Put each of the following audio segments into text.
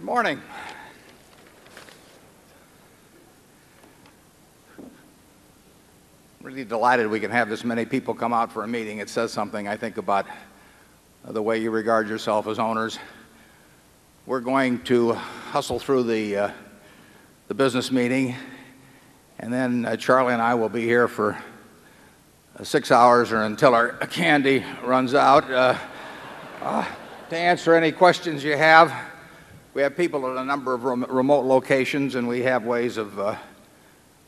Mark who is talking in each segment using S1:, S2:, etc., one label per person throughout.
S1: Good morning. Really delighted we can have this many people come out for a meeting. It says something, I think, about the way you regard yourself as owners. We're going to hustle through the business meeting. And then Charlie and I will be here for 6 hours or until our candy runs out to answer any questions you have. We have people at a number of remote locations, and we have ways of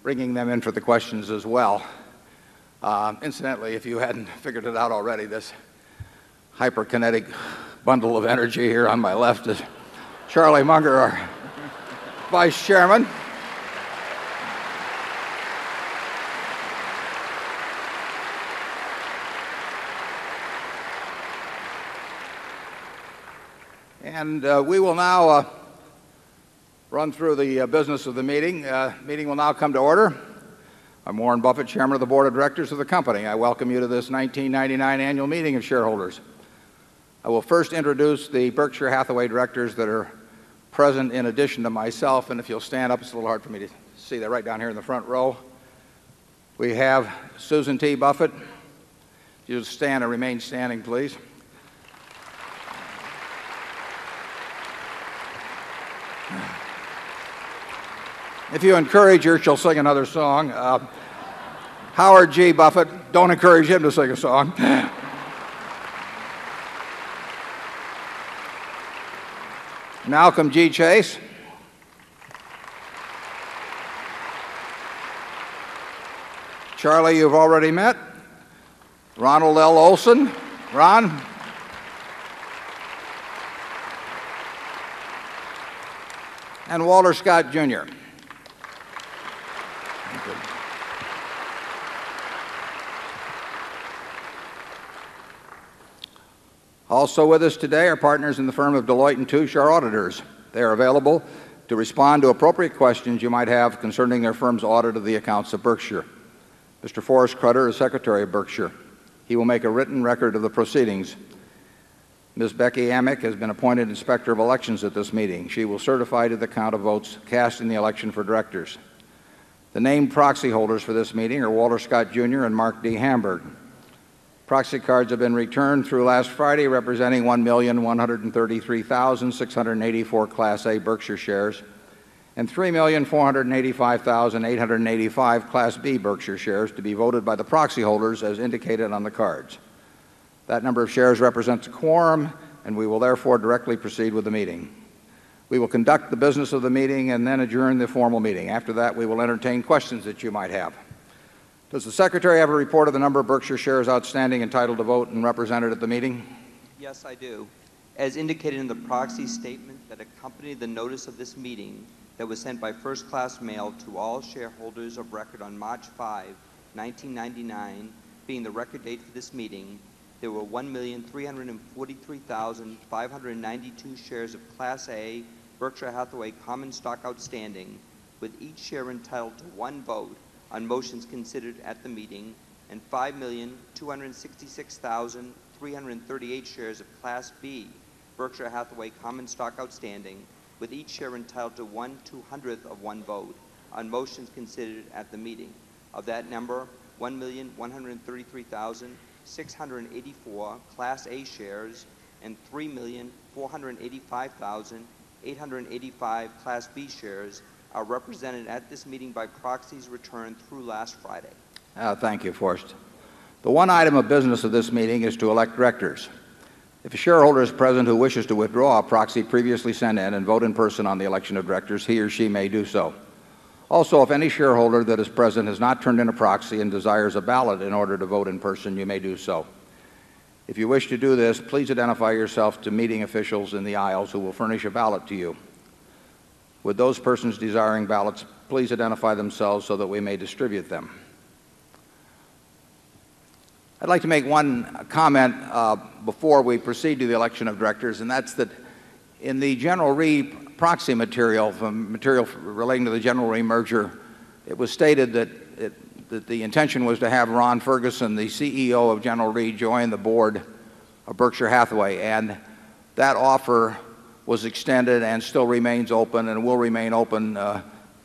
S1: bringing them in for the questions as well. Incidentally, if you hadn't figured it out already, this hyperkinetic bundle of energy here on my left is Charlie Munger, our Vice Chairman. And we will now run through the business of the meeting. Meeting will now come to order. I'm Warren Buffett, chairman of the board of directors of the company. I welcome you to this 1999 annual meeting of shareholders. I will first introduce the Berkshire Hathaway directors that are present in addition to myself. And if you'll stand up, it's a little hard for me to see that right down here in the front row. We have Susan t Buffett. You stand and remain standing, please. If you encourage her, she'll sing another song. Howard g. Buffett, don't encourage him to sing a song. Now come gee Chase. Charlie, you've already met. Ronald l Olson. Ron. And Walter Scott Junior. Also with us today are partners in the firm of Deloitte and Touche, our auditors. They are available to respond to appropriate questions you might have concerning their firm's audit of the accounts of Berkshire. Mister Forrest Crutter is secretary of Berkshire. He will make a written record of the proceedings. Miss Becky Hammack has been appointed inspector of elections at this meeting. She will certify to the count of votes cast in the election for directors. The named proxy holders for this meeting are Walter Scott Junior and Mark D. Hamburg. Proxy cards have been returned through last Friday, representing 1,000,001 133,684 Class A Berkshire Shares and 3,485,885 Class B Berkshire shares to be voted by the proxy holders as indicated on the cards. That number of shares represents a quorum and we will therefore directly proceed with the meeting. We will conduct the business of the meeting and then adjourn the formal meeting. After that, we will entertain questions that you might have. Does the secretary have a report of the number
S2: of this meeting that was sent by 1st class mail to all shareholders of record on March 5, 1999 being the record date for this meeting, there were 1,343,592 shares of Class A Berkshire Hathaway common stock outstanding with each share entitled to one vote on motions considered at the meeting and 5,266,338 shares of Class B Berkshire Hathaway common stock outstanding with each share entitled to onetwo hundredth of one vote on motions considered at the meeting. Of that number, 1,133,684 Class A Shares and 3,485,000 885 Class B Shares are represented at this meeting by proxies returned through last Friday.
S1: Thank you, Forrest. The one item of business of this meeting is to elect directors. If a shareholder is present who wishes to withdraw a proxy previously sent in and vote in person on the election of directors, he or she may do so. Also, if any shareholder that is present has not turned in a proxy and desires a ballot in order to vote in person, you may do so. If you wish to do this, please identify yourself to meeting officials in the aisles who will furnish a ballot to you. With those persons desiring ballots, please identify themselves so that we may distribute them. I'd like to make one comment before we proceed to the election of directors. And that's that in the General Re proxy material, material relating to the General Re merger, it was stated that the intention was to have Ron Ferguson, the CEO of General Reade, join the board of Berkshire Hathaway. And that offer was extended and still remains open and will remain open,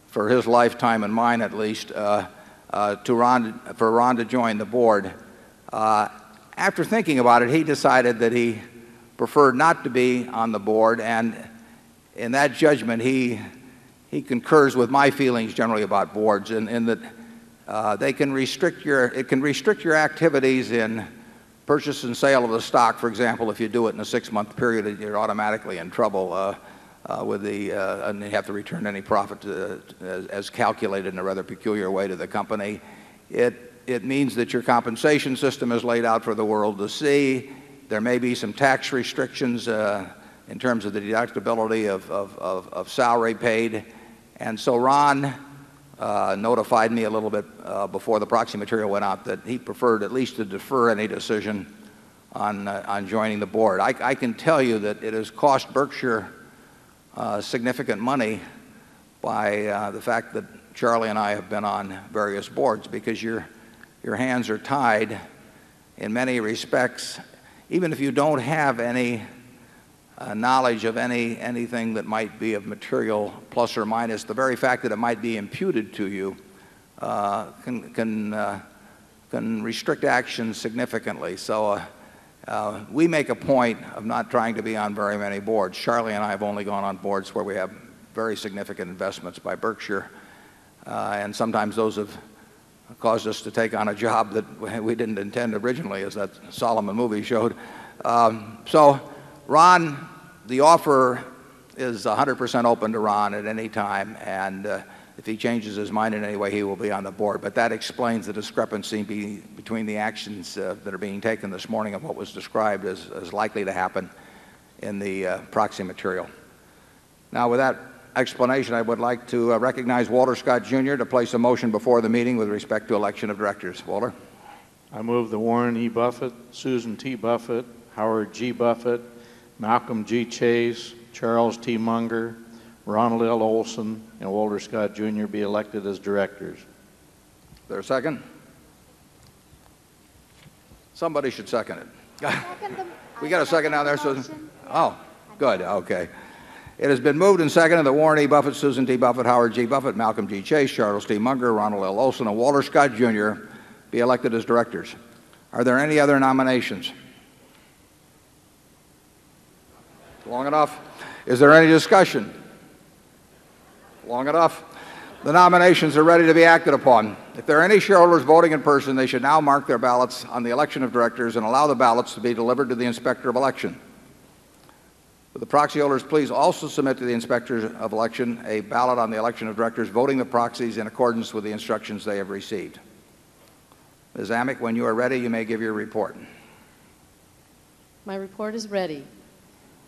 S1: for his lifetime and mine at least, for Ron to join the board. After thinking about it, he decided that he preferred not to be on the board. And in that judgment, he concurs with my feelings generally about boards, in that, they can restrict your it can restrict your activities in purchase and sale of the stock. For example, if you do it in a 6 month period, you're automatically in trouble with the and they have to return any profit as calculated in a rather peculiar way to the company. It means that your compensation system is laid out for the world to see. There may be some tax restrictions, in terms of the deductibility of salary paid. And so Ron, notified me a little bit, before the proxy material went out that he preferred at least to defer any decision on joining the board. I can tell you that it has cost Berkshire significant money by the fact that Charlie and I have been on various boards because your hands are tied in many respects. Even if you don't have any knowledge of anything that might be of material plus or minus. The very fact that it might be imputed to you can restrict action significantly. So we make a point of not trying to be on very many boards. Charlie and I have only gone on boards where we have very significant investments by Berkshire. And sometimes those have caused us to take on a job that we didn't intend originally, as that Solomon movie showed. So Ron, the offer is 100% open to Ron at any time. And if he changes his mind in any way, he will be on the board. But that explains the discrepancy between the actions that are being taken this morning of what was described as likely to happen in the proxy material. Now with that explanation, I would like to recognize walter Scott junior to place a motion before the meeting with respect to election of directors. Walter.
S3: I move that Warren E. Buffet, Susan T. Buffet, Howard G. Buffet, Malcolm G. Chase, Charles T. Munger, Ronald L. Olson, and Walter Scott, Jr. Be elected as directors.
S1: Is there a second? Somebody should second it. We got a second down there, Susan. Oh, good. Okay. It has been moved and seconded that Warren E. Buffet, Susan D. Buffet, Howard G. Buffet, Malcolm g Chase, Charles Steve Munger, Ronald L Olson and Walter Scott Junior be elected as directors. Are there any other nominations? Long enough. Is there any discussion? Long enough. The nominations are ready to be acted upon. If there are any shareholders voting in person, they should now mark their ballots on the election of directors and allow the ballots to be delivered to the inspector of election. Will the proxy holders please also submit to the inspector of election a ballot on the election of directors voting the proxies in accordance with the instructions they have received. Ms. Amick, when you are ready, you may give your report.
S4: My report is ready.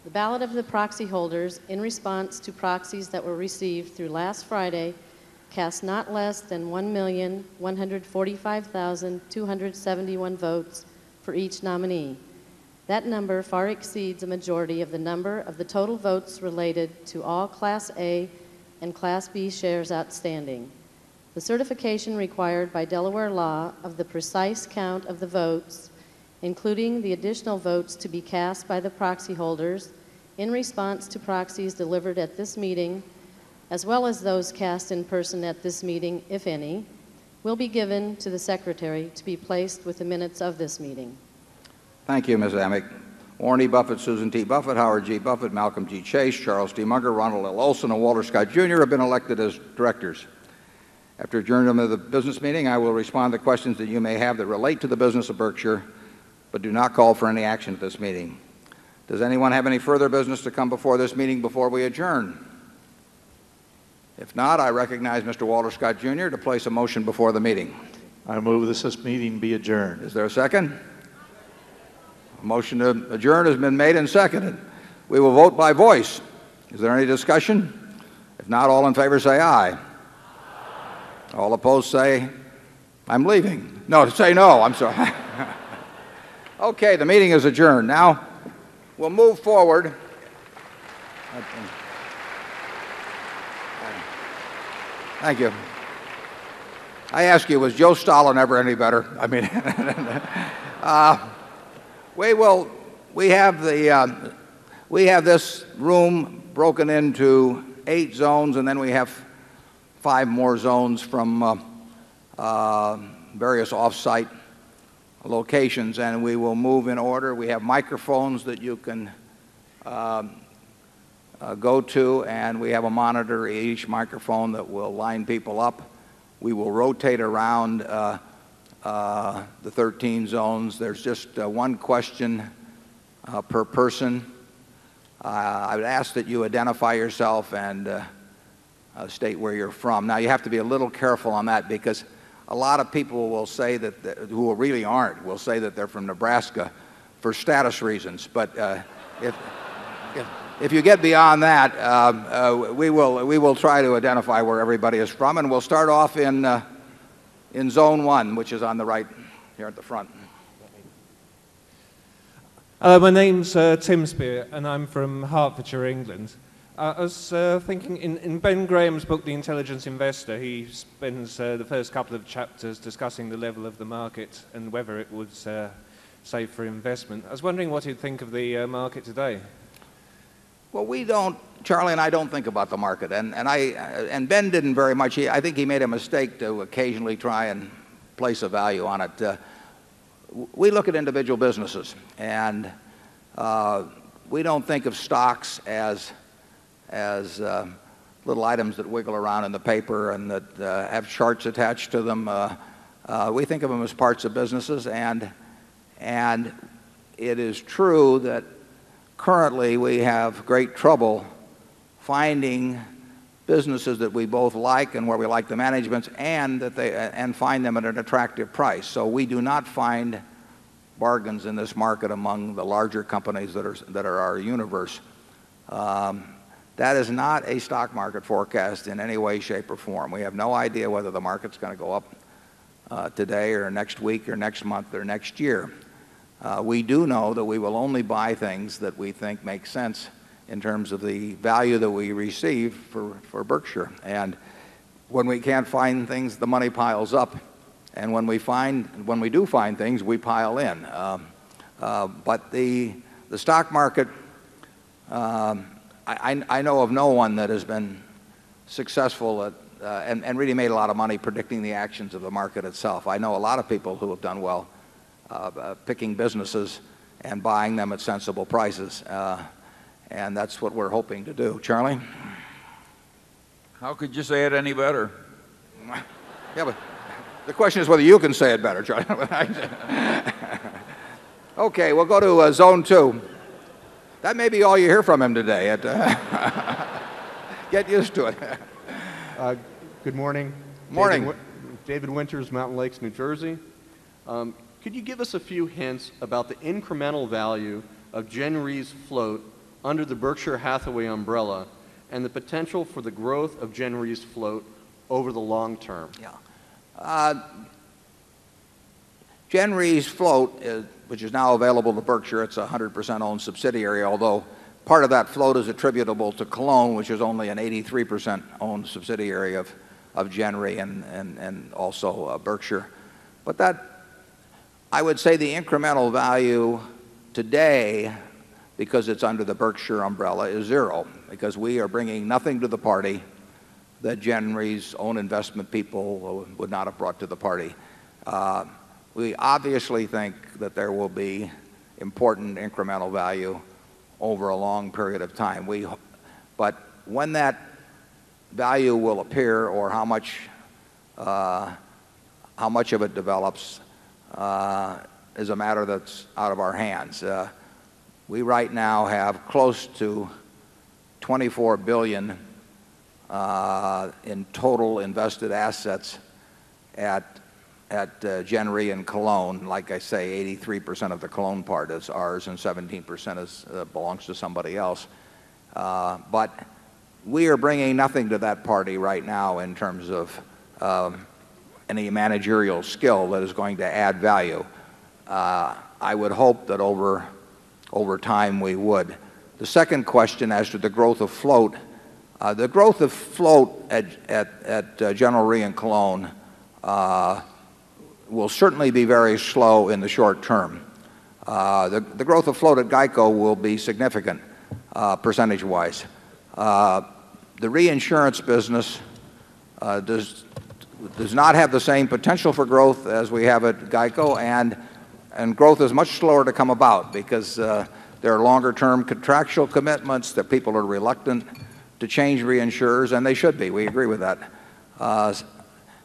S4: The ballot of the proxy holders in response to proxies that were received through last Friday cast not less than 1,145,271 votes for each nominee. That number far exceeds a majority of the number of the total votes related to all Class A and Class B shares outstanding. The certification required by Delaware law of the precise count of the votes, including the additional votes to be cast by the proxy holders in response to proxies delivered at this meeting as well as those cast in person at this meeting, if any, will be given to the secretary to be placed with the minutes of this meeting.
S1: Thank you, miss Emmick. Warren Buffett, Susan d Buffet, Howard g Buffet, Malcolm g Chase, Charles d Munger, Ronald L. Olson, and Walter Scott Junior have been elected as directors. After adjourning them at the business meeting, I will respond to questions that you may have that relate to the business of Berkshire, but do not call for any action at this meeting. Does anyone have any further business to come before this meeting before we adjourn? If not, I recognize mister Walter Scott Junior to place a motion before the meeting.
S3: I move that this meeting be adjourned.
S1: Is there a second? A second. A motion to adjourn has been made and seconded. We will vote by voice. Is there any discussion? If not, all in favor say aye. Aye. All opposed say, I'm leaving. No, say no. I'm sorry. Okay. The meeting is adjourned. Now we'll move forward. Thank you. I ask you, was Joe Stalin ever any better? I mean, we will we have the, we have this room broken into 8 zones and then we have 5 more zones from various off-site locations. And we will move in order. We have microphones that you can go to. And we have a monitor in each microphone that will line people up. We will rotate around the 13 zones. There's just one question per person. I would ask that you identify yourself and state where you're from. Now you have to be a little careful on that because a lot of people will say that, who really aren't, will say that they're from Nebraska for status reasons. But if you get beyond that, we will try to identify where everybody is from. And we'll start off in in Zone 1, which is on the right here at the front.
S5: My name's Tim Speer, and I'm from Hertfordshire, England. I was thinking in Ben Graham's book, The Intelligence Investor, he spends the first couple of chapters discussing the level of the market and whether it was safe for investment. I was wondering what you'd think of the market today.
S1: Well, we don't Charlie and I don't think about the market. And Ben didn't very much. I think he made a mistake to occasionally try and place a value on it. We look at individual businesses. And we don't think of stocks as little items that wiggle around in the paper and that have charts attached to them. We think of them as parts of businesses. And it is true that currently we have great trouble finding businesses that we both like and where we like the management's and that they and find them at an attractive price. So we do not find bargains in this market among the larger companies that are our universe. That is not a stock market forecast in any way, shape or form. We have no idea whether the market's going to go up today or next week or next month or next year. We do know that we will only buy things that we think make sense in terms of the value that we receive for Berkshire. And when we can't find things, the money piles up. And when we find when we do find things, we pile in. But the stock market, I know of no one that has been successful and really made a lot of money predicting the actions of the market itself. I know a lot of people who have done well picking businesses and buying them at sensible prices. And that's what we're hoping to do. Charlie?
S6: How could you say it any better?
S1: Yeah. But the question is whether you can say it better, Charlie. Okay. We'll go to zone 2. That may be all you hear from him today. Get used to it.
S7: Good morning. Good morning. David Winters, Mountain Lakes, New Jersey. Could you give us a few hints about the incremental value of Genre's float under the Berkshire Hathaway umbrella and the potential for the growth of Genre's float over the long term?
S1: Yeah. Jan Re's float, which is now available to Berkshire, it's a 100% owned subsidiary, although part of that float is attributable to Cologne, which is only an 83% owned subsidiary of January and also Berkshire. But that I would say the incremental value today, because it's under the Berkshire umbrella, is 0. Because we are bringing nothing to the party that January's own investment people would not have brought to the party. We obviously think that there will be important incremental value over a long period of time. But when that value will appear or how much, how much of it develops, is a matter that's out of our hands. We right now have close to 24,000,000,000 in total invested assets at at January and Cologne. Like I say 83 percent of the Cologne part is ours and 17% belongs to somebody else. But we are bringing nothing to that party right now in terms of any managerial skill that is going to add value. I would hope that over time we would. The second question as to the growth of float. The growth of float at General Rea in Cologne will certainly be very slow in the short term. The growth of float at GEICO will be significant, percentage wise. The reinsurance business does not have the same potential for growth as we have at GEICO. And growth is much slower to come about because there are longer term contractual commitments that people are reluctant to change reinsurers, and they should be. We agree with that.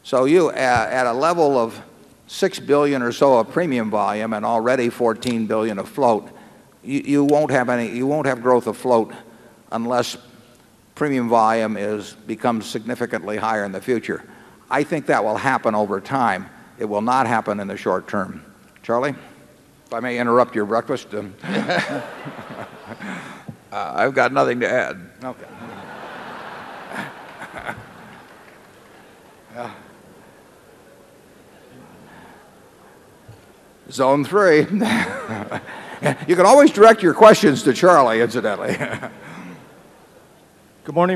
S1: So you, at a level of 6,000,000,000 or so of premium volume and already 14,000,000,000 of float, You won't have any you won't have growth afloat unless premium volume is becomes significantly higher in the future. I think that will happen over time. It will not happen in the short term. Charlie, if I may interrupt your breakfast.
S6: I've got nothing to add.
S8: Good morning,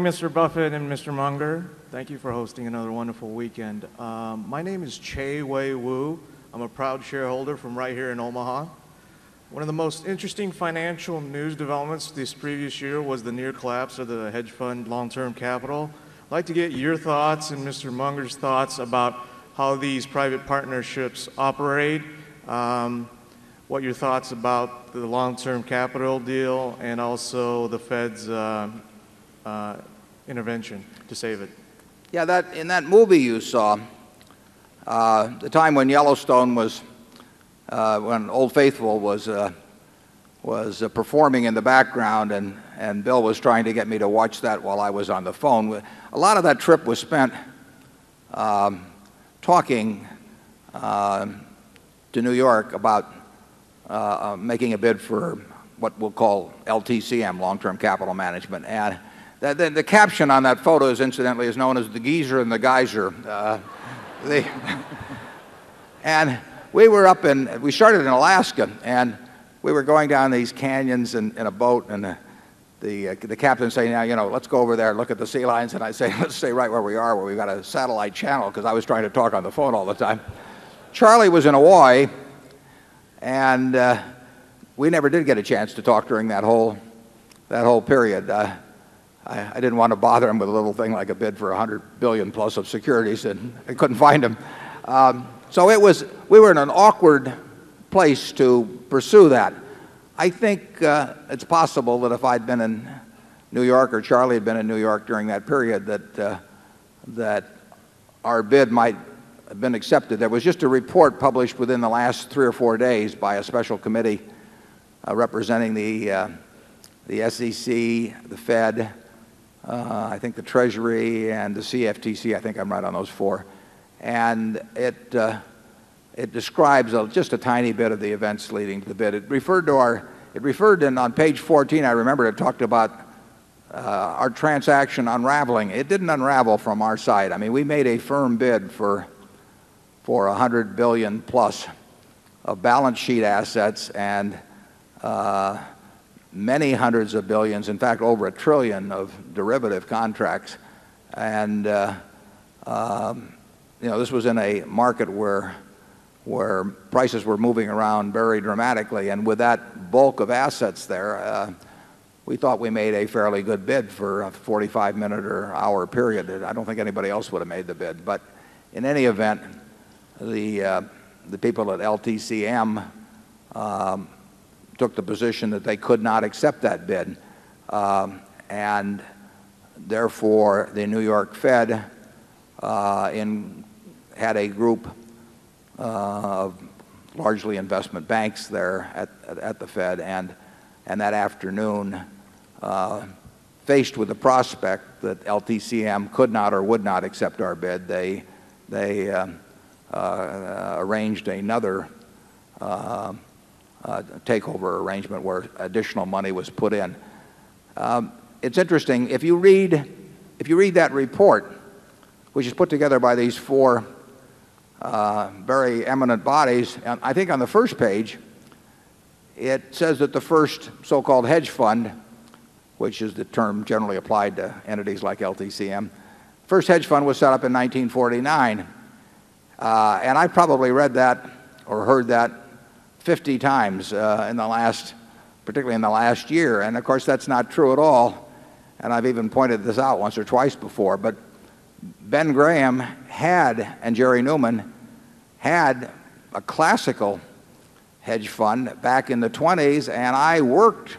S8: Mr. Buffet and Mr. Munger. Thank you for hosting another wonderful weekend. My name is Chay Wei Wu. I'm a proud shareholder from right here in Omaha. 1 of the most interesting financial news developments this previous year was the near collapse of the hedge fund long term capital. I'd like to get your thoughts and Mr. Munger's thoughts about how these private partnerships operate. What are your thoughts about the long term capital deal and also the Fed's intervention to save it?
S1: Yeah. In that movie you saw, the time when Yellowstone was when Old Faithful was was performing in the background. And Bill was trying to get me to watch that while I was on the phone. A lot of that trip was spent, talking to New York about making a bid for what we'll call LTCM, Long Term Capital Management. And the caption on that photo is incidentally is known as the geyser and the geyser. And we were up in we started in Alaska and we were going down these canyons in a boat and the captain said, Now, you know, let's go over there and look at the sea lions. And I'd say, Let's stay right where we are, where we've got a satellite channel. Because I was trying to talk on the phone all the time. Charlie was in Hawaii. And we never did get a chance to talk during that whole, that whole period. I didn't want to bother him with a little thing like a bid for $100,000,000,000 plus of securities and couldn't find him. So it was we were in an awkward place to pursue that. I think, it's possible that if I'd been in New York or Charlie had been in New York during that period, that, that our bid might have been accepted. There was just a report published within the last 3 or 4 days by a special committee representing the SEC, the Fed, I think the Treasury and the CFTC. I think I'm right on those 4. And it it describes just a tiny bit of the events leading to the bid. It referred to our it referred in on page 14, I remember it talked about our transaction unraveling. It didn't unravel from our side. I mean, we made a firm bid for a 100,000,000,000 plus of balance sheet assets and, many 100 of billions, in fact over a 1,000,000,000,000 of derivative contracts. And, you know, this was in a market where prices were moving around very dramatically. And with that bulk of assets there, we thought we made a fairly good bid for a 45 minute or hour period. I don't think anybody else would have made the bid. But in any event, the people at LTCM took the position that they could not accept that bid. And therefore the New York Fed had a group of largely investment banks there at the Fed. And that afternoon, faced with the prospect that LTCM could not or would not accept our bid, they arranged another takeover arrangement where additional money was put in. It's interesting. If you read that report, which is put together by these 4, very eminent bodies, I think on the first page it says that the first so called hedge fund, which is the term generally applied to entities like LTCM, the first hedge fund was set up in 1949. And I've probably read that or heard that 50 times in the last, particularly in the last year. And of course that's not true at all. And I've even pointed this out once or twice before, but Ben Graham had and Jerry Newman had a classical hedge fund back in the twenties and I worked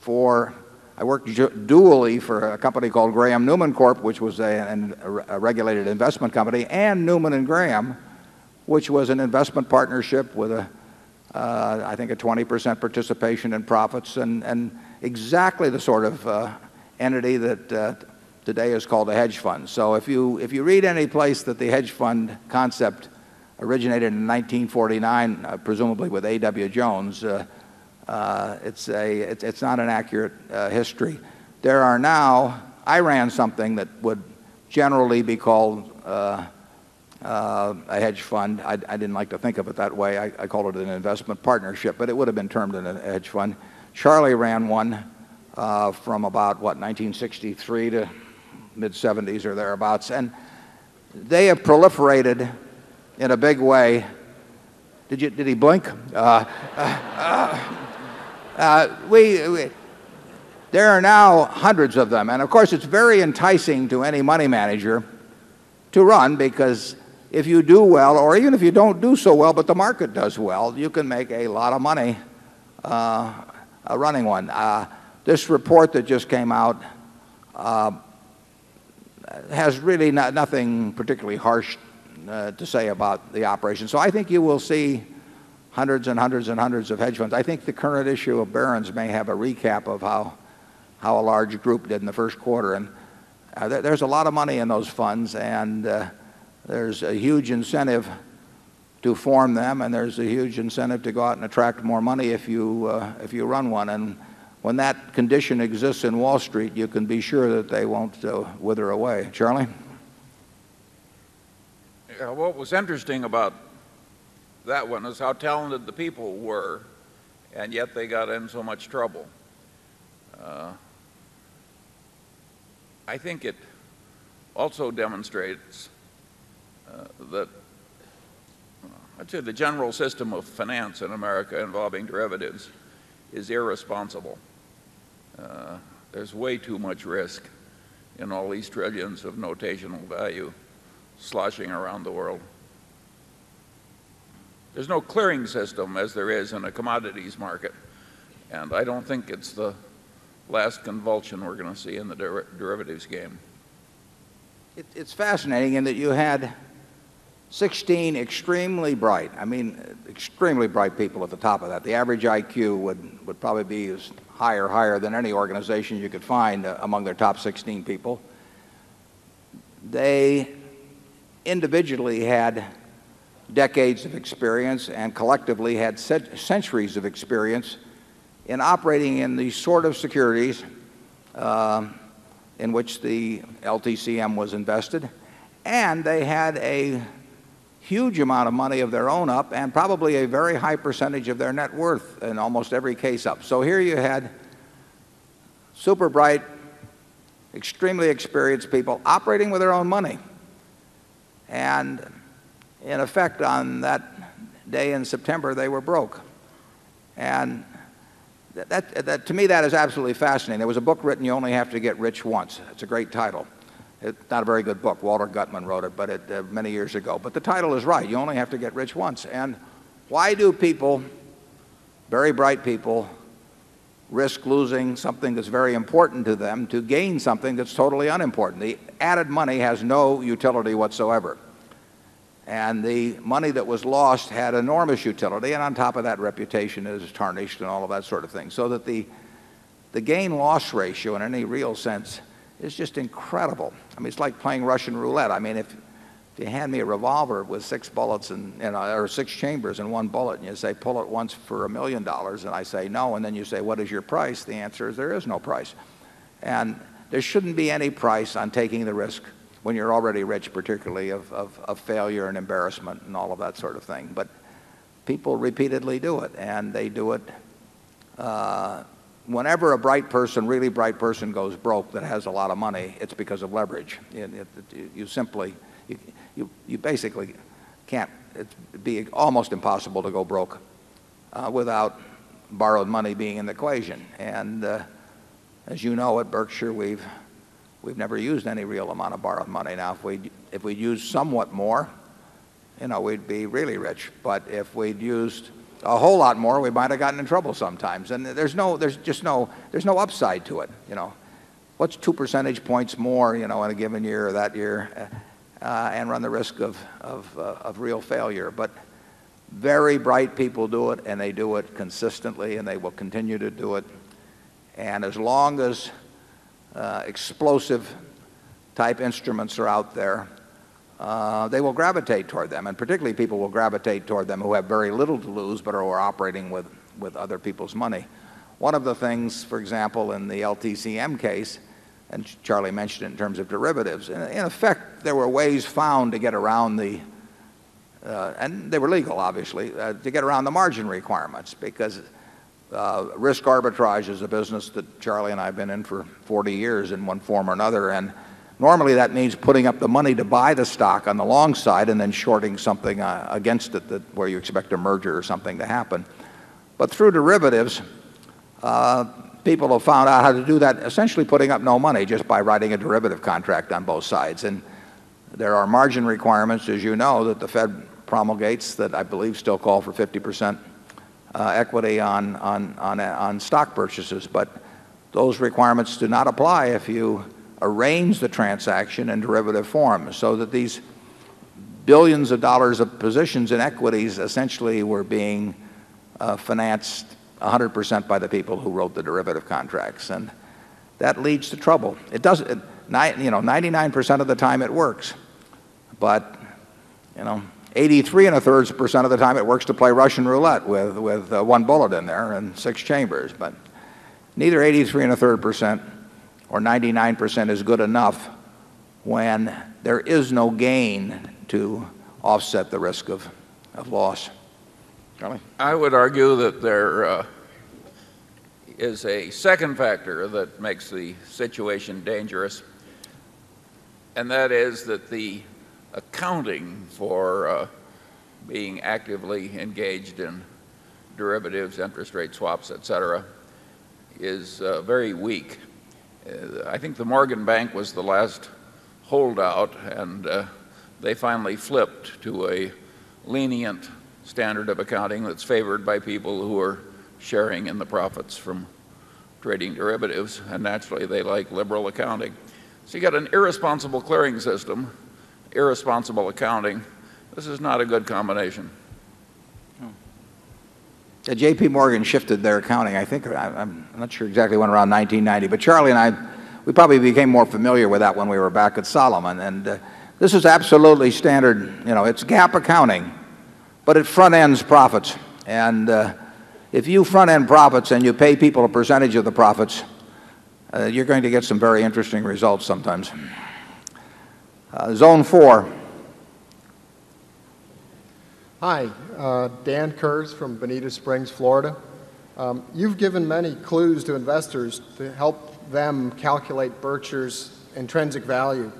S1: for I worked dually for a company called Graham Newman Corp, which was a regulated investment company, and Newman and Graham, which was an investment partnership with a, I think a 20% participation in profits. And and exactly the sort of entity that today is called a hedge fund. So if you read any place that the hedge fund concept originated in 1949, presumably with A. W. Jones, it's not an accurate history. There are now I ran something that would generally be called, a hedge fund. I didn't like to think of it that way. I called it an investment partnership but it would have been termed an hedge fund. Charlie ran 1, from about, what, 1963 to mid seventies or thereabouts. And they have proliferated in a big way. Did you did he blink? There are now hundreds of them. And of course, it's very enticing to any money manager to run because if you do well, or even if you don't do so well, but the market does well, you can make a lot of money, running 1. This report that just came out has really nothing particularly harsh to say about the operation. So I think you will see 100 and 100 and 100 of hedge funds. I think the current issue of Barron's may have a recap of how how a large group did in the Q1. And there's a lot of money in those funds. And there's a huge incentive to form them. And there's a huge incentive to go out and attract more money if you you run one. And when that condition exists in Wall Street, you can be sure that they won't wither away. Charlie?
S6: What was interesting about that one is how talented the people were and yet they got in so much trouble. I think it also demonstrates that the general system of finance in America involving derivatives is irresponsible. There's way too much risk in all these trillions of notational value sloshing around the world. There's no clearing system as there is in a commodities market. And I don't think it's the last convulsion we're going see in the derivatives game.
S1: It's fascinating in that you had 16 extremely bright, I mean, extremely bright people at the top of that. The average IQ would probably be as high or higher than any organization you could find among their top 16 people. They individually had decades of experience and collectively had centuries of experience in operating in the sort of securities, in which the LTCM was invested. And they had a huge amount of money of their own up and probably a very high percentage of their net worth in almost every case up. So here you had super bright, extremely experienced people operating with their own money. And in effect, on that day in September, they were broke. And that, to me, that is absolutely fascinating. There was a book written, You Only Have to Get Rich Once. It's a great title. It's not a very good book. Walter Gutman wrote it, but it, many years ago. But the title is right. You only have to get rich once. And why do people, very bright people, risk losing something that's very important to them to gain something that's totally unimportant? The added money has no utility whatsoever. And the money that was lost had enormous utility. And on top of that, reputation is tarnished and all of that sort of thing. So that the the gainloss ratio, in any real sense, is just incredible. I mean, it's like playing Russian roulette. I mean, if you hand me a revolver with 6 bullets and or 6 chambers and 1 bullet, and you say, Pull it once for $1,000,000 and I say, No. And then you say, What is your price? The answer is, There is no price. And there shouldn't be any price on taking the risk when you're already rich, particularly of failure and embarrassment and all of that sort of thing. But people repeatedly do it and they do it, whenever a bright person, really bright person goes broke that has a lot of money, it's because of leverage. You simply, you basically can't. It'd be almost impossible to go broke without borrowed money being in the equation. And, as you know, at Berkshire, we've never used any real amount of borrowed money. Now if we'd if we'd used somewhat more, you know, we'd be really rich. But if we'd used a whole lot more, we might have gotten in trouble sometimes. And there's no there's just no there's no upside to it, you know. What's 2 percentage points more, you know, in a given year or that year? And run the risk of real failure. But very bright people do it, and they do it consistently, and they will continue to do it. And as long as explosive type instruments are out there, they will gravitate toward them. And particularly, people gravitate toward them who have very little to lose but are operating with other people's money. One of the things, for example, in the LTCM case, and Charlie mentioned in terms of derivatives, in effect there were ways found to get around the and they were legal, obviously, to get around the margin because, risk arbitrage is a business that Charlie and I have been in for 40 years in one form or another. And normally, that means putting up the money to buy the stock on the long side and then shorting something against it where you expect a merger or something to happen. But through derivatives, people have found out how to do that, essentially putting up no money just by writing a derivative contract on both sides. And there are margin requirements, as you know, that the Fed promulgates that I believe still call for 50 percent, equity on stock purchases. But those requirements do not apply if you arrange the transaction in derivative form. So that these 1,000,000,000 of dollars of positions in equities essentially were being financed 100% by the people who wrote the derivative contracts. And that leads to trouble. It doesn't you know, 99% of the time it works. But, you know, 83 and a third percent of the time it works to play Russian roulette with 1 bullet in there and 6 chambers. But neither 83 and a third percent or 99% is good enough when there is no gain to offset the risk of loss. Charlie?
S6: I would argue that there is a second factor that makes the situation dangerous. And that is that the accounting for being actively engaged in derivatives, interest rate swaps, etcetera, is very weak. I think the Morgan Bank was the last holdout, and they finally flipped to a lenient standard of accounting that's favored by people who are sharing in the profits from trading derivatives. And naturally, they like liberal accounting. So got an irresponsible clearing system, irresponsible accounting. This is not a good combination.
S1: JPMorgan shifted their accounting. I think I'm not sure exactly when, around 1990. But Charlie and I, we probably became more familiar with that when we were back at Solomon. And this is absolutely standard. You know, it's GAAP accounting, but it front ends profits. And if you front end profits and you pay people a percentage of the profits, you're going to get some very interesting results sometimes. Zone 4.
S9: Hi, Dan Kurz from Bonita Springs, Florida. You've given many clues to investors to help them calculate Berkshire's intrinsic value.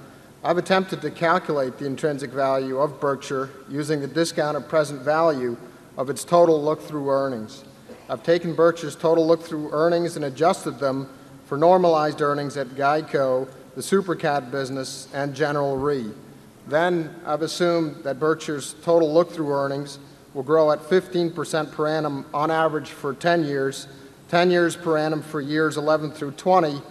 S9: I've attempted to calculate the intrinsic value of Berkshire using the discount of present value of its total look through earnings. I've taken Berkshire's total look through earnings and adjusted them for normalized earnings at GEICO, the Super Cat business and General Re. Then I've assumed that Berkshire's total look through earnings will grow at 15% per annum on average for 10 years, 10 years per annum for years 11 through 2020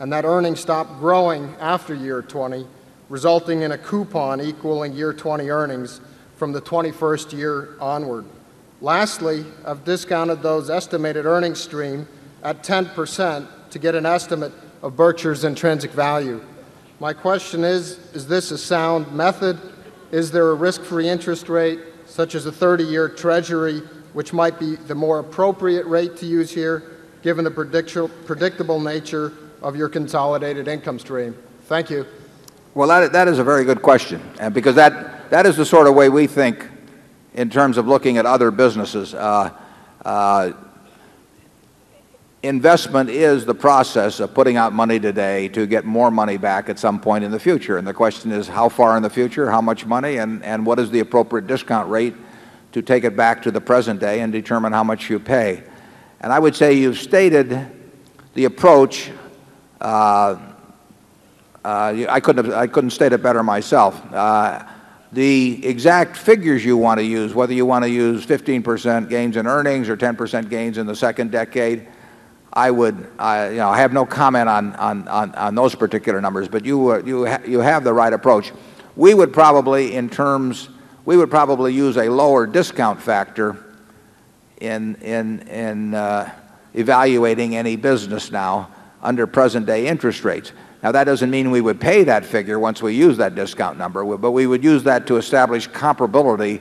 S9: and that earnings stop growing after year 2020 resulting in a coupon equaling year 20 earnings from the 21st year onward. Lastly, I've discounted those estimated earnings stream at 10% to get an estimate of Berkshire's intrinsic value. My question is, is this a sound method? Is there a risk free interest rate such as a 30 year treasury which might be the more appropriate rate to use here given the predictable nature of your consolidated income stream? Thank you.
S1: Well, that is a very good question. And because that is the sort of way we think in terms of looking at other businesses. Investment is the process of putting out money today to get more money back at some point in the future. And the question is, how far in the future? How much money? And and what is the appropriate discount rate to take it back to the present day and determine how much you pay. And I would say you've stated the approach, I couldn't state it better myself. The exact figures you want to use, whether you want to use 15% gains in earnings or 10% gains in the 2nd decade, I would, you know, I have no comment on those particular numbers. But you have the right approach. We would probably in terms we would probably use a lower discount factor in evaluating any business now under present day interest rates. Now, that doesn't mean we would pay that figure once we use that discount number. But we would use that to establish comparability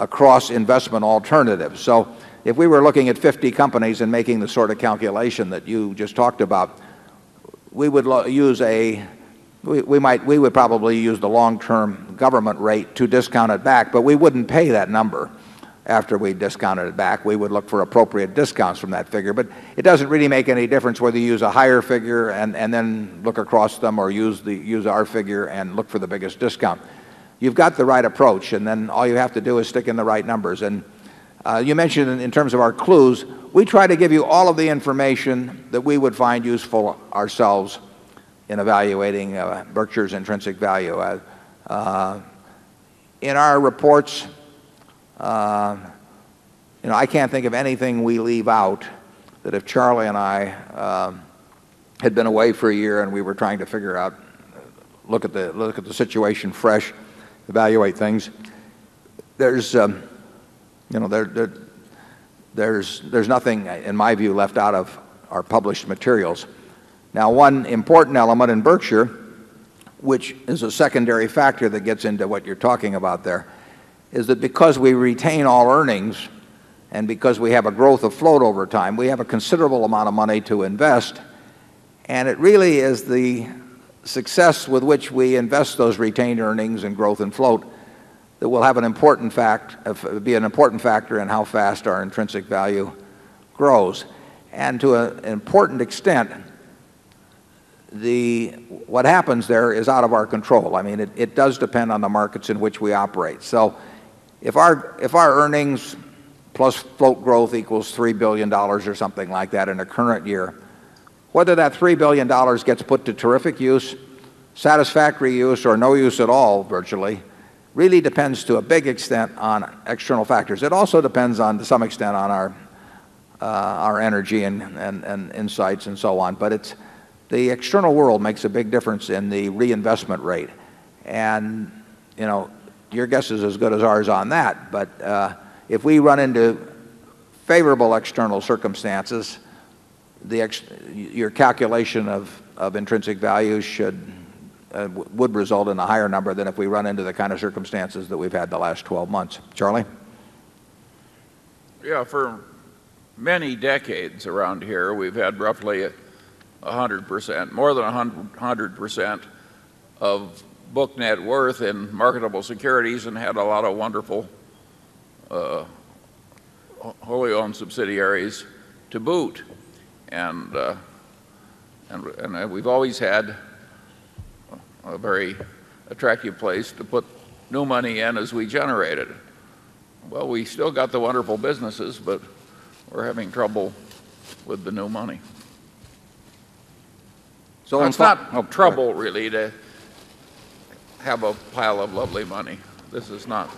S1: across investment alternatives. So if we were looking at 50 companies and making the sort of calculation that you just talked about, we would use a we might we would probably use the long term government rate to discount it back. But we wouldn't pay that number after we discounted it back. We would look for appropriate discounts from that figure. But it doesn't really make any difference whether you use a higher figure and then look across them or our figure and look for the biggest discount. You've got the right approach. And then all you have to do is stick in the right numbers. And, you mentioned in terms of our clues, we try to give you all of the information that we would find useful ourselves in evaluating, Berkshire's intrinsic value. In our reports, you know, I can't think of anything we leave out that if Charlie and I had been away for a year and we were trying to figure out, look at the situation fresh, evaluate things. There is, you know, there is nothing, in my view, left out of our published materials. Now one important element in Berkshire, which is a secondary factor that gets into what you're talking about there, is that because we retain all earnings and because we have a growth of float over time, we have a considerable amount of money to invest. And it really is the success with which we invest those retained earnings in growth in float that will have an important fact be an important factor in how fast our intrinsic value grows. And to an important extent, what happens there is out of our control. I mean, it does depend on the markets in which we operate. So if our earnings plus float growth equals $3,000,000,000 or something like that in the current year, Whether that $3,000,000,000 gets put to terrific use, satisfactory use, or no use at all virtually, really depends to a big extent on external factors. It also depends on, to some extent, on our, our energy and insights and so on. But it's the external world makes a big difference in the reinvestment rate. And, you know, your guess is as good as ours on that. But, if we run into favorable external circumstances, your calculation of intrinsic value should would result in a higher number than if we run into the kind of circumstances that we've had the last 12 months. Charlie?
S6: Yeah, for many decades around here, we've had roughly 100%, more than 100% of book net worth in marketable securities and had a lot of wonderful wholly owned subsidiaries to boot. And we've always had a very attractive place to put new money in as we generate it. Well, we still got the wonderful businesses, but we're having trouble with the new money.
S1: So it's not no
S6: trouble really to have a pile of lovely money. This is not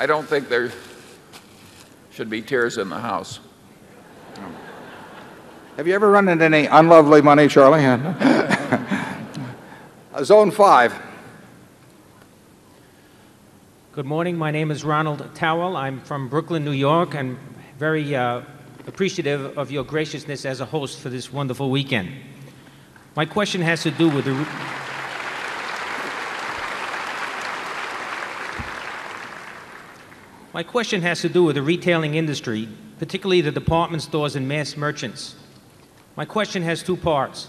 S6: I don't think there should be tears in the house.
S1: Have you ever run into any unlovely money, Charlie? Zone 5.
S10: Good morning. My name is Ronald Towel. I'm from Brooklyn, New York. And very appreciative of your graciousness as a host for this wonderful weekend. My question has to do with My question has to do with the retailing industry, particularly the department stores and mass merchants. My question has 2 parts.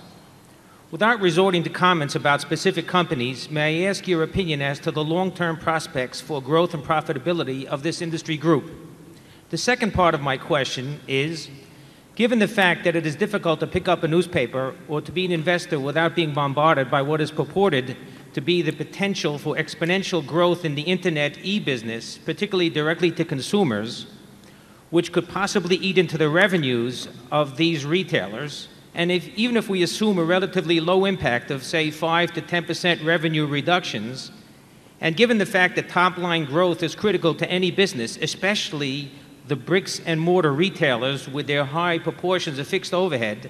S10: Without resorting to comments about specific companies, may I ask your opinion as to the long term prospects for growth and profitability of this industry group? The second part of my question is, given the fact that it is difficult to pick up a newspaper or to be an investor without being bombarded by what is purported to be the potential for exponential growth in the Internet e business, particularly directly to consumers, which could possibly eat into the revenues of these retailers, and even if we assume a relatively low impact of, say, 5% to 10% revenue reductions, and given the fact that top line growth is critical to any business, especially the bricks and mortar retailers with their high proportions of fixed overhead,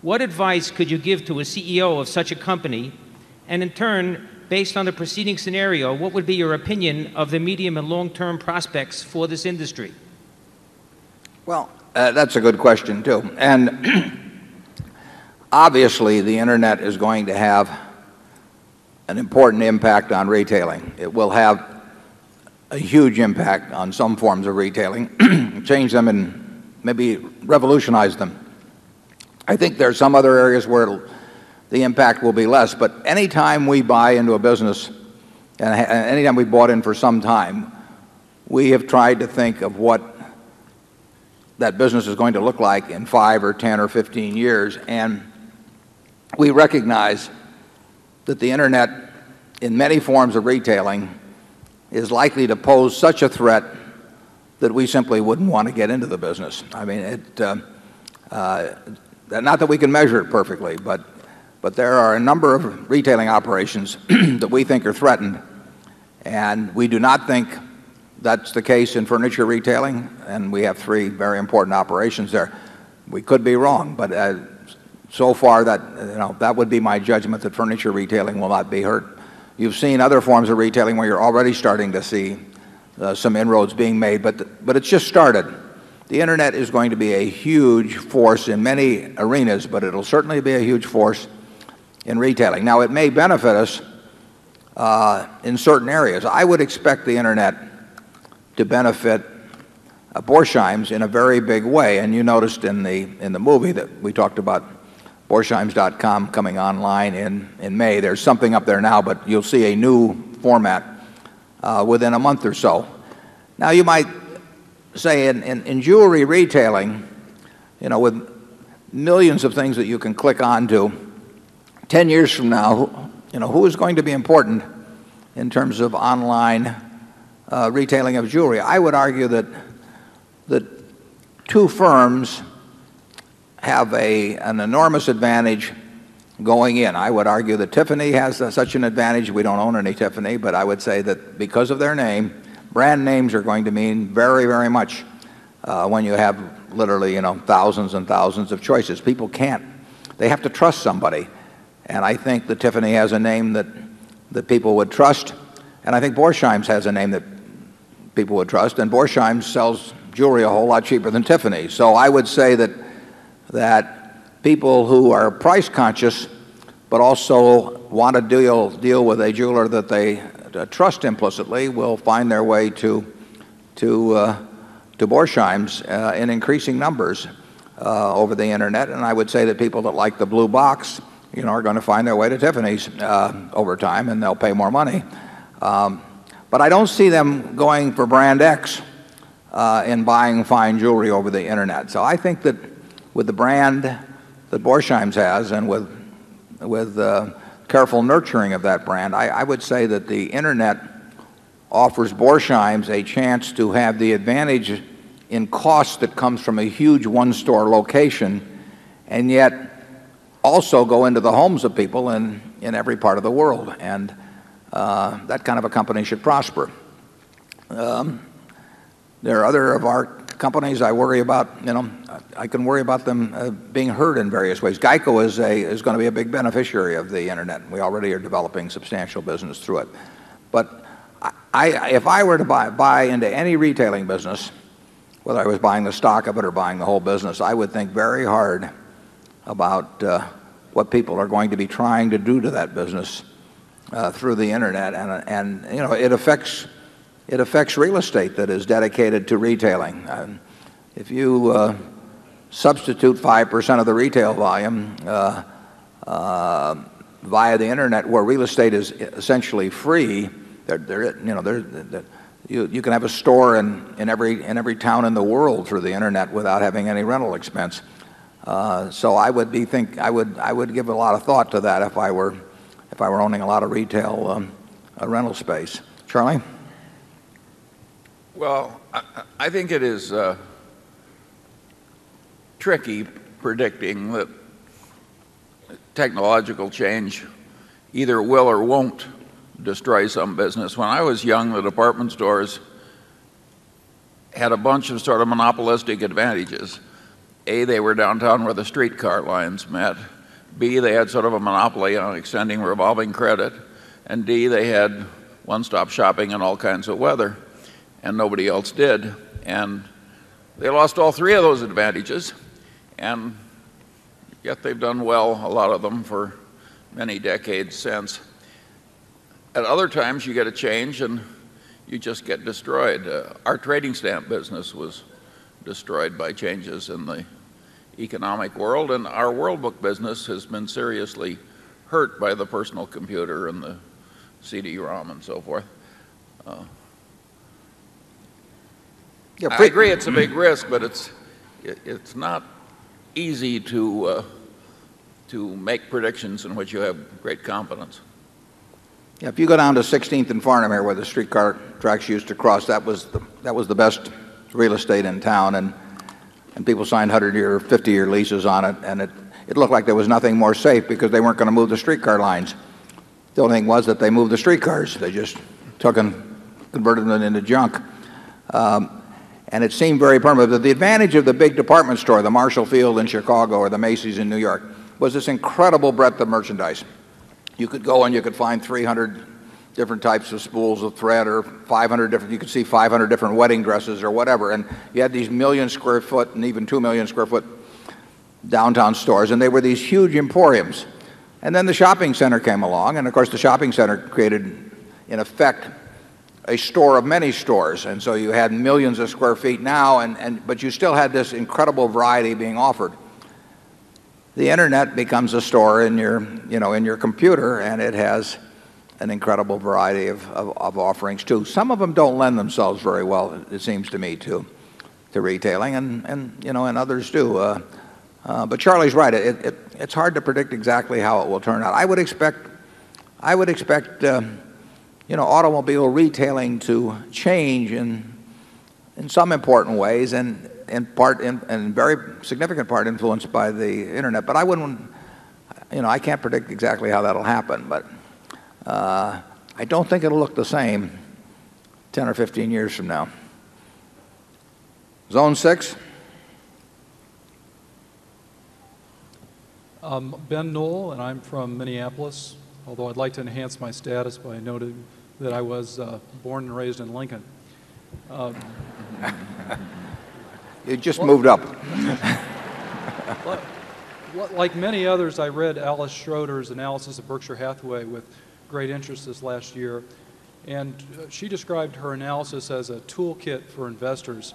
S10: what advice could you give to a CEO of such a company? And in turn, based on the preceding scenario, what would be your opinion of the medium and long term prospects for this industry?
S1: Well, that's a good question too. And obviously, the internet is going to have an important impact on retailing. It will have a huge impact on some forms of retailing, change them and maybe revolutionize them. I think there are some other areas where the impact will be less. But any time we buy into a business, and any time we bought in for some time, we have tried to think of what that business is going to look like in 5 or 10 or 15 years. And we recognize that the internet in many forms of retailing is likely to pose such a threat that we simply wouldn't want to get into the business. I mean, not that we can measure it perfectly, but there are a number of retailing operations that we think are threatened. And we do not think that's the case in furniture retailing. And we have 3 very important operations there. We could be wrong. But so far that would be my judgment, that furniture retailing will not be heard. You've seen other forms of retailing where you're already starting to see some inroads being made. But it's just started. The internet is going to be a huge force in many arenas, but it will certainly be a huge force in retailing. Now it may benefit us, in certain areas. I would expect the internet to benefit Borsheims in a very big way. And you noticed in the movie that we talked about borsheims.com coming online in May. There's something up there now, but you'll see a new format within a month or so. Now you might say, in jewelry retailing, with millions of things that you can click on to, 10 years from now, know, who is going to be important in terms of online, retailing of jewelry? I would argue that the 2 firms have an enormous advantage going in. I would argue that Tiffany has such an advantage. We don't own any Tiffany. But I would say that because of their name, brand names are going to mean very, very much when you have literally, you know, thousands and thousands of choices. People can't. They have to trust somebody. And I think that Tiffany has a name that that people would trust. And I think Borsheim's has a name that people would trust. And Borsheim's sells jewelry a whole lot cheaper than Tiffany's. So I would say that that people who are price conscious, but also want to deal with a jeweler that they trust implicitly will find their way to divorce Shimes in increasing numbers over the internet. And I would say that people that like the blue box, you know, are going to find their way to Tiffany's over time and they'll pay more money. But I don't see them going for brand X and buying fine jewelry over the internet. So I think that with the brand that Borsheim's has and with the careful nurturing of that brand, I would say that the internet offers Borsheims a chance to have the advantage in cost that comes from a huge one store location and yet also go into the homes of people in every part of the world. And, that kind of a company should prosper. There are other of our companies I worry about, you know, I can worry about them being hurt in various ways. GEICO is a is going to be a big beneficiary of internet. We already are developing substantial business through it. But if I were to buy into any retailing business, whether I was buying the stock of it or buying the whole business, I would think very hard about what people are going to be trying to do to that business through the internet. And, you know, it affects real estate that is dedicated to retailing. If you substitute 5% of the retail volume via the internet where real estate is essentially free, You can have a store in every town in the world through the internet without having any rental expense. So I would be thinking I would give a lot of thought to that if I were owning a lot of retail rental space. Charlie? Well,
S6: I think it is tricky predicting that technological change either will or won't destroy some business. When I was young, the department stores had a bunch of sort of monopolistic advantages. A, they were downtown where the street car lines met. B, they had sort of a monopoly on extending revolving credit. And D, they had one stop shopping in all kinds of weather. And nobody else did. And they lost all three of those advantages. And yet they've done well, a lot of them, for many decades since. At other times, you get to change and you just get destroyed. Our trading stamp business was destroyed by changes in the economic world and our World Book business has been seriously hurt by the personal computer and the CD ROM and so forth.
S1: I agree it's
S6: a big risk, but it's not easy to make predictions in which you have great confidence.
S1: If you go down to 16th and Farnamare, where the street car tracks used to cross, that was the best real estate in town. And people signed 100 year, 50 year leases on it. And it looked like there was nothing more safe because they weren't going to move the street car lines. The only thing was that they moved the street cars. They just took and converted it into junk. And it seemed very permanent. The advantage of the big department store, the Marshall Field in Chicago or the Macy's in New York, was this incredible breadth of merchandise. You could go and you could find 300 different types of spools of thread or 500 different you could see 500 different wedding dresses or whatever. And you had these 1,000,000 square foot and even 2,000,000 square foot downtown stores. And they were these huge emporiums. And then the shopping center came along. And of course, the shopping center created, in effect, a store of many stores. And so you had millions of square feet now. But you still had this incredible variety being offered. The internet becomes a store in your, you know, in your computer. And it has an incredible variety of offerings too. Some of them don't lend themselves very well, it seems to me, to retailing. And you know, and others do. But Charlie's right. It's hard to predict exactly how it will turn out. I would expect you know, automobile retailing to change in some important ways, and in part and very significant part influenced by the internet. But I wouldn't you know, I can't predict exactly how that will happen. But I don't think it will look the same 10 or 15 years from now. Zone 6?
S11: Ben Noll, and I'm from Minneapolis. Although, I'd like to enhance my status by noting that I was born and raised in Lincoln.
S1: It just moved up.
S11: Like many others, I read Alice Schroeder's analysis of Berkshire Hathaway with great interest this last year. And she described her analysis as a toolkit for investors.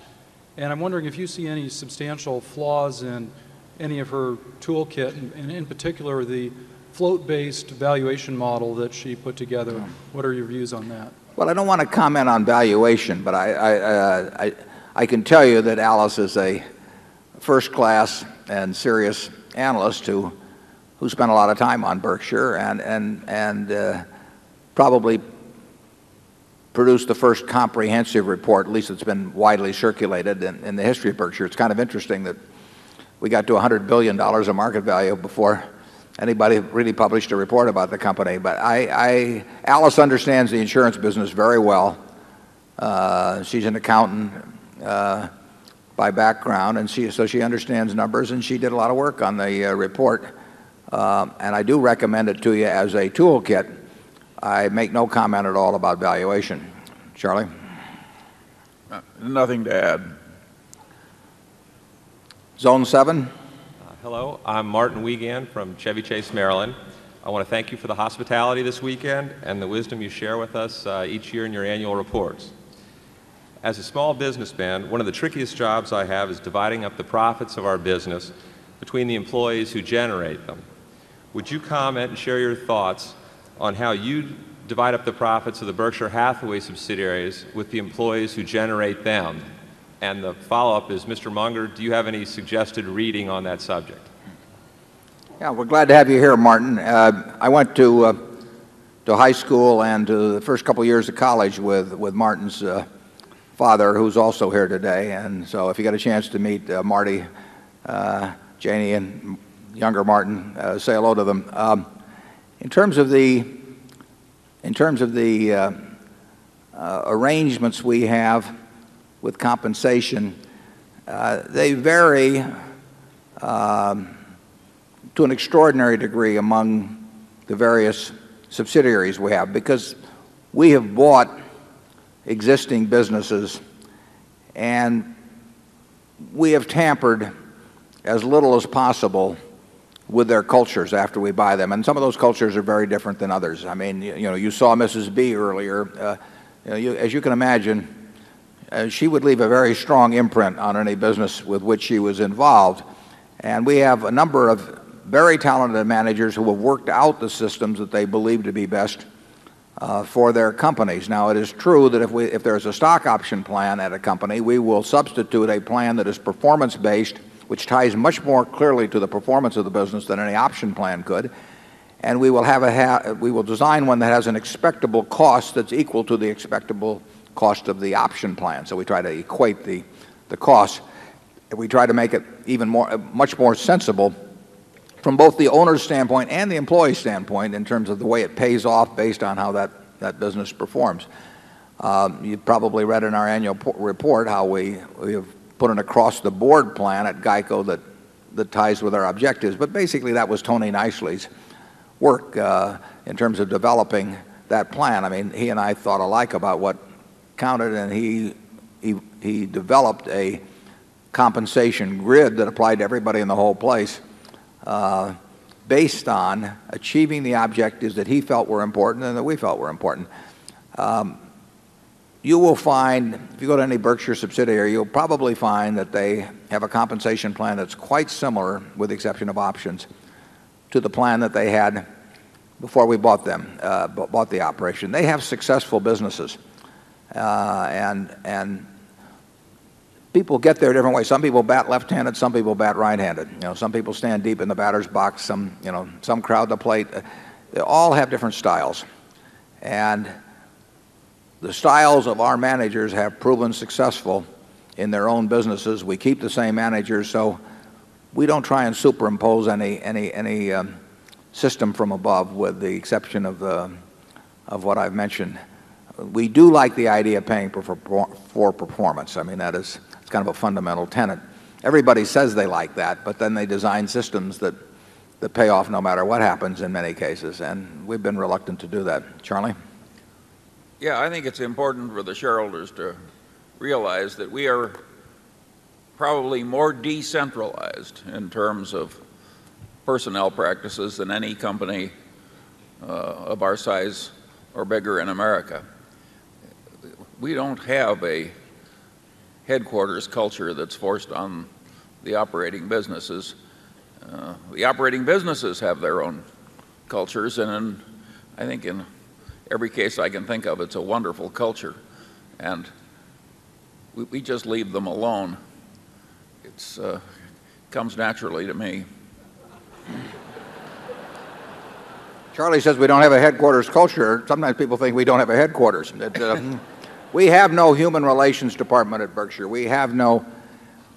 S11: And I'm wondering if you see any substantial flaws in any of her toolkit, and in particular, the float based valuation model that she put together? What are your views on that?
S1: Well, I don't want to comment on valuation. But I can tell you that Alice is a 1st class and serious analyst who spent a lot of time on Berkshire and probably produced the 1st comprehensive report. At least, it's been widely circulated in the history of Berkshire. It's kind of interesting that we got to $100,000,000,000 of market value before anybody really published a report about the company. But I Alice understands the insurance business very well. She's an accountant by background. And so she understands numbers and she did a lot of work on the report. And I do recommend it to you as a toolkit. I make no comment at all about valuation. Charlie?
S6: Nothing to add.
S1: Zone 7.
S12: Hello. I'm Martin Wiegand from Chevy Chase, Maryland. I want to thank you for the hospitality this weekend and the wisdom you share with us each year in your annual reports. As a small businessman, one of the trickiest jobs I have is dividing up the profits of our business between the employees who generate them. Would you comment and share your thoughts on how you divide up the profits of the Berkshire Hathaway subsidiaries with the employees who generate them? And the follow-up is, Mr. Munger, do you have any suggested reading on that subject?
S13: Yeah. We're glad to have
S1: you here, Martin. I went to high school and the 1st couple of years of college with with Martin's father, who is also here today. And so if you get a chance to meet Marty, Janie, and younger Martin, say hello to In terms of the in terms of the arrangements we have with compensation, they vary, to an extraordinary degree among the various subsidiaries we have. Because we have bought existing businesses and we have tampered as little as possible with their cultures after we buy them. And some of those cultures are very different than others. I mean, you know, you saw Mrs. B earlier. As you can imagine, she would leave a very strong imprint on any business with which she was involved. And we have a number of very talented managers who have worked out the systems that they believe to be best, for their companies. Now it is true that if we if there is a stock option plan at a company, we will substitute a plan that is performance based, which ties much more clearly to the performance of the business than any option plan could. And we will have a we will design one that has an expectable cost that's equal to the expectable cost of the option plan. So we try to equate the cost. We try to make it even more much more sensible from both the owner's standpoint and the employee's standpoint in terms of the way it pays off based on how that business performs. You probably read in our annual report how we put an across the board plan at GEICO that ties with our objectives. But basically, that was Tony Nicely's work in terms of developing that plan. I mean, he and I thought alike about what countered and he developed a compensation grid that applied to everybody in the whole place, based on achieving the objectives that he felt were important and that we felt were important. You will find if you go to any Berkshire subsidiary, you'll probably find that they have a compensation plan that's quite similar, with the exception of options, to the plan that they had before we bought them, bought the operation. They have successful businesses. And people get there a different way. Some people bat left handed, some people bat right handed. You know, some people stand deep in the batter's box, some crowd the plate. They all have different styles. And the styles of our managers have proven successful in their own businesses. We keep the same managers. So we don't try and superimpose any system from above, with the exception of what I've mentioned. We do like the idea of paying for performance. I mean, that is kind of a fundamental tenet. Everybody says they like that. But then they design systems that pay off no matter what happens in many cases. And we've been reluctant to do that. Charlie?
S6: Yeah. I think it's important for the shareholders to realize that we are probably more decentralized in terms of personnel practices than any company of our size or bigger in America. We don't have a headquarters culture that's forced on the operating businesses. The operating businesses have their own cultures, and I think in every case I can think of, it's a wonderful culture. And we just leave them alone. It's comes naturally to me.
S1: Charlie says we don't have a headquarters culture. Sometimes people think we don't have a headquarters. We have no human relations department at Berkshire. We have no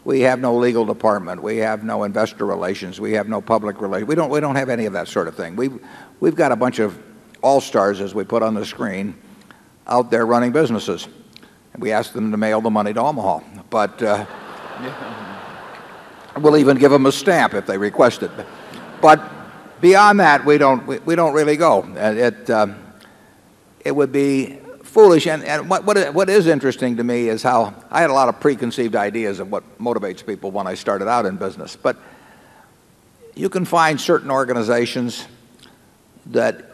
S1: legal department. We have no investor relations. We have no public relations. We don't have any of that sort of thing. We've got a bunch of all stars, as we put on the screen, out there running businesses. And we ask them to mail the money to Omaha. But we'll even give them a stamp if they request it. But beyond that, we don't really go. It would be foolish. And what is interesting to me is how I had a lot of preconceived ideas of what motivates people when I started out in business. But you can find certain organizations that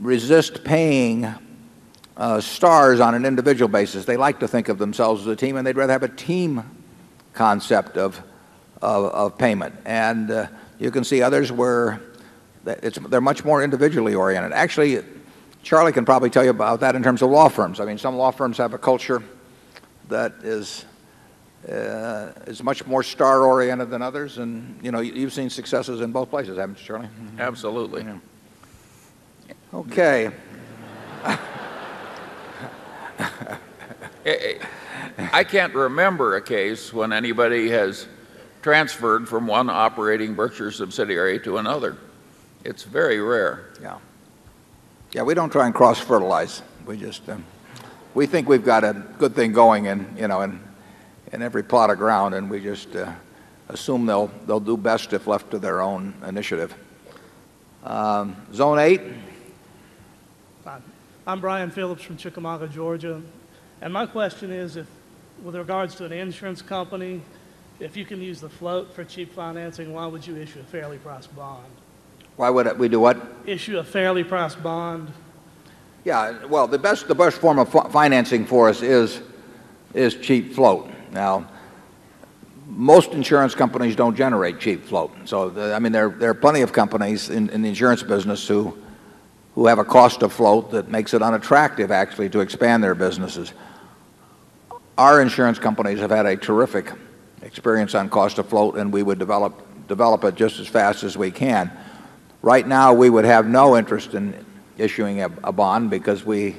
S1: resist paying stars on an individual basis. They like to think of themselves as a team and they'd rather have a team concept of payment. And you can see others were they're much more individually oriented. Actually, Charlie can probably tell you about that in terms of law firms. I mean, some law firms have a culture that is, is much more star oriented than others. And you know, you've seen successes in both places, haven't you, Charlie?
S6: Absolutely.
S1: Okay.
S6: I can't remember a case when anybody has transferred from one operating Berkshire subsidiary to another. It's very rare.
S1: Yeah. Yeah. We don't try and cross fertilize. We just we think we've got a good thing going in every plot of ground. And we just assume they'll do best if left to their own initiative. Zone 8.
S14: I'm Brian Phillips from Chickamauga, Georgia. And my question is, with regards to an insurance company, if you can use the float for cheap financing, why would you issue a fairly priced bond?
S1: Why would we do what?
S14: Issue a fairly priced bond?
S1: Yeah. Well, the best the best form of financing for us is cheap float. Now, most insurance companies don't generate cheap float. So I mean, there are plenty of companies in the insurance business who have a cost to float that makes it unattractive, actually, to expand their businesses. Our insurance companies have had a terrific experience on cost afloat and we would develop it just as fast as we can. Right now, we would have no interest in issuing a bond because we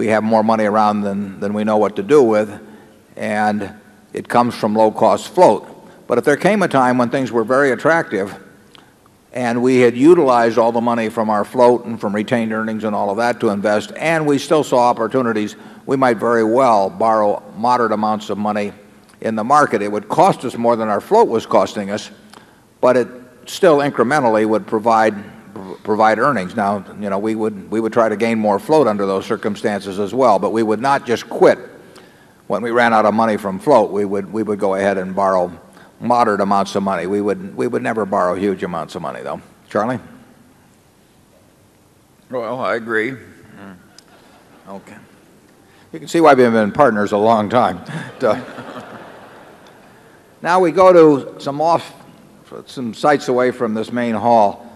S1: have more money around than we know what to do with. And it comes from low cost float. But if there came a time when things were very attractive, and we had utilized all the money from our float and from retained earnings and all of that to invest, and we still saw opportunities, we might very well borrow moderate amounts of money in the market. It would cost us more than our float was costing us, but it still incrementally would provide provide earnings. Now, you know, we would we would try to gain more float under those circumstances as well. But we would not just quit when we ran out of money from float. We would we would go ahead and borrow moderate amounts of money. We would never borrow huge amounts of money, though. Charlie?
S6: Well, I agree.
S1: Okay. You can see why we haven't been partners a long time. Now we go to some off some sites away from this main hall.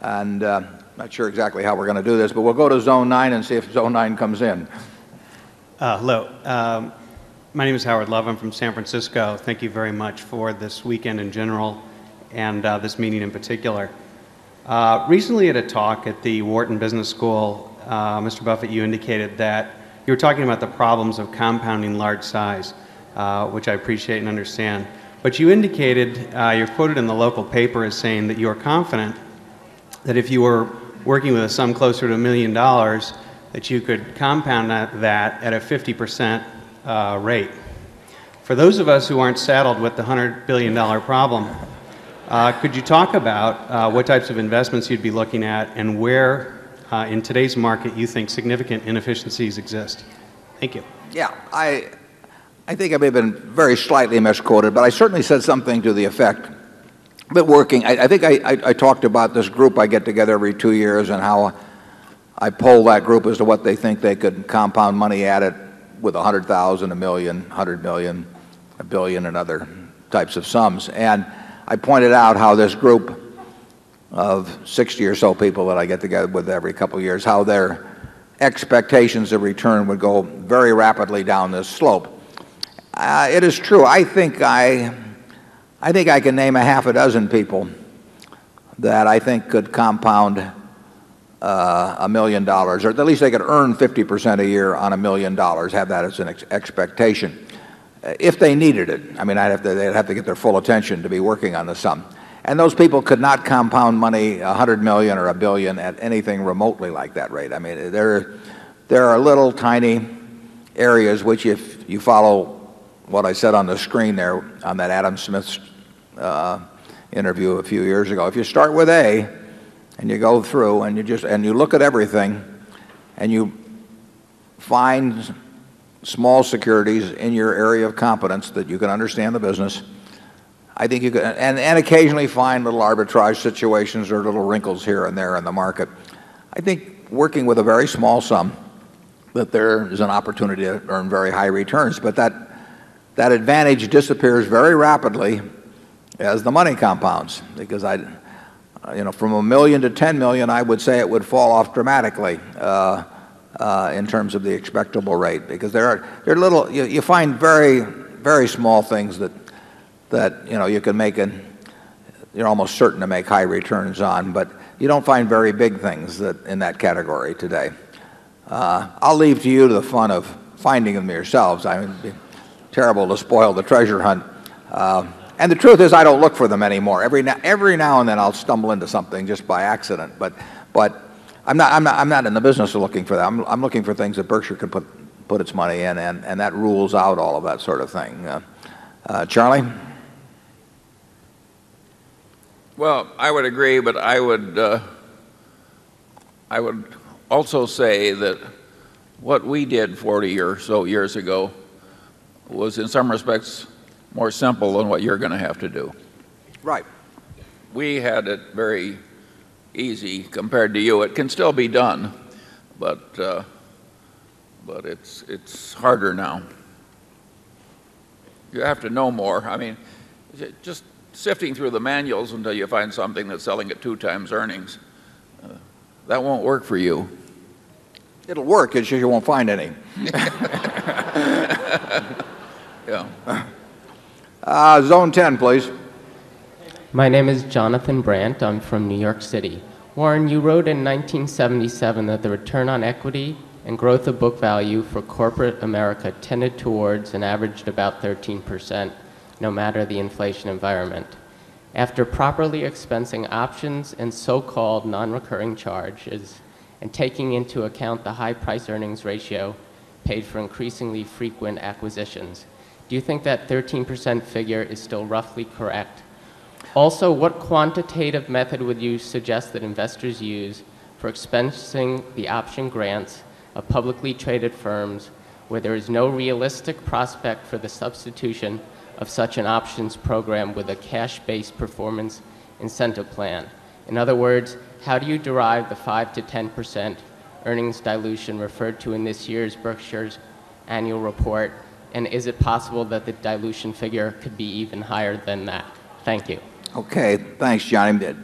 S1: And I'm not sure exactly how we're going to do this, but we'll go to zone 9 and see if zone 9 comes in.
S7: Hello. Name is Howard Love. I'm from San Francisco. Thank you very much for this weekend in general and this meeting in particular. Recently, at a talk at the Wharton Business School, mister Buffet, you indicated that you were talking about the problems of compounding large size, which I appreciate and understand. But you indicated, you've quoted in the local paper as saying that you're confident that if you were working with a sum closer to $1,000,000 that you could compound that at a 50% rate. For those of us who aren't saddled with the $100,000,000,000 problem, could you talk about what types of investments you'd be looking at and where in today's market you think significant inefficiencies exist?
S15: Thank you.
S1: Yeah. I think I may have been very slightly misquoted, but I certainly said something to the effect. But working I think I talked about this group I get together every 2 years and how I poll that group as to what they think they could compound money at it with 100,000, a 1000000, 100,000,000, a 100,000,000, a 100,000,000,000 and other types of sums. And I pointed out how this group of 60 or so people that I get together with every couple of years, how their expectations of return would go very rapidly down this slope. It is true. I think I can name a half a dozen people that I think could compound $1,000,000 or at least they could earn 50% a year on $1,000,000 have that as an expectation, if they needed it. I mean, they'd have to get their full attention to be working on the sum. And those people could not compound money, dollars 100,000,000 or $1,000,000,000 at anything remotely like that rate. I mean, there are little, tiny areas which, if you follow what I said on the screen there on that Adam Smith interview a few years ago. If you start with A and you go through and you just and you look at everything and you find small securities in your area of competence that you can understand the business, I think you can and occasionally find little arbitrage situations or little wrinkles here and there in the market. I think working with a very small sum, that there is an opportunity to earn very high returns. But that advantage disappears very rapidly as the money compounds. Because from a1000000 to 10,000,000 I would say it would fall off dramatically in terms of the expectable rate. Because there are little you find very, very small things that you can make an you're almost certain to make high returns on. But you don't find very big things in that category today. I'll leave to you the fun of finding them yourselves. I mean,
S13: it's
S1: terrible to spoil the treasure hunt. And the truth is, I don't look for them anymore. Every now and then, I'll stumble into something just by accident. But I'm not in the business of looking for them. I'm looking for things that Berkshire could put its money in. And that rules out all of that sort of thing. Charlie?
S6: Well, I would agree. But I would, I would also say that what we did 40 or so years ago was, in some respects, more simple than what you're going to have to do. Right. We had it very easy compared to you. It can still be done. But it's harder now. You have to know more. I mean just sifting through the manuals until you find something that's selling at 2 times earnings, that won't work for you.
S1: It'll work. It's sure you won't find any. Yeah. Zone 10, please.
S16: My name is Jonathan Brandt. I'm from New York City. Warren, you wrote in 1977 that the return on equity and growth of book value for corporate America tended towards and averaged about 13% no matter the inflation environment. After properly expensing options and so called nonrecurring charges and taking into account the high price earnings ratio paid for increasingly frequent acquisitions. Do you think that 13% figure is still roughly correct? Also, what quantitative method would you suggest that investors use for expensing the option grants of publicly traded firms where there is no realistic prospect for the substitution of such an options program with a cash based performance incentive plan? In other words, how do you derive the 5% to 10% earnings dilution referred to in this year's Berkshire's annual report? And is it possible that the dilution figure could be even higher than that? Thank you.
S1: Okay. Thanks, Johnny.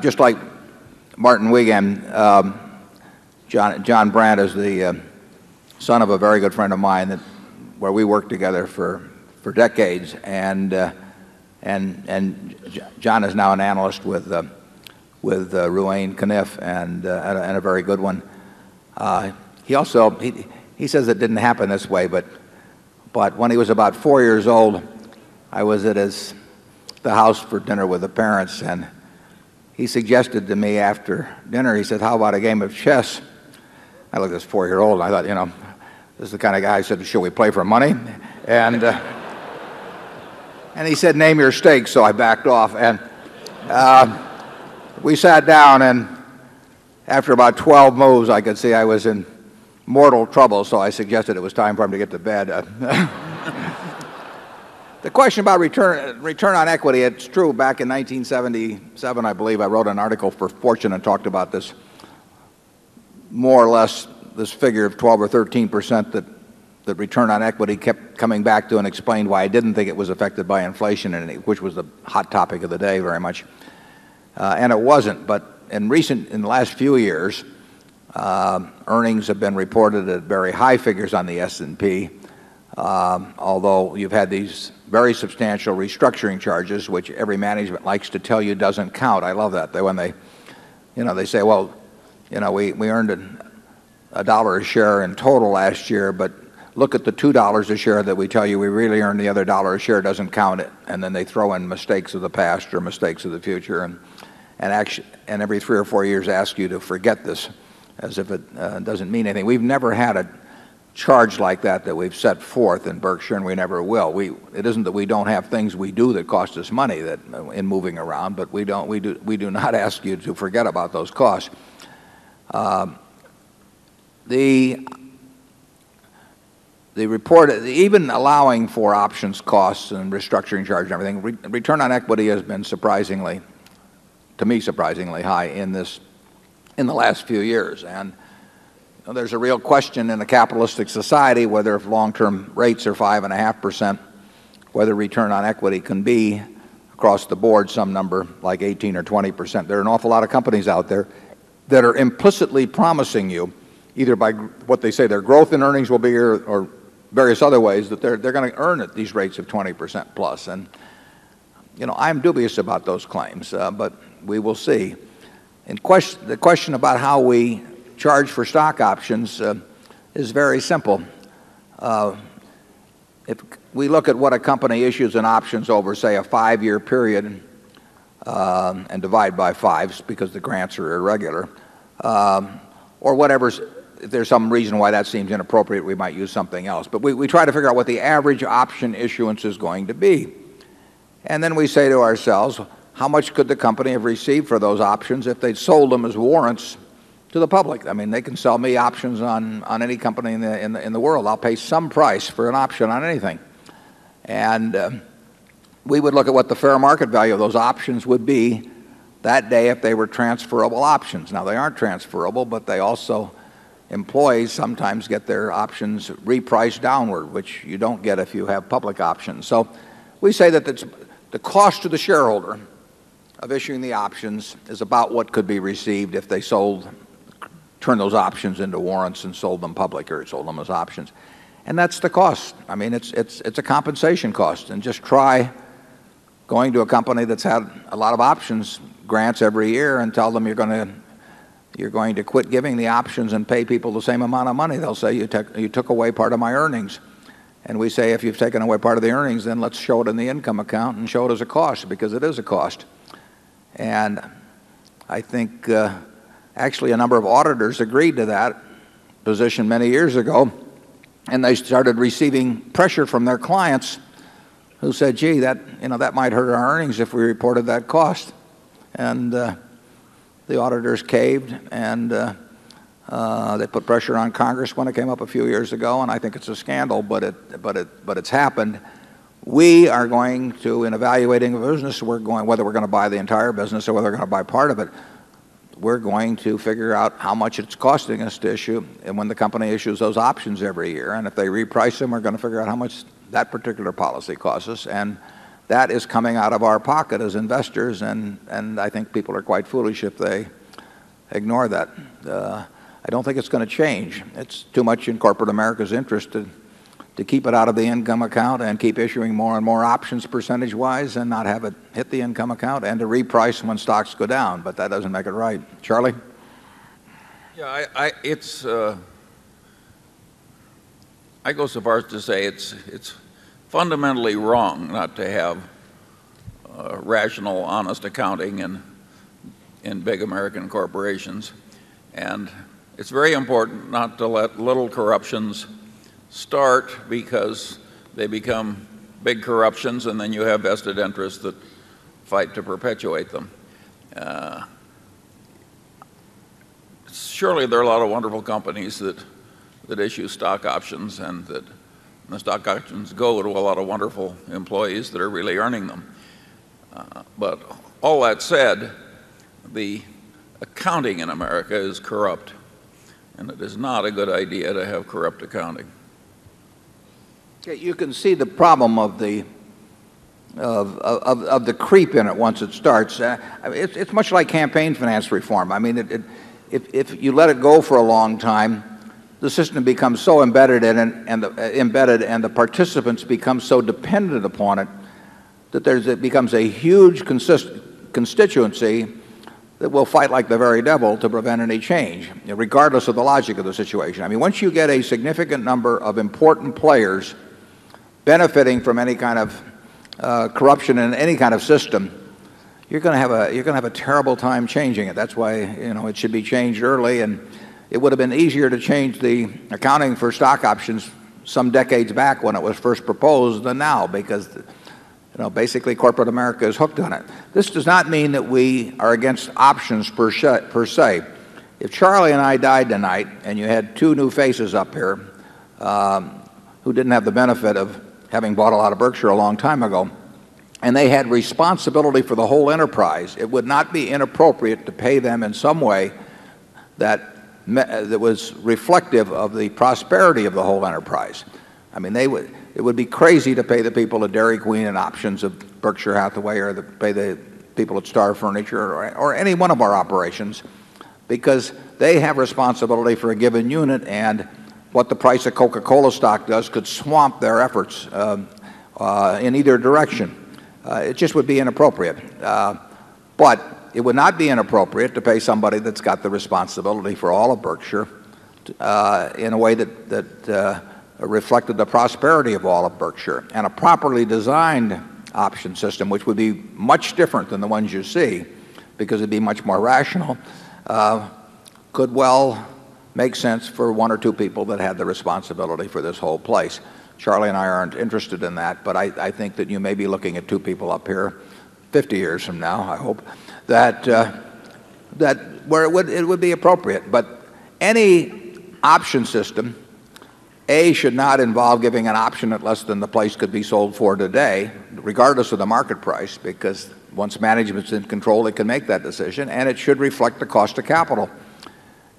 S1: Just like Martin Wiegand, John Brandt is the son of a very good friend of mine, where we worked together for decades. And John is now an analyst with Rouen Kniff and a very good one. He also he says it didn't happen this way. But when he was about 4 years old, I was at the house for dinner with the parents. And he suggested to me after dinner, he said, how about a game of chess? I looked at this 4 year old. I thought, you know, this is the kind of guy who said, should we play for money? And And he said, 'Name your steak.' So I backed off. And we sat down and after about 12 moves, I could see I was in mortal trouble. So I suggested it was time for him to get to bed. The question about return return on equity, it's true. Back in 1970 7, I believe, I wrote an article for Fortune and talked about this. More or less, this figure of 12 or 13% that the return on equity kept coming back to and explained why I didn't think it was affected by inflation in any way, which was the hot topic of the day very much. And it wasn't. But in recent in the last few years, earnings have been reported at very high figures on the S and P, Although you've had these very substantial restructuring charges, which every management likes to tell you doesn't count. I love that. When they, you know, they say, well, you know, we we earned a dollar a share in total last year, but look at the $2 a share that we tell you we really earned the other dollar a share, doesn't count it. And then they throw in mistakes of the past or mistakes of the future. And every 3 or 4 years ask you to forget this as if it doesn't mean anything. We've never had a charge like that that we've set forth in Berkshire and we never will. We it isn't that we don't have things we do that cost us money that in moving around, but we do not ask you to forget about those costs. The report even allowing for options costs and restructuring charge and everything, return on equity has been surprisingly to me surprisingly high in this in the last few years. And there's a real question in a capitalistic society whether if long term rates are 5.5%, whether return on equity can be across the board some number like 18 or 20%. There are an awful lot of companies out there that are implicitly promising you either by what they say their growth in earnings will be or various other ways that they're going to earn at these rates of 20% plus. And you know, I'm dubious about those claims. But we will see. And the question about how we charge for stock options is very simple. If we look at what a company issues and options over, say, a 5 year period, and divide by fives because the grants are irregular Or whatever. If there's some reason why that seems inappropriate, we might use something else. But we try to figure out what the average option issuance is going to be. And then we say to ourselves, how much could the company have received for those options if they'd sold them as warrants to the public? I mean, they can sell me options on any company in the world. I'll pay some price for an option on anything. And we would look at what the fair market value of those options would be that day if they were transferable options. Now, they aren't transferable, but they also employees sometimes get their options repriced downward, which you don't get if you have public options. So we say that the cost to the shareholder of issuing the options is about what could be received if they sold turned those options into warrants and sold them public or sold them as options. And that's the cost. I mean it's it's it's a compensation cost. And just try going to a company that's had a lot of options grants every year and tell them you're going to you're going to quit giving the options and pay people the same amount of money. They'll say, you took away part of my earnings. And we say, if you've taken away part of the earnings, then show it in the income account and show it as a cost. Because it is a cost. And I think, actually, a number of auditors agreed to that position many years ago. And they started receiving pressure from their clients who said, 'Gee, that, you know, that might hurt our earnings if we reported that cost.' And, the auditors caved. And, they put pressure on Congress when it came up a few years ago. And I think it's a scandal, but it's happened. We are going to in evaluating the business, we're going whether we're going to buy the entire business or whether we're going to buy part of it We're going to figure out how much it's costing us to issue and when the company issues those options every year. And if they reprice them, we're going to figure out how much that particular policy costs us. And that is coming out of our pocket as investors. And I think people are quite foolish if they ignore that. I don't think it's going to change. It's too much in corporate America's interest to keep it out of the income account and keep issuing more and more options percentage wise and not have it hit the income account and to reprice when stocks go down. But that doesn't make it right. Charlie?
S6: Yeah, it's Yeah. I go so far as to say it's fundamentally wrong not to have rational, honest accounting in big American corporations. And it's very important not to let little corruptions start because they become big corruptions. And then you have vested interests that fight to perpetuate them. Surely, there are a lot of wonderful companies that issue stock options and that the stock options go to a lot of wonderful employees that are really earning them. But all that said, the accounting in America is corrupt. And it is not a good idea to have corrupt accounting.
S1: You can see the problem of the creep in it once it starts. It's much like campaign finance reform. I mean, if you let it go for a long time, the system becomes so embedded and the participants become so dependent upon it that it becomes a huge constituency that we'll fight like the very devil to prevent any change, regardless of the logic of the situation. I mean, once you get a significant number of important players benefiting from any kind of, corruption in any kind of system, you're going to have a terrible time changing it. That's why, you know, it should be changed early. And it would have been easier to change the accounting for stock options some decades back when it was first proposed than now because, you know, basically, corporate America is hooked on it. This does not mean that we are against options per se. If Charlie and I died tonight and you had 2 new faces up here, who didn't have the benefit of having bought a lot of Berkshire a long time ago, and they had responsibility for the whole enterprise, it would not be inappropriate to pay them in some way that was reflective of the prosperity of the whole enterprise. I mean, they would it would be crazy to pay the people at Dairy Queen and options of Berkshire Hathaway or pay the people at Star Furniture or any one of our operations because they have responsibility for a given unit. And what the price of Coca Cola stock does could swamp their efforts in either direction. It just would be inappropriate. But it would not be inappropriate to pay somebody that's got the responsibility for all of Berkshire in a way that reflected the prosperity of all of Berkshire. And a properly designed option system, which would be much different than the ones you see, because it would be much more rational, could well make sense for 1 or 2 people that had the responsibility for this whole place. Charlie and I aren't interested in that. But I think that you may be looking at 2 people up here 50 years from now, I hope. That, that where it would be appropriate. But any option system, a, should not involve giving an option at less than the place could be sold for today, regardless of the market price, because once management's in control, it can make that decision and it should reflect cost of capital.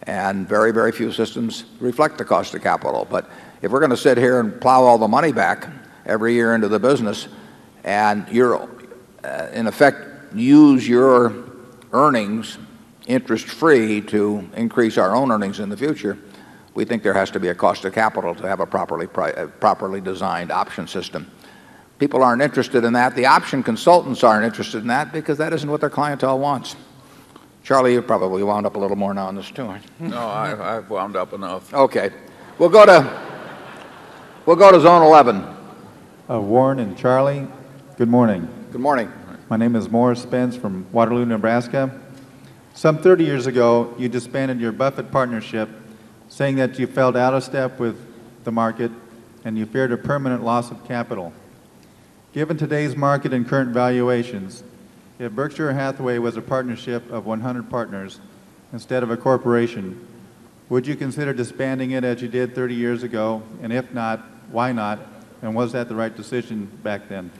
S1: And very, very few systems reflect the cost of capital. But if we're going to sit here and plow all the money back every year into the business and you're, in effect, use your earnings interest free to increase our own earnings in the future, we think there has to be a cost of capital to have a properly designed option system. People aren't interested in that. The option consultants aren't interested that because that isn't what their clientele wants. Charlie, you've probably wound up a little more now on this too.
S6: No, I've wound up enough.
S1: Okay. We'll go to Zone 11. Warren and Charlie, good morning. Good morning.
S17: My name is Morris Spence from Waterloo, Nebraska. Some 30 years ago, you disbanded your Buffett partnership, saying that you fell out of step with the market and you feared a permanent loss of capital. Given today's market and current valuations, if Berkshire Hathaway was a partnership of 100 partners instead of a corporation, Would you consider disbanding it as you did 30 years ago? And if not, why not? And was that the right decision back then?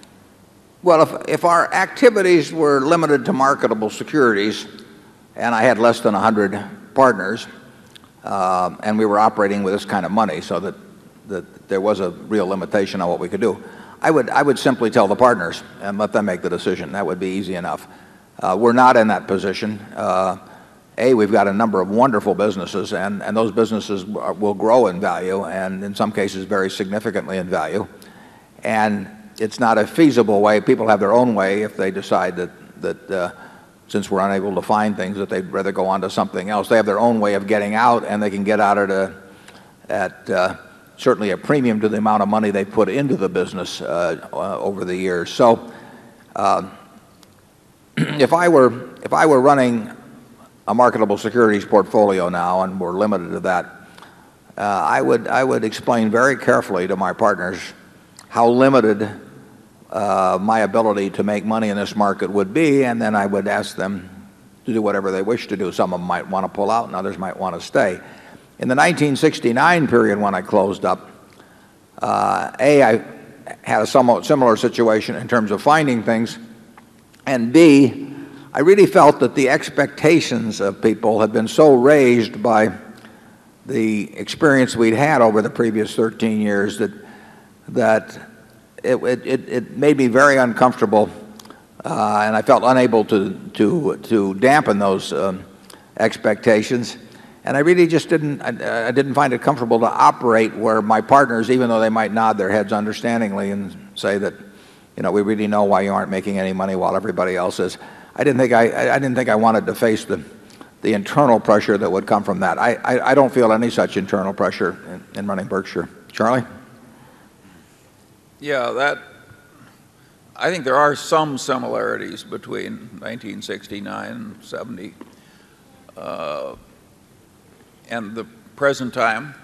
S1: Well, if our activities were limited to marketable securities, and I had less than 100 partners, and we were operating with this kind of money so that there was a real limitation on what we could do. I would simply tell the partners and let them make the decision. That would be easy enough. We're not in that position. A, we've got a number of wonderful businesses and those businesses will grow in value and in some cases, very significantly in value. And it's not a feasible way. People have their own way if they decide that since we're unable to find things, that they'd rather go on to something else. They have their own way of getting out. And they can get out at certainly a premium to the amount of money they put into the business over the years. So if I were running a marketable securities portfolio now, and we're limited to that, I would explain very carefully to my partners how limited, my ability to make money in this market would be. And then I would ask them to do whatever they wish to do. Some of them might want to pull out and others might want to stay. In the 1969 period when I closed up, a) I had a somewhat similar situation in terms of finding things. And b, I really felt that the expectations of people had been so raised by the experience we'd had over the previous 13 years that it made me very uncomfortable. And I felt unable to dampen those expectations. And I really just didn't find it comfortable to operate where my partners, even though they might nod their heads understandingly and say that, you know, we really know why you aren't making any money while everybody else is, I didn't think I wanted to face the internal pressure that would come from that. I don't feel any such internal pressure in running Berkshire. Charlie?
S6: Yeah, that I think there are some similarities between 1969, 70 and the present time.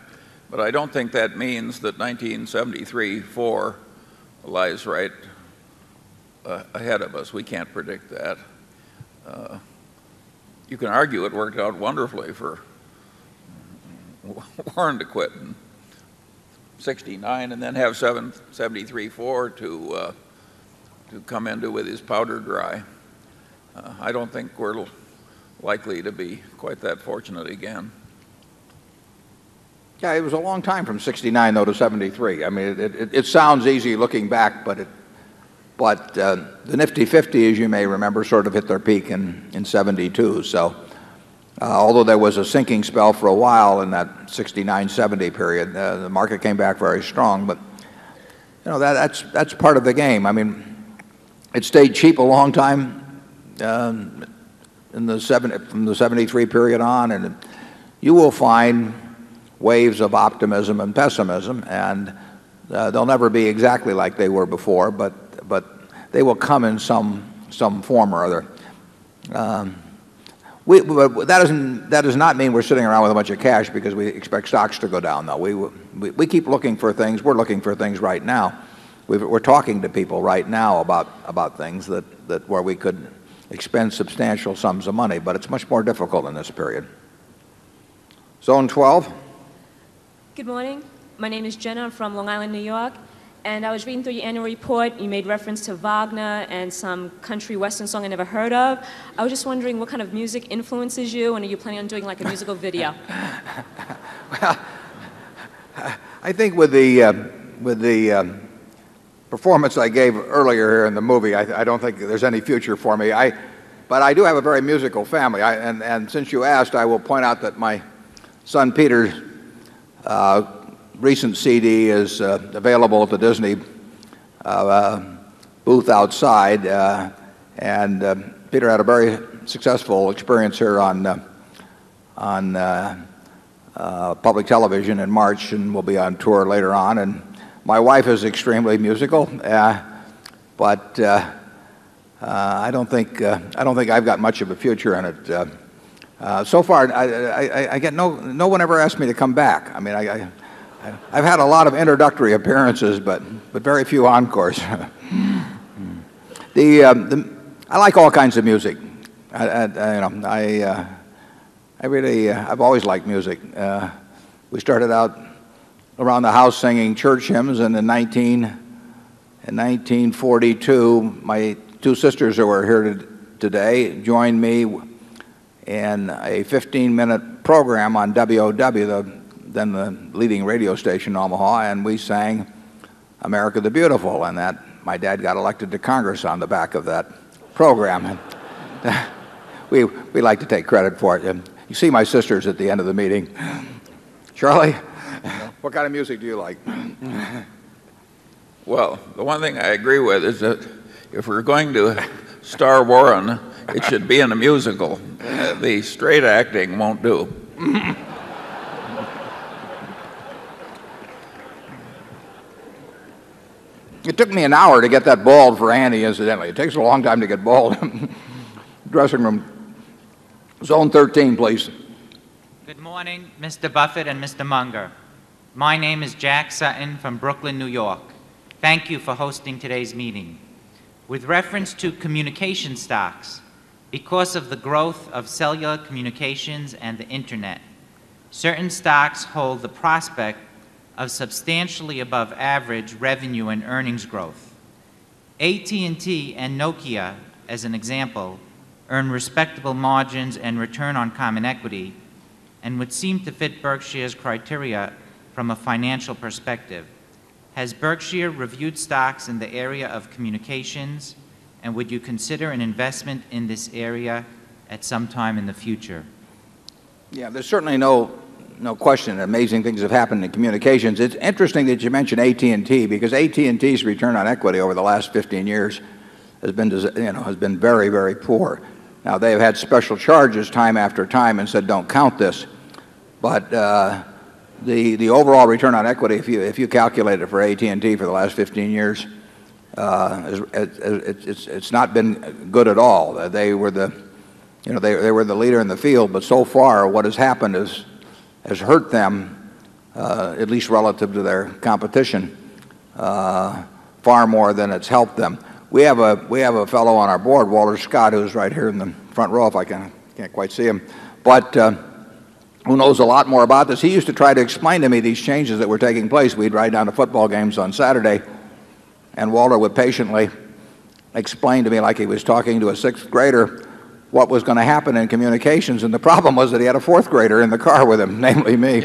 S6: But I don't think that means that 1973-four lies right ahead of us. We can't predict that. You can argue it worked out wonderfully for Warren to quit in '69 and then have 773-four to come into with his powder dry. I don't think we're likely to be quite that fortunate again.
S1: Yeah, it was a long time from 'sixty nine though to 'seventy three. I mean, it sounds easy looking back, but the nifty 50s, as you may remember, sort of hit their peak in 'seventy two. So although there was a sinking spell for a while in that 60 nine-seventy period, the market came back very strong. But, you know, that's part of the game. I mean, it stayed cheap a long time, from the 73 period on. And you will find waves of optimism and pessimism. And they'll never be exactly like they were before, but they will come in some form or other. That does not mean we're sitting around with a bunch of cash because we expect stocks to go down, though. We keep looking for things. We're looking for things right now. We're talking to people right now about things that where we could expend substantial sums of money. But it's much more difficult in this period. Zone
S18: 12. Good morning. My name is Jenna. I'm from Long Island, New York. And I was reading through your annual report. You made reference to Wagner and some country western song I never heard of. I was just wondering what kind of music influences you and are you planning on doing like a musical video?
S1: I think with the performance I gave earlier in the movie, I don't think there's any future for me. But I do have a very musical family. And since you asked, I will point out that my son, Peter's recent CD is available at the Disney booth outside. And Peter had a very successful experience here on, on, public television in March and will be on tour later on. And my wife is extremely musical. But I don't think I've got much of a future in it. So far, I get no one ever asked me to come back. I mean, I've had a lot of introductory appearances but very few encores. The, I like all kinds of music. I, you know, I, I really, I've always liked music. We started out around the house singing church hymns. And in 1942, my 2 sisters who are here today joined me in a 15 minute program on WOW, then the leading radio station in Omaha. And we sang America the Beautiful. And that my dad got elected to Congress on the back of that program. We like to take credit for it. And you see my sisters at the end of the meeting. Charlie, what kind of music do you
S6: like? Well, the one thing I agree with is that if we're going to star Warren, it should be in a musical. The straight acting won't do.
S1: It took me an hour to get that ball for Annie, incidentally. It takes a long time to get balled. Dressing room. Zone 13, please.
S19: Good morning, Mr. Buffet and Mr. Munger. My name is Jack Sutton from Brooklyn, New York. Thank you for hosting today's meeting. With reference to communication stocks, because of the growth of cellular communications and the Internet, Certain stocks hold the prospect of substantially above average revenue and earnings growth. AT and T and Nokia, as an example, earn respectable margins and return on common equity and would seem to fit Berkshire's criteria from a financial perspective. Has Berkshire reviewed stocks in the area of communications? And would you consider an investment in this area at some time in the future?
S1: Yeah. There's certainly no question amazing things have happened in communications. It's interesting that you mentioned AT and T because AT and T's return on equity over the last 15 years has been, you know, has been very, very poor. Now they've had special charges time after time and said, don't count this. But the overall return on equity, if you calculate it for AT and T for the last 15 years, it's not been good at all. They were the you know, they were the leader in the field. But so far, what has happened has hurt them, at least relative to their competition, far more than it's helped them. We have a fellow on our board, Walter Scott, who is right here in the front row, if I can't quite see him, but who knows a lot more about this. He used to try to explain to me these changes that were taking place. We'd ride down to football games on Saturday and Walter would patiently explain to me, like he was talking to a 6th grader, what was going to happen in communications. And the problem was that he had a 4th grader in the car with him, namely me.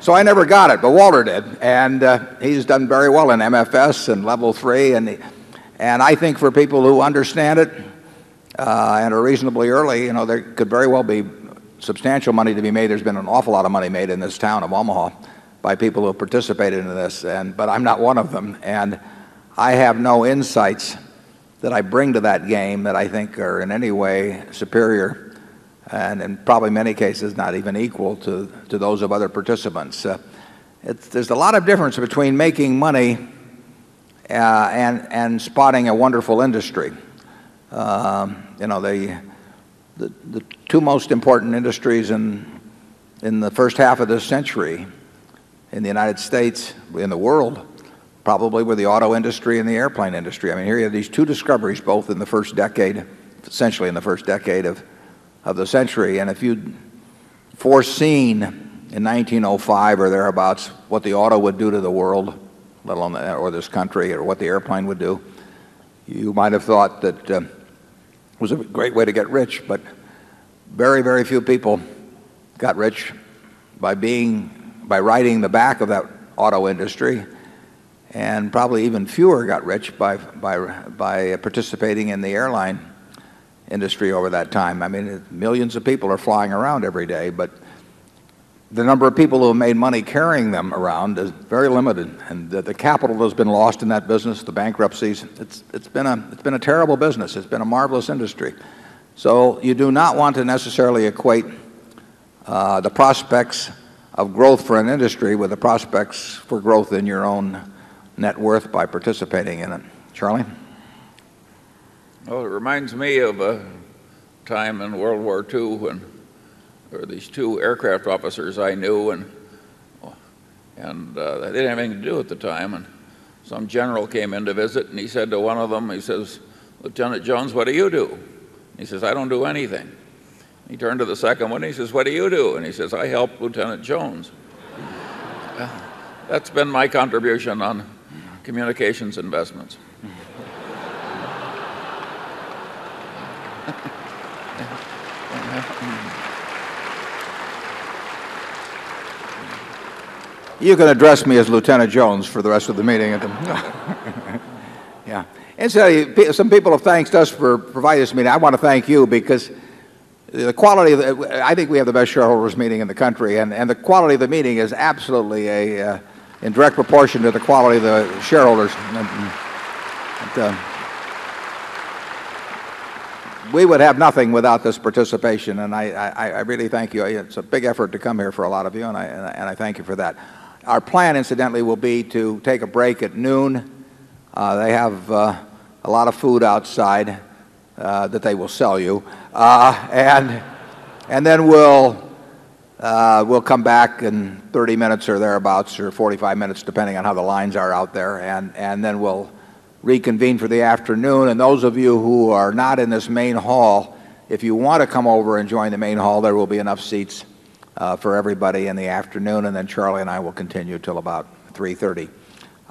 S1: So I never got it, but Walter did. And, he's done very well in MFS and level 3. And I think for people who understand it, and are reasonably early, you know, there could very well be substantial money to be made. There's been an awful lot of money made in this town of Omaha by people who have participated in this. But I'm not one of them. And I have no insights that I bring to that game that I think are in any way superior and in probably many cases not even equal to those of other participants. There's a lot of difference between making money and spotting a wonderful industry. The 2 most important industries in the first half of this century in the United States and the world probably were the auto industry and the airplane industry. I mean, here are these two discoveries both in the 1st decade essentially in the 1st decade of the century. And if you'd foreseen in 1905 or thereabouts what the auto would do to the world, let alone or this country or what the airplane would do. You might have thought that it was a great way to get rich. But very, very few people got rich by being by riding the back of that auto industry. And probably even fewer got rich by participating in the airline industry over that time. I mean millions of people are flying around every day. But the number of people who have made money carrying them around is very limited. And the capital that's been lost in that business, the bankruptcies, it's been a terrible business. It's been a marvelous industry. So you do not want to necessarily equate, the prospects of growth for an industry with the prospects for growth in your own net worth by participating in it. Charlie?
S6: Well, it reminds me of a time in World War II when there were these 2 aircraft officers I knew. And they didn't have anything to do at the time. And some general came in to visit and he said to one of them, he says, Lieutenant Jones, what do you do? He says, I don't do anything. He turned to the second one and he says, what do you do? And he says, I help Lieutenant Jones. That's been my contribution on communications investments.
S1: You can address me as Lieutenant Jones for the rest of the meeting. Yeah. And so some people have thanked us for providing this meeting. I want to thank you because the quality of the I think we have the best shareholders meeting in the country. And the quality of the meeting is absolutely in direct proportion to the quality of the shareholders. We would have nothing without this participation. And I really thank you. It's a big effort to come here for a lot of you. And I thank you for that. Our plan incidentally will be to take a break at noon. They have a lot of food outside that they will sell you. And and then we'll, we'll come back in 30 minutes or thereabouts or 45 minutes, depending on how the lines are out there. And And then we'll reconvene for the afternoon. And those of you who are not in this main hall, if you want to come over and join the main hall, there will be enough seats for everybody in the afternoon. And then Charlie and I will continue until about 3:30.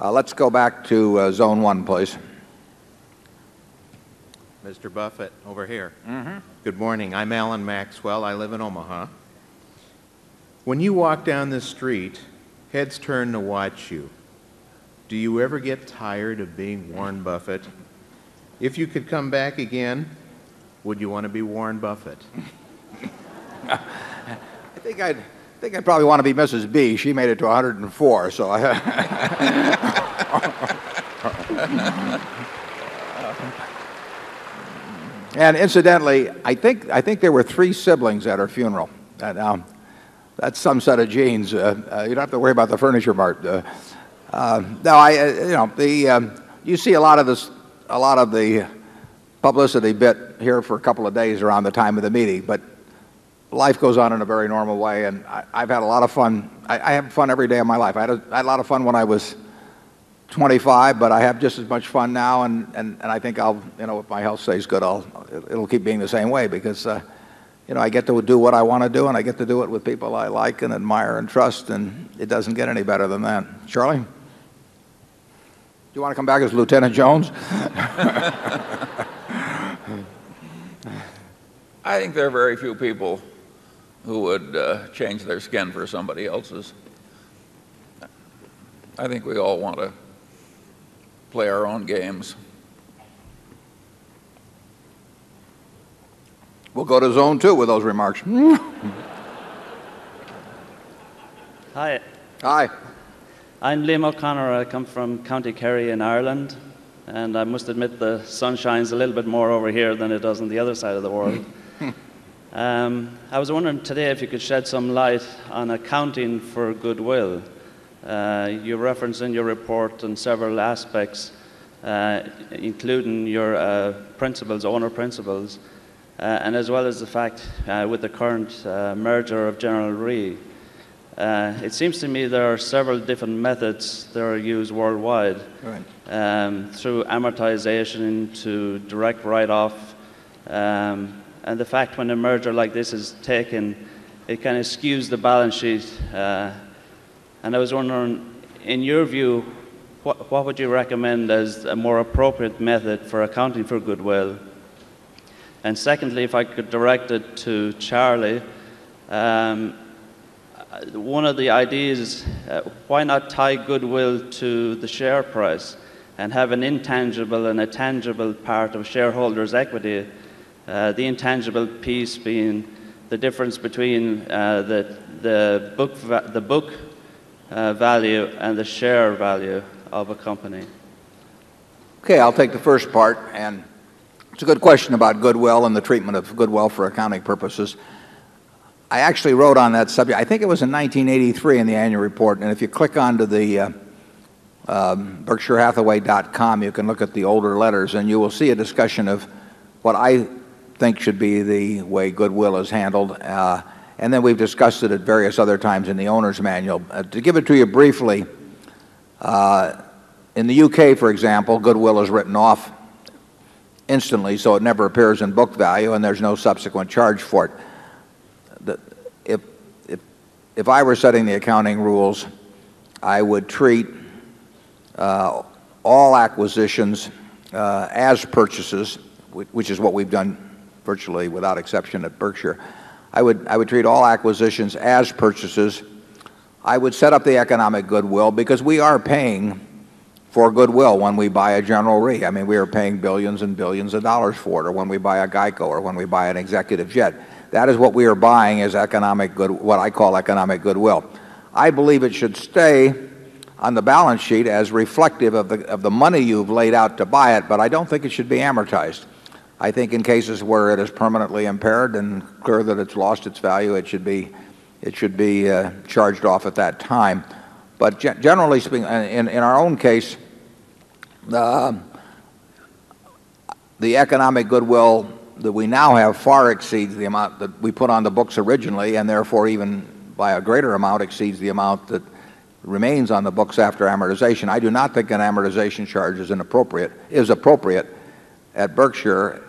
S1: Let's go back to zone 1, please.
S20: Mr. Buffett, over here. Mhmm. Good morning. I'm Alan Maxwell. I live in Omaha. When you walk down the street, heads turn to watch you. Do you ever get tired of being Warren Buffett? If you could come back again, would you want to be Warren Buffett?
S1: I think I'd think I'd probably want to be Mrs. B. She made it to a 100 and 4. And incidentally, I think there were 3 siblings at her funeral. That's some set of genes. You don't have to worry about the furniture, Martin. No, you know, you see a lot of the publicity bit here for a couple of days around the time of the meeting. But life goes on in a very normal way. And I've had a lot of fun. I have fun every day of my life. I had a lot of fun when I was 25, but I have just as much fun now. And I think I'll, you know, if my health stays good, it'll keep being the same way. Because, you know, I get to do what I want to do, and I get to do it with people I like and admire and trust and it doesn't get any better than that. Charlie? Do you want to come back as Lieutenant Jones?
S6: I think there are very few people who would change their skin for somebody else's. I think we all want to play our own games.
S1: We'll go to zone 2 with those remarks. Hi. Hi.
S21: I'm Liam O'Connor. I come from County Kerry in Ireland, and I must admit the sun shines a little bit more over here than it does on the other side of the world. I was wondering today if you could shed some light on accounting for goodwill. You referenced in your report on several aspects, including your principles, owner principles, and as well as the fact with the current merger of General Re. It seems to me there are several different methods that are used worldwide through amortization to direct write off and the fact when a merger like this is taken, it kind of skews the balance sheet. And I was wondering, in your view, what would you recommend as a more appropriate method for accounting for goodwill? And secondly, if I could direct it to Charlie, one of the ideas, why not tie goodwill to the share price and have an intangible and a tangible part of shareholders equity, The intangible piece being the difference between the book value and the share value of a company?
S1: Okay. I'll take the first part. And it's good question about goodwill and the treatment of goodwill for accounting purposes. I actually wrote on that subject I think it was in 1983 in the annual report. And if you click onto the Berkshire Hathaway.com, you can look at the older letters, and you will see a discussion of what I think should be the way goodwill is handled. And then we've discussed it at various other times in the owner's manual. To give it to you briefly, in the UK, for example, goodwill is written off instantly, so it never appears in book value and there's no subsequent charge for it. If I were setting the accounting rules, I would treat, all acquisitions as purchases which is what we've done virtually, without exception, at Berkshire I would treat all acquisitions as purchases. I would set up the economic goodwill because we are paying for goodwill when we buy a General Re. I mean, we are paying 1,000,000,000 and 1,000,000,000 of dollars for it, or when we buy a GEICO, or when we buy an executive jet. That is what we are buying as what I call economic goodwill. I believe it should stay on the balance sheet as reflective of the money you've laid out to buy it. But I don't think it should be amortized. I think in cases where it is permanently impaired and clear that it's lost its value, it should be charged off at that time. But generally speaking, in our own case, the economic goodwill that we now have far exceeds the amount that we put on the books originally. And therefore, even by a greater amount, exceeds the amount that remains on the books after amortization. I do not think an amortization charge is inappropriate is appropriate at Berkshire,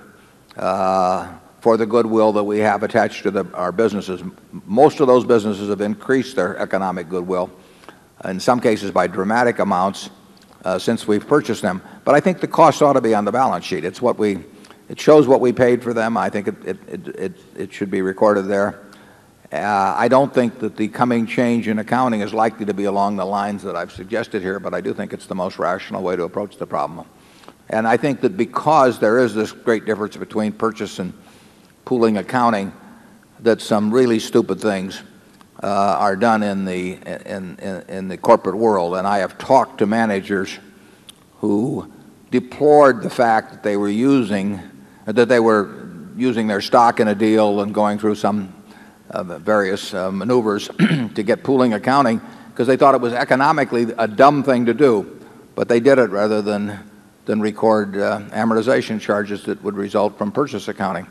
S1: for the goodwill that we have attached to our businesses. Most of those businesses have increased their economic goodwill, in some cases by dramatic amounts, since we've purchased them. But I think the costs ought to be on the balance sheet. It's what we it shows what we paid for them. I think it should be recorded there. I don't think that the coming change in accounting is likely to be along the lines that I've suggested here, but I do think it's the most rational way to approach the problem. And I think that because there is this great difference between purchase and pooling accounting, that some really stupid things are done in the corporate world. And I have talked to managers who deplored the fact that they were using their stock in a deal and going through some various maneuvers to get pooling accounting cause they thought it was economically a dumb thing to do. But they did it rather than record amortization charges that would result from purchase accounting.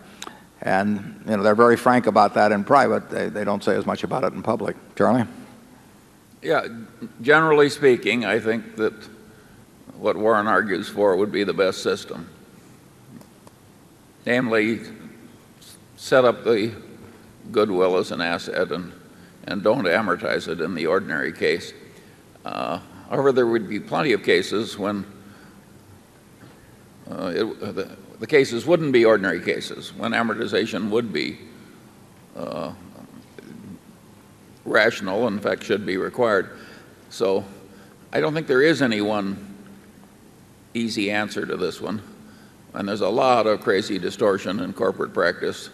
S1: And they're very frank about that in private. They don't say as much about it in public. Charlie?
S6: Yeah. Generally speaking, I think that what Warren argues for would be the best system, namely set up the goodwill as an asset and don't amortize it in the ordinary case. However, there would be plenty of cases when the cases wouldn't be ordinary cases, when amortization would be rational and, in fact, should be required. So I don't think there is any one easy answer to this one. And there's a lot of crazy distortion in corporate practice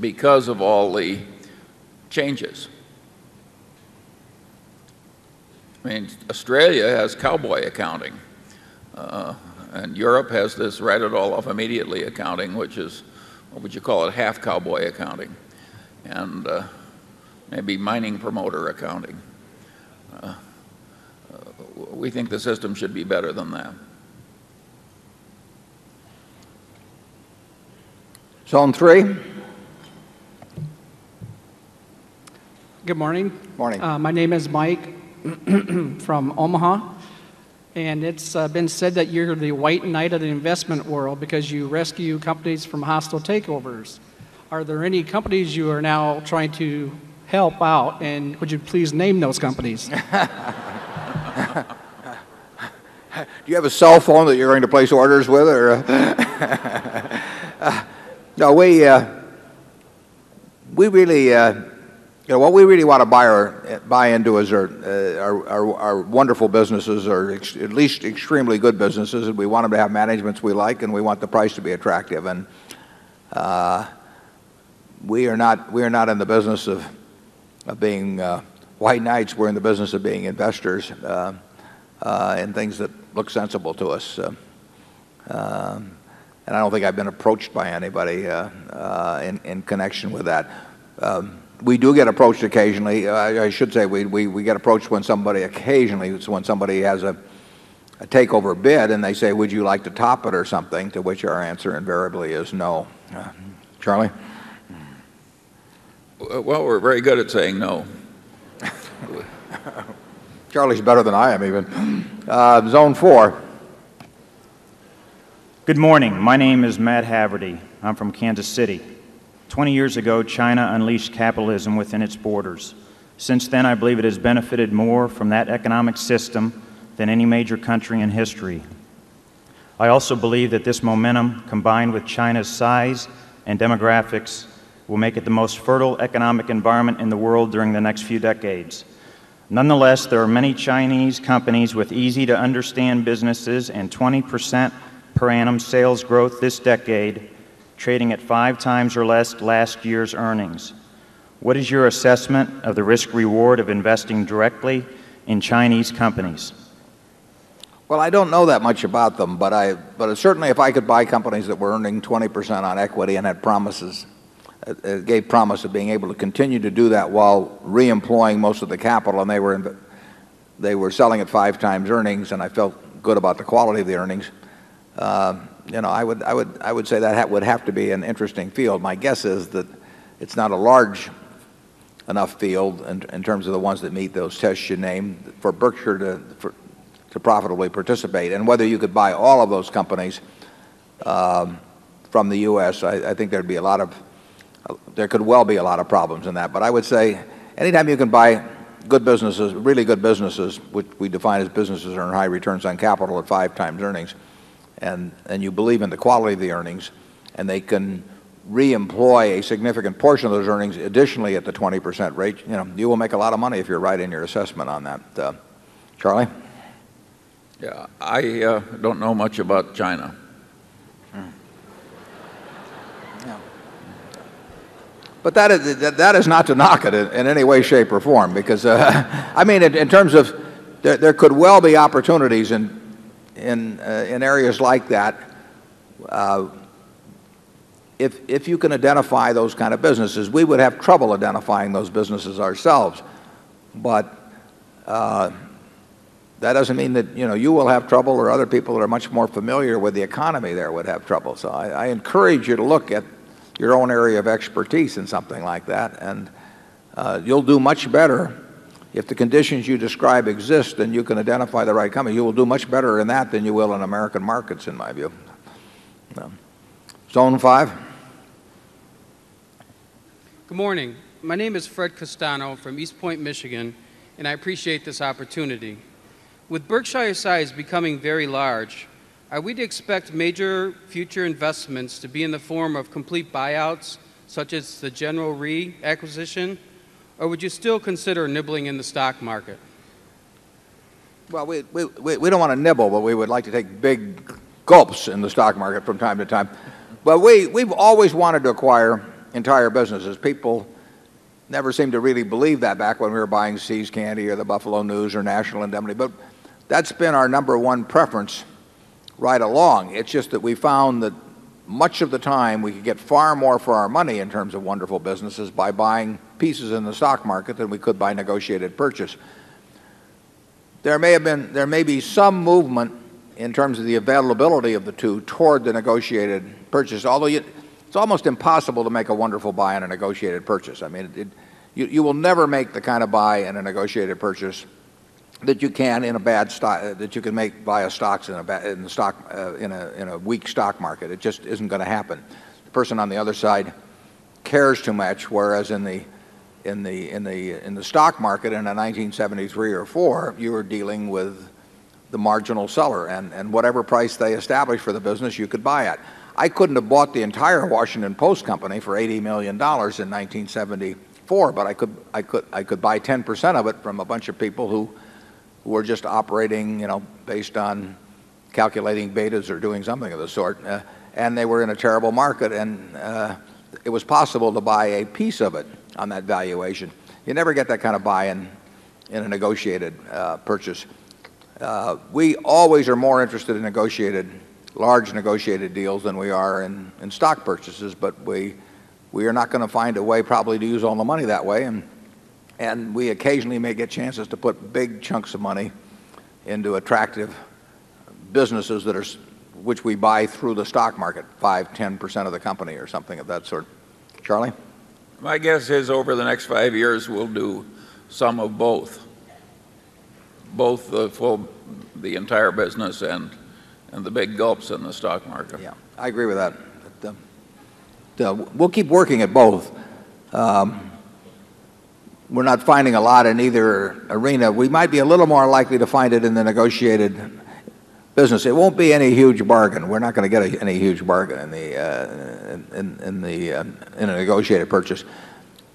S6: because of all the changes. I mean, Australia has cowboy accounting. And Europe has this write it all off immediately accounting, which is, what you call it, half cowboy accounting and maybe mining promoter accounting. We think the system should be better than that.
S1: John 3. Good morning. Good morning.
S13: My name is Mike from Omaha. And it's been said that you're the white knight of the investment world because you rescue companies from hostile takeovers. Are there any companies you are now trying to help out? And would you please name those companies?
S1: Do you have a cell phone that you're going to place orders with? Or, no, we, we really, you know, what we really want to buy into is our wonderful businesses, or at least extremely good businesses. And we want them to have managements we like and we want the price to be attractive. And we are not in the business of being white knights. We're in the business of being investors in things that look sensible to us. And I don't think I've been approached by anybody in connection with that. We do get approached occasionally. I should say, we get approached when somebody occasionally is when somebody has a takeover bid and they say, would you like to top it or something? To which our answer invariably is no. Charlie?
S6: Well, we're very good at saying no.
S1: Charlie's better than I am even. Zone 4.
S22: Good morning. My name is Matt Haverty. I'm from Kansas City. 20 years ago, China unleashed capitalism within its borders. Since then, I believe it has benefited more from that economic system than any major country in history. I also believe that this momentum combined with China's size and demographics will make it the most fertile economic environment in the world during the next few decades. Nonetheless, there are many Chinese companies with easy to understand businesses and 20% per annum sales growth this decade, trading at 5 times or less last year's earnings. What is your assessment of the risk reward of investing directly in Chinese companies?
S1: Well, I don't know that much about them. But I but certainly if I could buy companies that were earning 20% on equity and had promises, gave promise of being able to continue to do that while reemploying most of the capital. And they were selling at 5 times earnings. And I felt good about the quality of the earnings. You know, I would say that would have to be an interesting field. My guess is that it's not a large enough field in terms of the ones that meet those tests you name for Berkshire to profitably participate. And whether you could buy all of those companies from the U. S, I think there'd be a lot of there could well be a lot of problems in that. But I would say, anytime you can buy good businesses, really good businesses, which we define as businesses earning high returns on capital at 5 times earnings, and you believe in the quality of the earnings, and they can re employ a significant portion of those earnings additionally at the 20% rate, you know, you will make a lot of money if you're right in your assessment on that. Charlie?
S6: Yeah. I don't know much about China.
S1: But that is not to knock it in any way, shape, or form because, I mean, in terms of there could well be opportunities in areas like that, if you can identify those kind of businesses. We would have trouble identifying those businesses ourselves. But that doesn't mean that, you know, you will have trouble or other people that are much more familiar with the economy there would have trouble. So I encourage you to look at your own area of expertise in something like that. And you'll do much better if the conditions you describe exist, and you can identify American markets, in my view. Zone 5.
S23: Good morning. My name is Fred Costano from East Point, Michigan, and I appreciate this opportunity. With Berkshire size becoming very large, are we to expect major future investments to be in the form of complete buyouts such as the General Re acquisition or would you still consider nibbling in the stock market?
S1: Well, we don't want to nibble, but we would like to take big gulps in the stock market from time to time. But we've always wanted to acquire entire businesses. People never seemed to really believe that back when we were buying See's Candy or the Buffalo News or National Indemnity. But that's been our number one preference right along. It's just that we found that much of the time we could get far more for our money in terms of wonderful businesses by buying pieces in the stock market than we could by negotiated purchase. There may have been there may be some movement in terms of the availability of the 2 toward the negotiated purchase. Although it's almost impossible to make a wonderful buy in a negotiated purchase. I mean, you will never make the kind of buy in a negotiated purchase that you can in a bad stock that you can make via stocks in a bad in the stock in a in a weak stock market. It just isn't going to happen. The person on the other side cares too much. Whereas in the in the in the in the stock market, in the 1970 3 or 2004, you were dealing with the marginal seller. And whatever price they established for the business, you could buy it. I couldn't have bought the entire Washington Post company for $80,000,000 in 1974, but I could buy 10% of it from a bunch of people who were just operating, you know, based on calculating betas or doing something of this sort. And they were in a terrible market. And it was possible to buy a piece of it on that valuation. You never get that kind of buy in a negotiated purchase. We always are more interested in large negotiated deals than we are in stock purchases. But we are not going to find a way, probably, to use all the money that way. And we occasionally may get chances to put big chunks of money into attractive businesses that are which we buy through the stock market, 5%, 10% of the company or something of that sort. Charlie?
S6: My guess is over the next 5 years we'll do some of both, both the entire business and the big gulps in the stock market.
S1: Yes, I agree with that. We'll keep working at both. We're not finding a lot in either arena. We might be a little more likely to find it in the negotiated business. It won't be any huge bargain. We're not going to get any huge bargain in the in a negotiated purchase.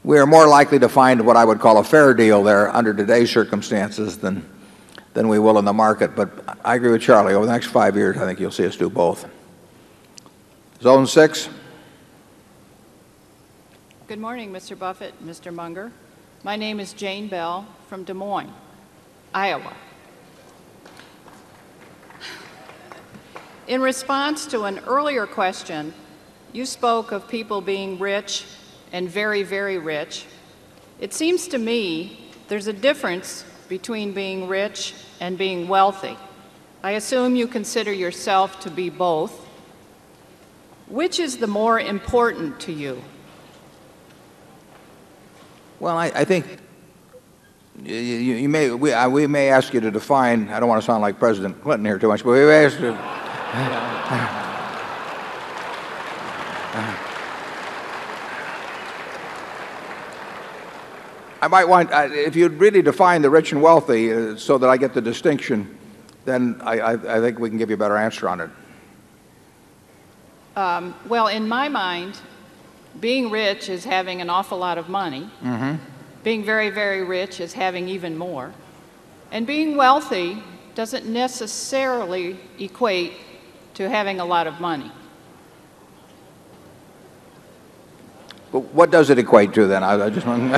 S1: We are more likely to find what I would call a fair deal there under today's circumstances than we will in the market. But I agree with Charlie. Over the next 5 years, I think you'll see us do both. Zone 6.
S24: Good morning, mister Buffet and mister Munger. My name is Jane Bell from Des Moines, Iowa. It seems to me there's a difference between being rich and being wealthy. I assume you consider yourself to be both. Which is the more important to you?
S1: Well, I think you may we may ask you to define. I don't want to sound like president Clinton here too much.
S13: I might want if you'd really define
S1: the rich and wealthy so that I get the distinction, then I think we can give you a better answer on it.
S24: Well, in my mind, being rich to having a lot of money.
S1: What does it equate to then? I just want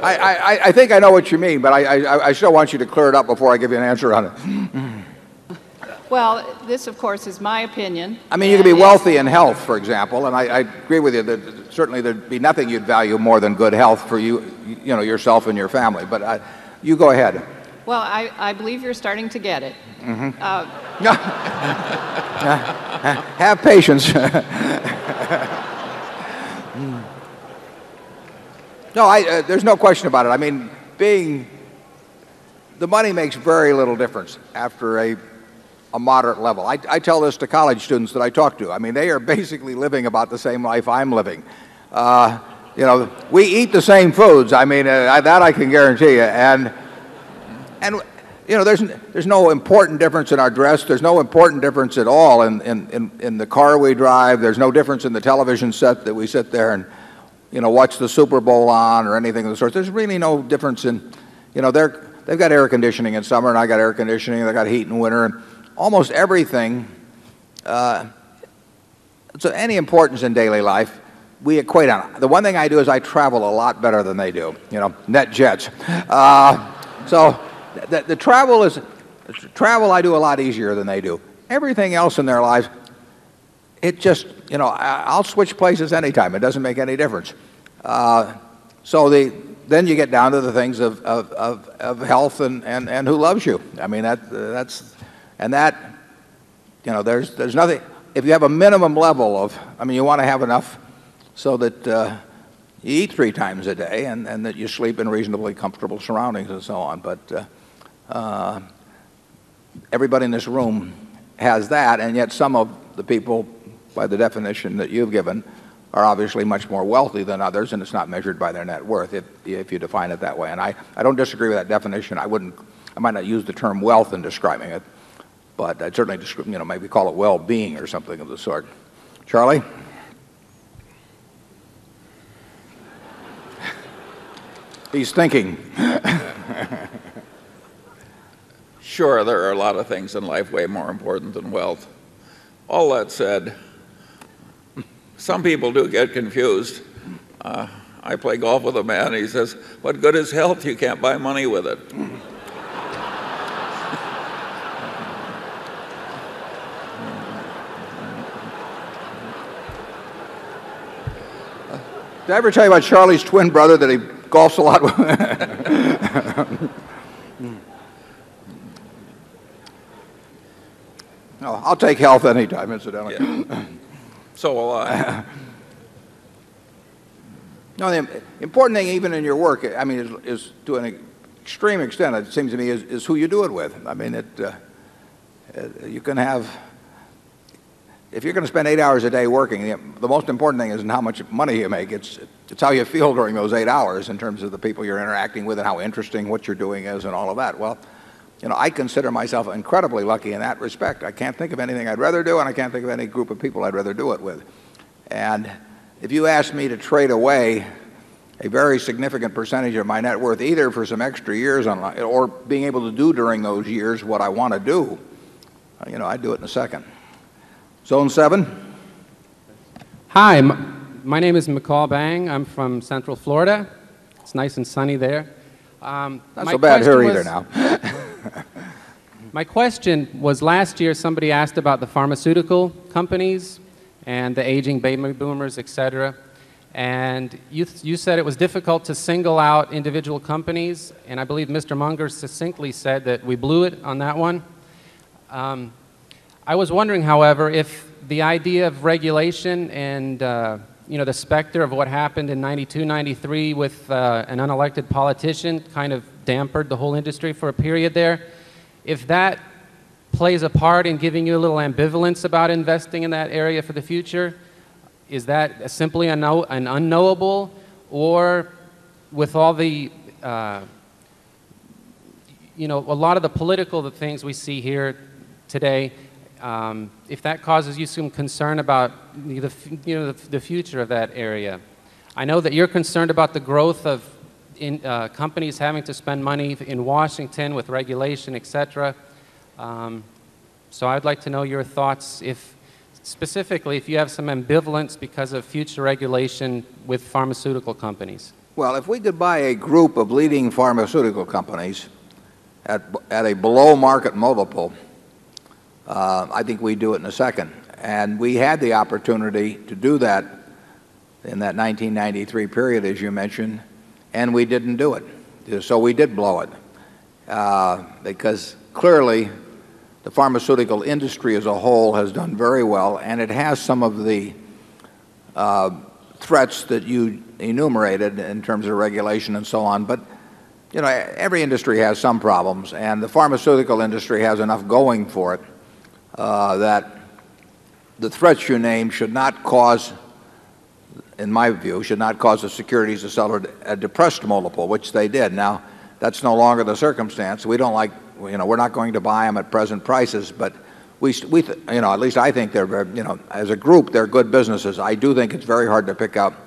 S1: I think I know what you mean, but I still want you to clear it up before I give you an answer on it.
S24: Well, this, of course, is my opinion.
S1: I mean, you could be wealthy in health, for example. And I agree with you that certainly there'd be nothing you'd value more than good health for you, you know, yourself and your family. But you go ahead.
S24: Well, I believe you're starting to get it. Mhmm.
S1: Have patience. No. There's no question about it. I mean, being the money makes very little difference after a moderate level. I tell this to college students that I talk to. I mean, they are basically living about the same life I'm living. You know, we eat the same foods. I mean, that I can guarantee you. And you know, there's no important difference in our dress. There's no important difference at all in the car we drive. There's no difference in the television set that we sit there and, you know, watch the Super Bowl on or anything of the sort. There's really no difference in, you know, they've got air conditioning in summer and I've got air conditioning and they've got heat in winter. Almost everything, so any importance in daily life, we equate on. The one thing I do is I travel a lot better than they do, you know, net jets. So the travel is travel, I do a lot easier than they do. Everything else in their lives, it just, you know, I'll switch places anytime. It doesn't make any difference. So then you get down to the things of health and who loves you. I mean, that's and that, you know, there's nothing if you have a minimum level of I mean, you want to have enough so that you eat 3 times a day and that you sleep in reasonably comfortable surroundings and so on. But everybody in this room has that. And yet some of the people, by the definition that you've given, are obviously much more wealthy than others. And it's not measured by their net worth, if you define it that way. And I don't disagree with that definition. I wouldn't I might not use the term wealth in describing it. But I'd certainly describe, you know, maybe call it well-being or something of the sort. Charlie? He's thinking.
S6: Sure, there are a lot of things in life way more important than wealth. All that said, some people do get confused. I play golf with a man. He says, What good is health? You can't buy money with it.
S1: No. I'll take health anytime incidentally.
S6: So
S1: no, the important thing even in your work, I mean, is to an extreme extent, it seems to me, is who you do it with. I mean, it you can have if you're going to spend 8 hours a day working, the most important thing isn't how much money you make. It's how you feel during those 8 hours in terms of the people you're interacting with and how interesting what you're doing is and all of that. Well, you know, I consider myself incredibly lucky in that respect. I can't think of anything I'd rather do.
S13: And I can't think of any group of
S1: people I'd rather do it with. And if you ask me to trade away a very significant percentage of my net worth, either for some extra years or being able to do during those years what I want to do, you know, I'd do it in a second. Zone 7.
S25: Hi. My name is McCall Bang. I'm from Central Florida. It's nice and sunny there. That's
S1: a bad hurry there now.
S25: My question was last year somebody asked about the pharmaceutical companies and the aging boomers, etcetera, and you said it was difficult to single out individual companies, and I believe Mr. Munger succinctly said that we blew it on that one. I was wondering, however, if the idea of regulation and, you know, the specter of what happened in 92, 93 with, an unelected politician kind of dampered the whole industry for a period there. If that plays a part in giving you a little ambivalence about investing in that area for the future, Is that simply an unknowable or with all the, you know, a lot of the political, the things we see here today, if that causes you some concern about the future of that area. I know that you're concerned about the growth of companies having to spend money in Washington with regulation, etcetera. So I'd like to know your thoughts if specifically if you have some ambivalence because of future regulation with pharmaceutical companies.
S1: Well, if we could buy a group of leading pharmaceutical companies at a below market multiple, I think we'd do it in a second. And we had the opportunity to do that in that 1993 period, as you mentioned. And we didn't do it. So we did blow it. Because clearly, the pharmaceutical industry as a whole has done very well. And it has some of the, threats that you enumerated in terms of regulation and so on. But, you know, every industry has some problems. And the pharmaceutical industry has enough going for it, that the threats you name should not cause, in my view, should not cause the securities to sell a depressed multiple, which they did. Now, that's no longer the circumstance. We don't like, you know, we're not going to buy them at present prices. But we, you know, at least I think they're very, you know, as a group, they're good businesses. I do think it's very hard to pick up,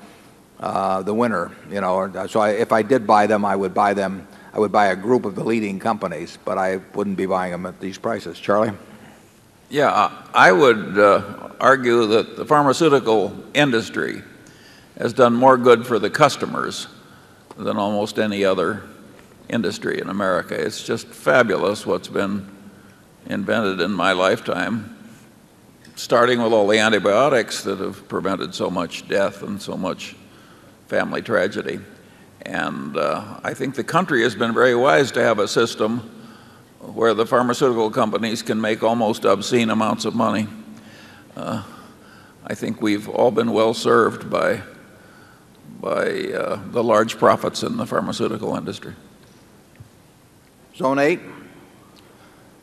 S1: the winner, you know. So if I did buy them, I would buy them I would buy a group of the leading companies. But I wouldn't be buying them at these prices. Charlie?
S6: Yeah. I would argue that the pharmaceutical industry has done more good for the customers than almost any other industry in America. It's just fabulous what's been invented in my lifetime, starting with all the antibiotics that have prevented so much death and so much family tragedy. And I think the country has been very wise to have a system where the pharmaceutical companies can make almost obscene amounts of money. I think we've all been well served by the large profits in the pharmaceutical industry. Zone 8.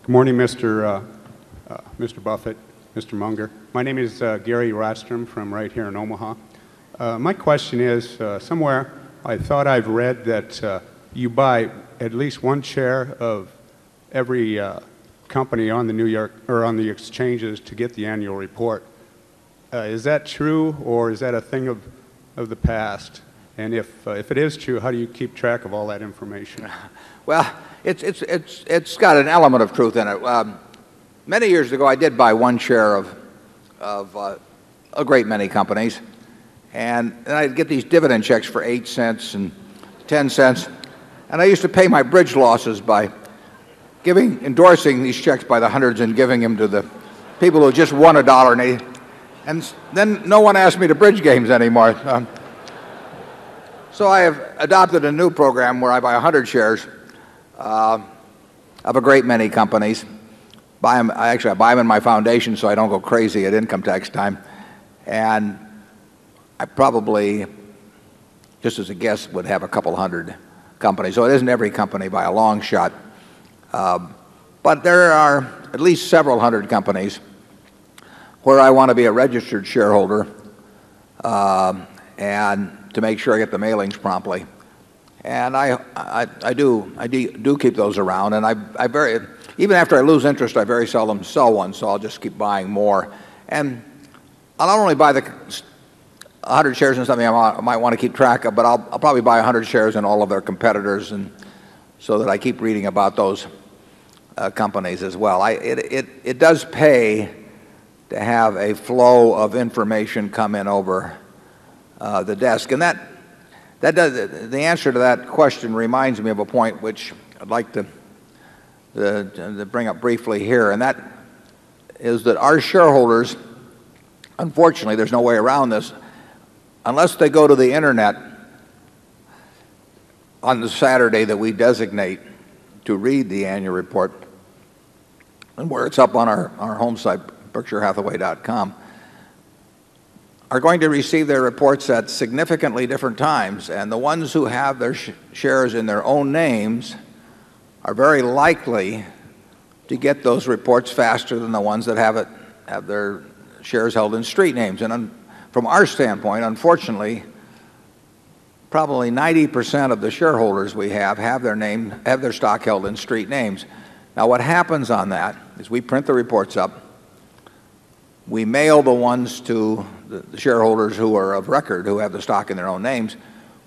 S26: Good morning, Mr. Buffet, Mr. Munger. My name is Gary Rastrom from right here in Omaha. My question is, somewhere I thought I've read that you buy at least one share of every company on the New York or on the exchanges to get the annual report. Is that true or is that a thing of the past? And if it is true, how do you keep track of all that information?
S1: Well, it's got an element of truth in it. Many years ago, I did buy one share of a great many companies. And I'd get these dividend checks for 8¢ and $0.10 And I used to pay my bridge losses by giving endorsing these checks by the 100 and giving them to the people who just won a dollar and and then no one asked me to bridge games anymore. So I have adopted a new program where I buy 100 shares of a great many companies. Buy them actually, I buy them in my foundation so I don't go crazy at income tax time. And I probably, just as a guess, would have a couple 100 companies. So it isn't every company by a long shot. But there are at least several 100 companies where I want to be a registered shareholder, and to make sure I get the mailings promptly. And I do keep those around. And I very even after I lose interest, I very seldom sell 1, so I'll just keep buying more. And I'll not only buy 100 shares in something I might want to keep track of, but I'll probably buy 100 shares in all of their competitors so that I keep reading about those companies as well. It does pay to have a flow of information come in over the desk. And that, the answer to that question reminds me of a point which I'd like to bring up briefly here. And that is that our shareholders unfortunately, there's no way around this unless they go to the internet on the Saturday that we designate to read the annual report and where it's up on our home site, Berkshire Hathaway.com are going to receive their reports at significantly different times. And the ones who have their shares in their own names are very likely to get those reports faster than the ones that have it have their shares held in street names. And from our standpoint, unfortunately, probably 90% of the shareholders we have have their name have their stock held in street names. Now what happens on that is we print the reports up, we mail the ones to the shareholders who are of record, who have the stock in their own names.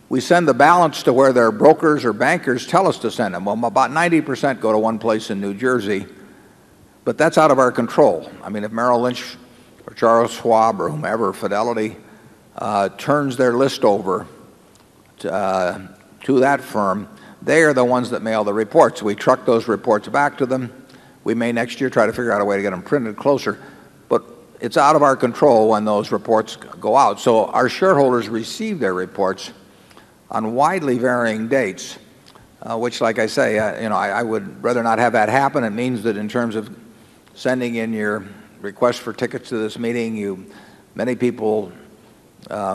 S1: We send the balance to where their brokers or bankers tell us to send them. About 90% go to one place in New Jersey. But that's out of our control. I mean, if Merrill Lynch or Charles Schwab or whomever, Fidelity, turns their list over to, to that firm. They are the ones that mail the reports. We truck those reports back to them. We may, next year, try to figure out a way to get them printed closer. But it's out of our control when those reports go out. So our shareholders receive their reports on widely varying dates, Which, like I say, I would rather not have that happen. It means that in terms of sending in your request for tickets to this meeting, many people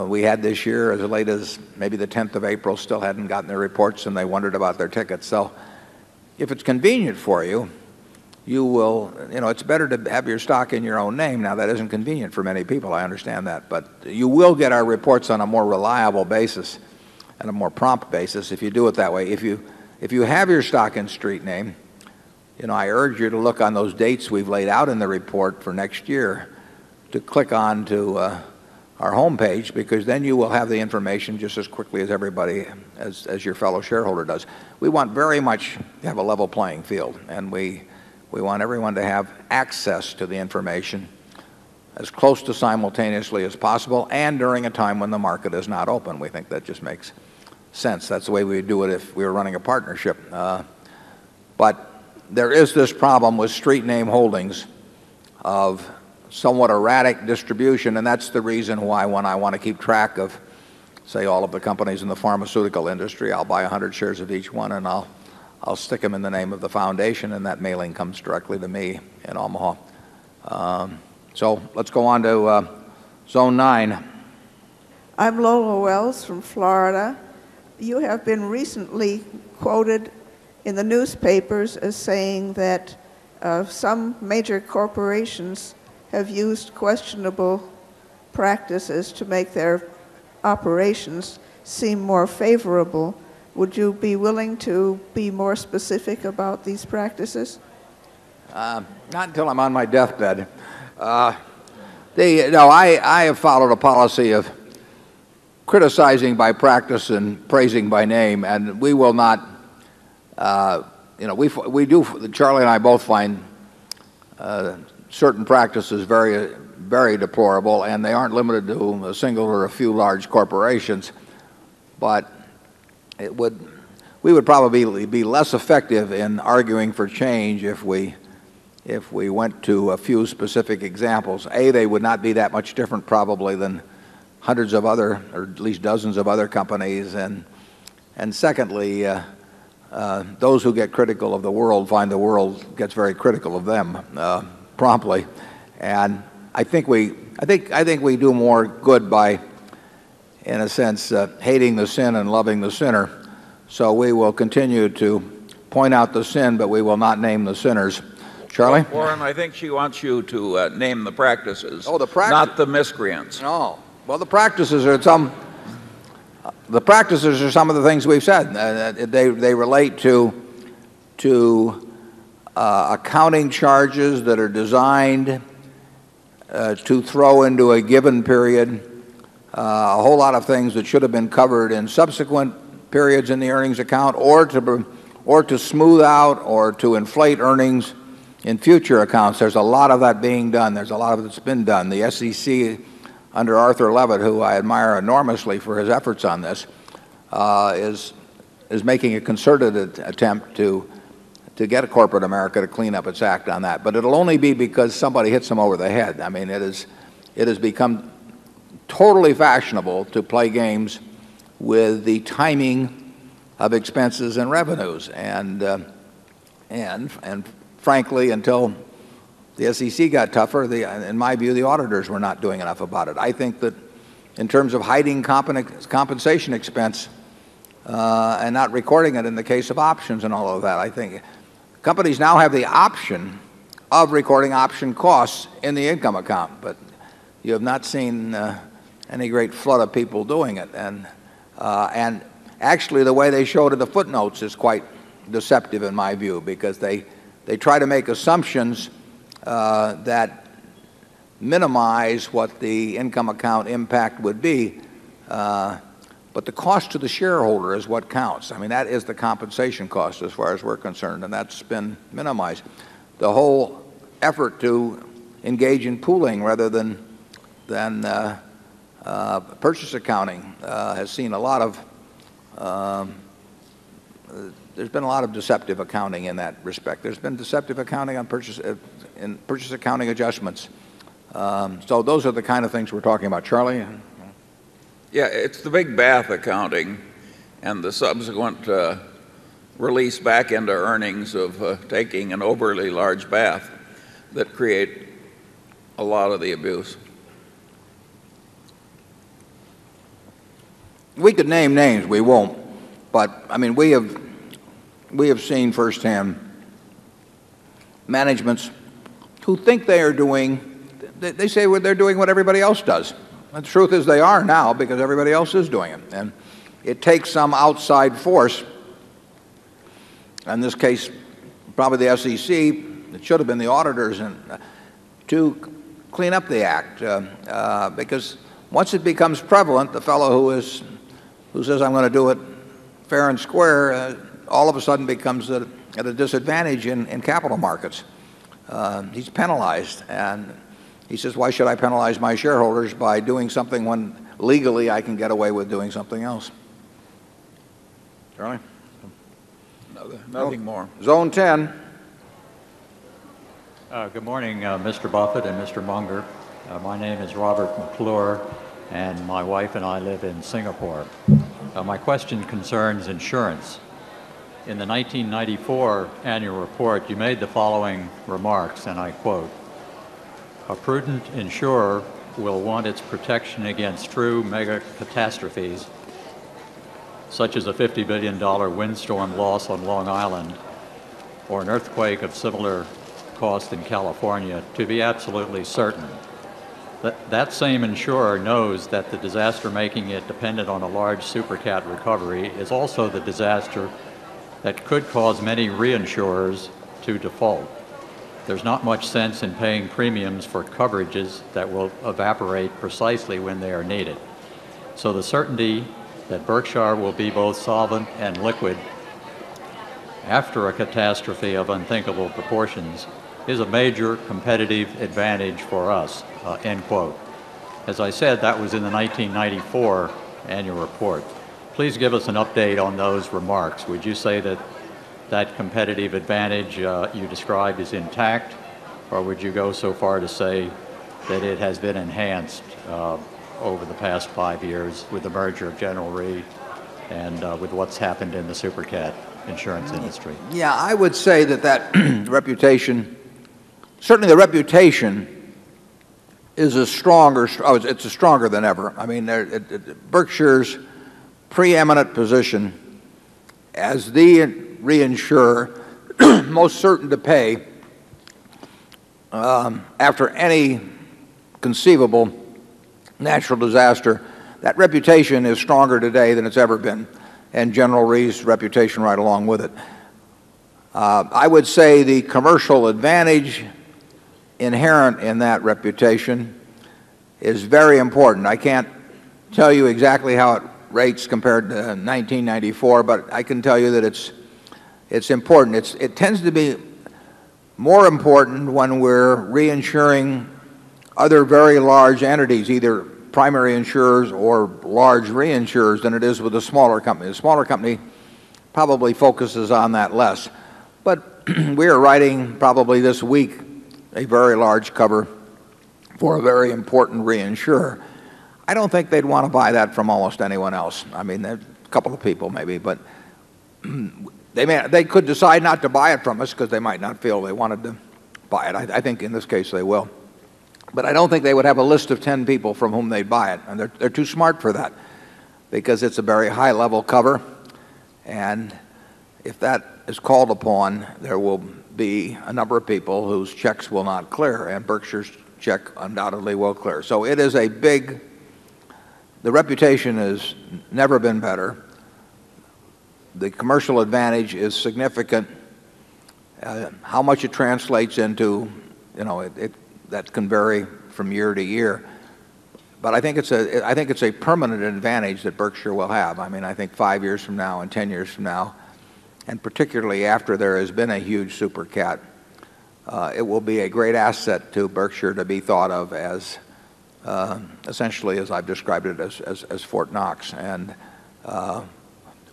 S1: we had this year, as late as maybe 10th April, still hadn't gotten their reports and they wondered about their tickets. So if it's convenient for you, you will you know, it's better to have your stock in your own name. Now that isn't convenient for many people, I understand that. But you will get our reports on a more reliable basis and a more prompt basis if you do it that way. If you have your stock in street name, you know, I urge you to look on those dates we've laid out in the report for next year to click on to our homepage because then you will have the information just as quickly as everybody, as your fellow shareholder does. We want very much to have a level playing field. And we we want everyone to have access to the information as close to simultaneously as possible and during a time when the market is not open. We think that just makes sense. That's the way we would do it if we were running a partnership. But there is this problem with street name holdings of somewhat erratic distribution. And that's the reason why, when I want to keep track of, say, all of the companies in the pharmaceutical industry, I'll buy 100 shares of each one and I'll stick them in the name of the foundation. And that mailing comes directly to me in Omaha. So let's go on to zone 9.
S27: I'm Lola Wells from Florida. You have been recently quoted in the newspapers as saying that, some major corporations have used questionable practices to make their operations seem more favorable. Would you be willing to be more specific about these practices?
S1: Not until I'm on my deathbed. They, no, I have followed a policy of criticizing by practice and praising by name. And we will not, you know, we do Charlie and I both find certain practices very, very deplorable. And they aren't limited to a single or a few large corporations. But it would we would probably be less effective in arguing for change if we went to a few specific examples. A, they would not be that much different, probably, than hundreds of other or at least dozens of other companies. And secondly, those who get critical of the world find the world gets very critical of them promptly. And I think we I think I think we do more good by, in a sense, hating the sin and loving the sinner. So we will continue to point out the sin, but we will not name the sinners. Charlie?
S6: Warren, I think she wants you to name the practices, not the miscreants.
S1: No. Well, the practices are some the practices are some of the things we've said. They relate to accounting charges that are designed to throw into a given period a whole lot of things that should have been covered in subsequent periods in the earnings account or to or to smooth out or to inflate earnings in future accounts. There's a lot of that being done. There's a lot of that's been done. The SEC, under Arthur Levitt, who I admire enormously for his efforts on this, is is making a concerted attempt to to get a corporate America to clean up its act on that. But it'll only be because somebody hits them over the head. I mean, it is it has become totally fashionable to play games with the timing of expenses and revenues. And and frankly, until the SEC got tougher, in my view, the auditors were not doing enough about it. I think that in terms of hiding compensation expense, and not recording it in the case of options and all of that, I think companies now have the option of recording option costs in the income account. But you have not seen any great flood of people doing it. And actually, the way they show it in the footnotes is quite deceptive, in my view. Because they try to make assumptions that minimize what the income account impact would be. But the cost to the shareholder is what counts. I mean, that is the compensation cost as far as we're concerned. And that's been minimized. The whole effort to engage in pooling rather than purchase accounting has seen a lot of there's been a lot of deceptive accounting in that respect. There's been deceptive accounting on purchase in purchase accounting adjustments. So those are the kind of things we're talking about. Charlie?
S6: Yeah, it's the big bath accounting and the subsequent release back into earnings of taking an overly large bath that create a lot of the abuse.
S1: We could name names. We won't. But, I mean, we have we have seen firsthand managements who think they are doing they say they're doing what everybody else does. And the truth is, they are now because everybody else is doing it. And it takes some outside force in this case, probably the SEC it should have been the auditors and to clean up the act. Because once it becomes prevalent, the fellow who is who says, I'm going to do it fair and square, all of a sudden becomes at a disadvantage in capital markets. He's penalized. And he says, why should I penalize my shareholders by doing something when, legally, I can get away with doing something else?
S6: Nothing more.
S1: Zone 10.
S28: Good morning, Mr. Buffet and Mr. Munger. My name is Robert McClure, and my wife and I live in Singapore. My question concerns insurance. In the 1994 annual report, you made the following remarks, and I quote, a prudent insurer will want its protection against true mega catastrophes such as a $50,000,000,000 windstorm loss on Long Island or an earthquake of similar cost in California, to be absolutely certain, that that same insurer knows that the disaster making it dependent on a large super cat recovery is also the disaster that could cause many reinsurers to default. There's not much sense in paying premiums for coverages that will evaporate precisely when they are needed. So the certainty that Berkshire will be both solvent and liquid after a catastrophe of unthinkable proportions is a major competitive advantage for us. As I said, that was in the 1994 annual report. Please give us an update on those remarks. Would you say that that competitive advantage you described is intact? Or would you go so far to say that it has been enhanced over the past 5 years with the merger of General Re and with what's happened in the super cat insurance industry?
S1: Yeah. I would say that that reputation certainly the reputation is as stronger it's stronger than ever. I mean, Berkshire's preeminent position as the reinsurer most certain to pay, after any conceivable natural disaster, that reputation is stronger today than it's ever been. And General Rees' reputation is right along with it. I would say the commercial advantage inherent in that reputation is very important. I can't tell you exactly how it rates compared to 1994. But I can tell you that it's important. It tends to be more important when we're reinsuring other very large entities, either primary insurers or large reinsurers, than it is with a smaller company. A smaller company probably focuses on that less. But we are writing, probably this week, a very large cover for a very important reinsurer. I don't think they'd want to buy that from almost anyone else. I mean, a couple of people, maybe. But they could decide not to buy it from us because they might not feel they wanted to buy it. I think in this case they will. But I don't think they would have a list of 10 people from whom they buy it. And they're too smart for that, because it's a very high level cover. And if that is called upon, there will be a number of people whose checks will not clear. And Berkshire's check undoubtedly will clear. So it is a big the reputation has never been better. The commercial advantage is significant. How much it translates into, you know, that can vary from year to year. But I think it's a permanent advantage that Berkshire will have. I mean, I think 5 years from now and 10 years from now, and particularly after there has been a huge super cat, it will be a great asset to Berkshire to be thought of as, essentially, as I've described it, as Fort Knox. And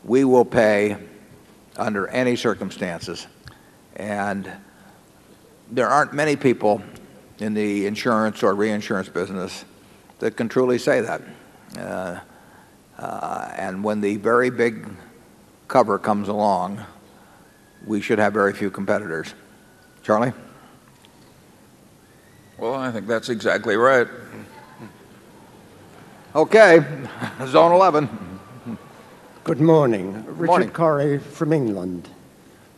S1: we will pay under any circumstances. And there aren't many people in the insurance or reinsurance business that can truly say that. And when the very big cover comes along, we should have very few competitors. Charlie?
S6: Well, I think that's exactly right.
S1: Okay. Zone 11.
S29: Good morning. Richard Corry from England.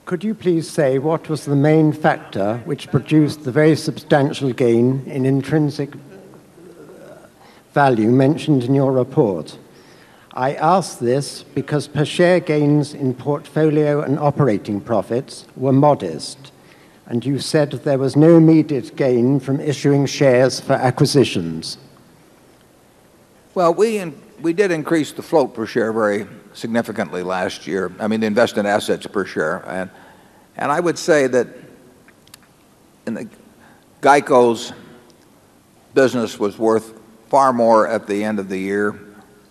S29: Could you please say what was the main factor which produced the very substantial gain in intrinsic value mentioned in your report. I ask this because per share gains in portfolio and operating profits were modest, And you said that there was no immediate gain from issuing shares for acquisitions.
S1: Well, we did increase the float per share very significantly last year. I mean, the investment assets per share. And I would say that GEICO's business was worth far more at the end of the year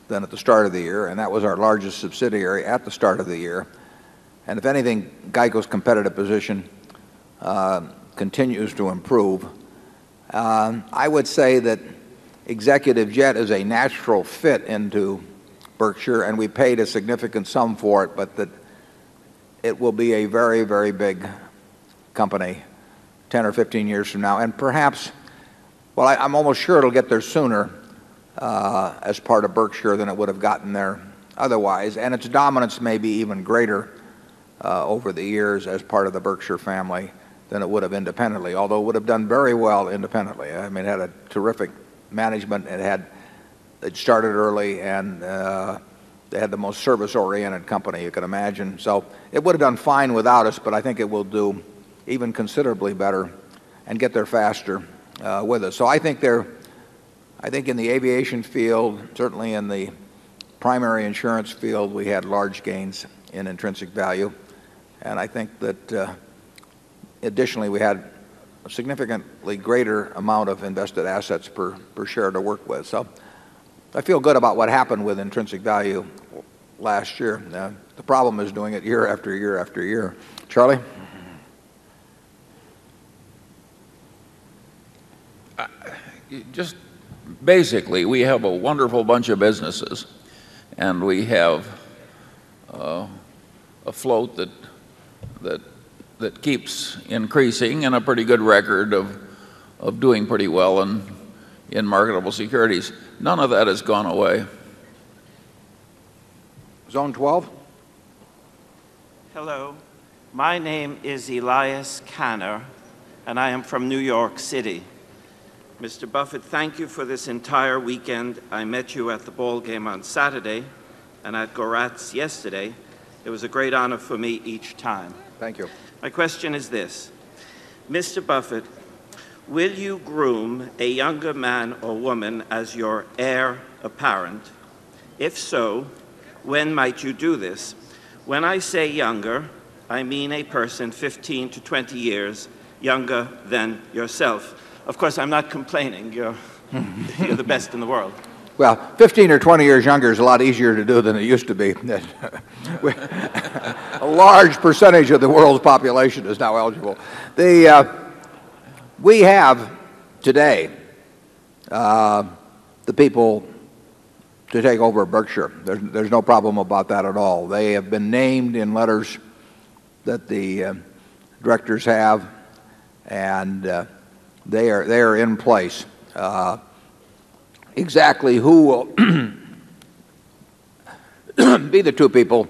S1: than at the start of the year. And that was our largest subsidiary at the start of the year. And if anything, GEICO's competitive position continues to improve. I would say that Executive Jet is a natural fit into Berkshire and we paid a significant sum for it. But it will be a very, very big company 10 or 15 years from now. And perhaps well, I'm almost sure it'll get there sooner, as part of Berkshire, than it would have gotten there otherwise. And its dominance may be even greater, over the years as part of the Berkshire family than it would have independently. Although it would have done very well independently. I mean, it had a terrific management. It had it started early. And they had the most service oriented company you could imagine. So it would have done fine without us, but I think it will do even considerably better and get there faster, with us. So I think there I think in the aviation field, certainly in the primary insurance field, we had large gains in intrinsic value. And I think that additionally, we had a significantly greater amount of invested assets per share to work with. So I feel good about what happened with intrinsic value last year. The problem is doing it year after year after year. Charlie?
S6: Just basically, we have a wonderful bunch of businesses. And we have a float that keeps increasing and a pretty good record of doing pretty well in marketable securities. None of that has gone away.
S1: Zone 12?
S30: Hello. My name is Elias Canner, and I am from New York City. Mister Buffett, thank you for this entire weekend. I met you at the ball game on Saturday and at Goratz yesterday. It was a great honor for me each time.
S1: Thank you.
S30: My question is this. Mister Buffett, will you groom a younger man or woman as your heir apparent? If so, when might you do this? When I say younger, I mean a person 15 to 20 years younger than yourself. Of course, I'm not complaining. You're the best in the world.
S1: Well, 15 or 20 years younger is a lot easier to do than it used to be. A large percentage of the world's population is now eligible. The we have today, the people to take over Berkshire. There's no problem about that at all. They have been named in letters that the directors have. And, they are they are in place. Exactly who will be the 2 people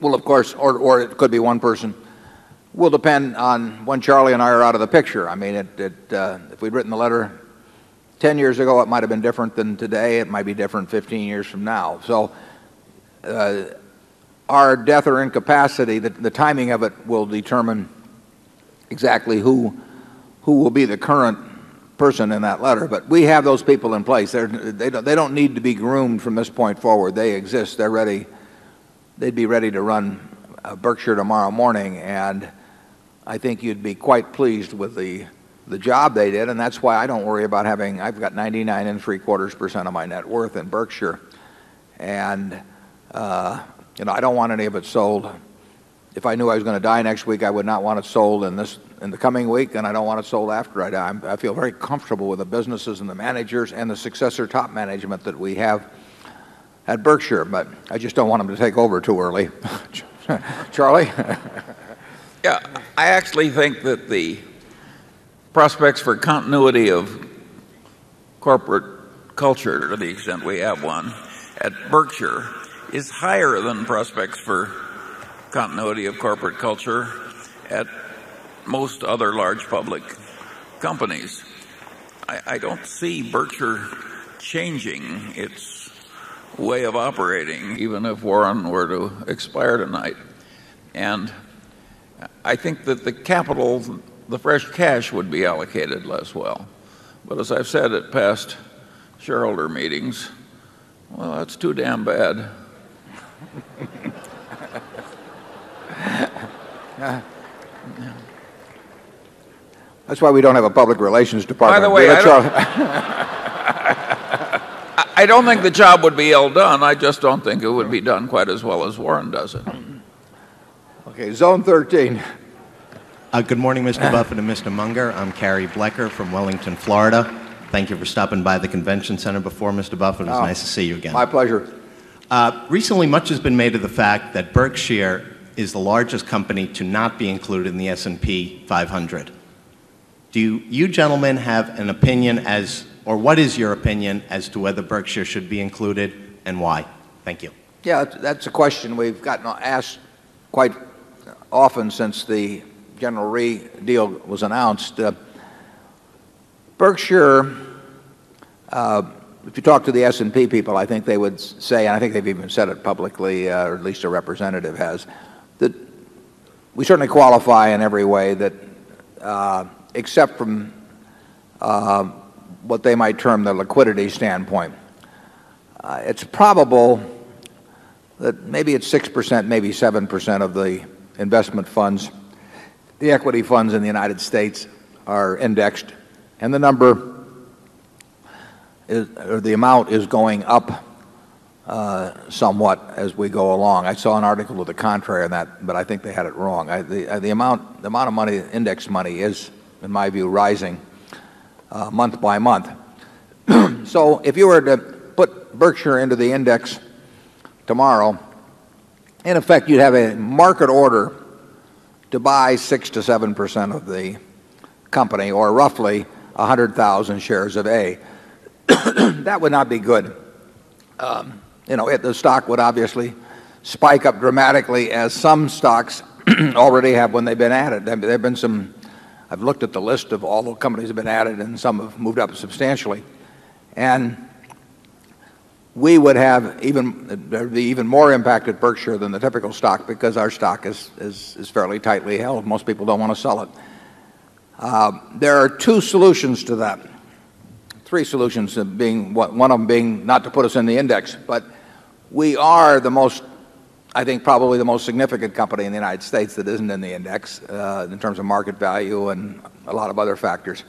S1: will, of course or it could be one person will depend on when Charlie and I are out of the picture. I mean, if we'd written the letter 10 years ago, it might have been different than today. It might be different 15 years from now. So our death or incapacity, the timing of it will determine exactly who will be the current person in that letter. But we have those people in place. They don't need to be groomed from this point forward. They exist. They'd be ready to run Berkshire tomorrow morning. And I think you'd be quite pleased with the job they did. And that's why I don't worry about having I've got 99.75 percent of my net worth in Berkshire. And, you know, I don't want any of it sold. If I knew I was going to die next week, I would not want it sold in the coming week, and I don't want it sold after I die. I feel very comfortable with the businesses and the managers and the successor top management that we have at Berkshire. But I just don't want them to take over too early. Charlie?
S6: Yeah. I actually think that the prospects for continuity of corporate culture to the extent we have 1 at Berkshire is higher than prospects for continuity of corporate culture at most other large public companies. I don't see Berkshire changing its way of operating even if Warren were to expire tonight. And I think that the capital, the fresh cash would be allocated less well. But as I have said at past shareholder meetings, well, that's too damn bad.
S1: That's why we don't have a public relations department. By the way,
S6: I don't think the job would be ill done. I just don't think it would be done quite as well as Warren does it.
S1: Okay. Zone 13.
S31: Good morning, Mr. Buffen and Mr. Munger. I'm Kerry Blecker from Wellington, Florida. Thank you for stopping by the convention center before, Mr. Buffet.
S1: It's nice to see you again.
S31: My pleasure. Recently, much has been made of the fact that Berkshire is the largest company to not be included in the S and P 500. Do you gentlemen have an opinion as or what is your opinion as to whether Berkshire should be included and why? Thank you.
S1: Yes. That's a question we've gotten asked quite often since the General Re deal was announced. Berkshire, if you talk to the S and P people, I think they would say and I think they've even said it publicly, or at least a representative has that we certainly qualify in every way that, except from, what they might term the liquidity standpoint, It's probable that maybe it's 6%, maybe 7% of the investment funds. The equity funds in the United States are indexed. And the number or the amount is going up, somewhat as we go along. I saw an article with the contrary on that, but I think they had it wrong. The amount of money index money is, in my view, rising month by month. So if you were to put Berkshire into the index tomorrow, in effect, you'd have a market order to buy 6 to 7 percent of the company or roughly 100,000 shares a day. That would not be good. You know, the stock would obviously spike up dramatically, as some stocks already have when they have been added. There have been some I've looked at the list of all the companies that have been added and some have moved up substantially. And we would have even there'd be even more impact at Berkshire than the typical stock because our stock is fairly tightly held. Most people don't want to sell it. There are 2 solutions to that. Three solutions being one of them being not to put us in the index, but we are the most I think probably the most significant company in the United States that isn't in the index in terms of market value and a lot of other factors.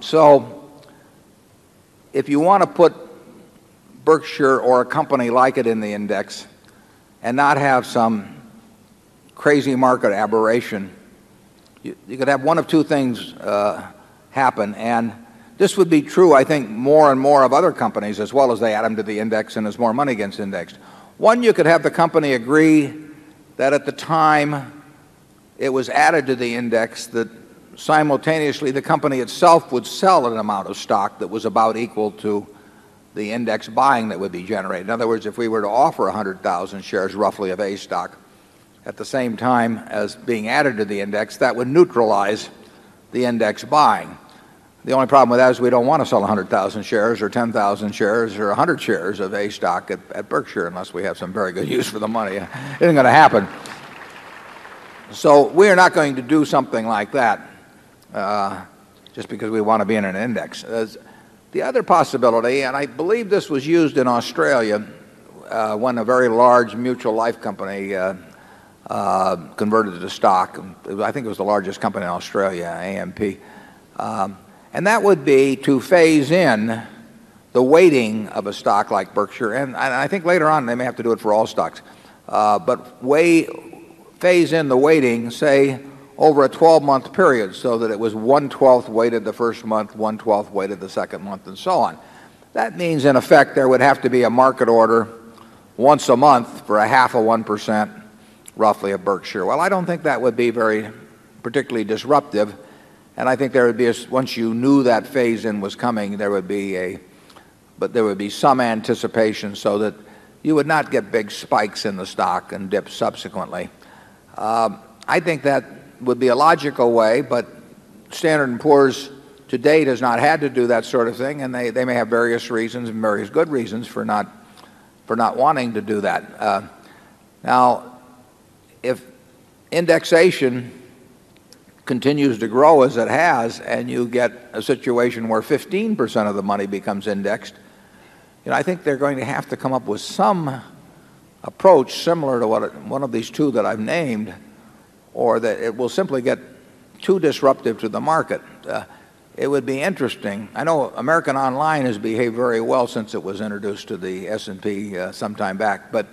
S1: So if you want to put Berkshire or a company like it in the index and not have some crazy market aberration, you could have 1 of 2 things happen. And this would be true, I think, more and more of other companies, as well as they add them to the index and there's more money against index. 1, you could have the company agree that at the time it was added to the index, that simultaneously the company itself would sell an amount of stock that was about equal to the index buying that would be generated. In other words, if we were to offer 100,000 shares roughly of A stock at the same time as being added to the index, that would neutralize the index buying. The only problem with that is we don't want to sell 100,000 shares or 10,000 shares or 100 shares of a stock at Berkshire unless we have some very good use for the money. It ain't going to happen. So we are not going to do something like that just because we want to be in an index. The other possibility and I believe this was used in Australia when a very large mutual life company converted to stock. I think it was the largest company in Australia, AMP. And that would be to phase in the weighting of a stock like Berkshire. And I think later on, they may have to do it for all stocks. But phase in the weighting, say, over a 12 month period so that it was 1 12th weighted the 1st month, 1 12th weighted the 2nd month, and so on. That means, in effect, there would have to be a market order once a month for a half a 1%, roughly a Berkshire. Well, I don't think that would be very particularly disruptive. And I think there would be a once you knew that phase in was coming, there would be a but there would be some anticipation so that you would not get big spikes in the stock and dip subsequently. I think that would be a logical way. But Standard and Poor's, to date, has not had to do that sort of thing. And they may have various reasons and various good reasons for not for not wanting to do that. Now, if indexation continues to grow as it has, and you get a situation where 15% of the money becomes indexed, you know, I think they're going to have to come up with some approach similar to what one of these 2 that I've named, or that it will simply get too disruptive to the market. It would be interesting. I know American online has behaved very well since it was introduced to the S&P sometime back. But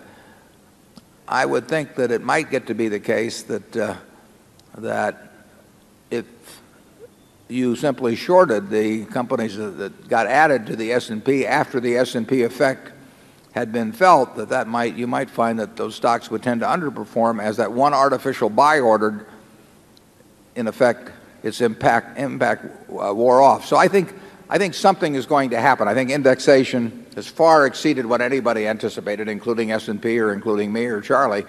S1: I would think that it might get to be the case that, that if you simply shorted the companies that got added to the S and P after the S and P effect had been felt, that that might you might find that those stocks would tend to underperform as that one artificial buy ordered, in effect, its impact, wore off. So I think something is going to happen. I think indexation has far exceeded what anybody anticipated, including S&P or including me or Charlie.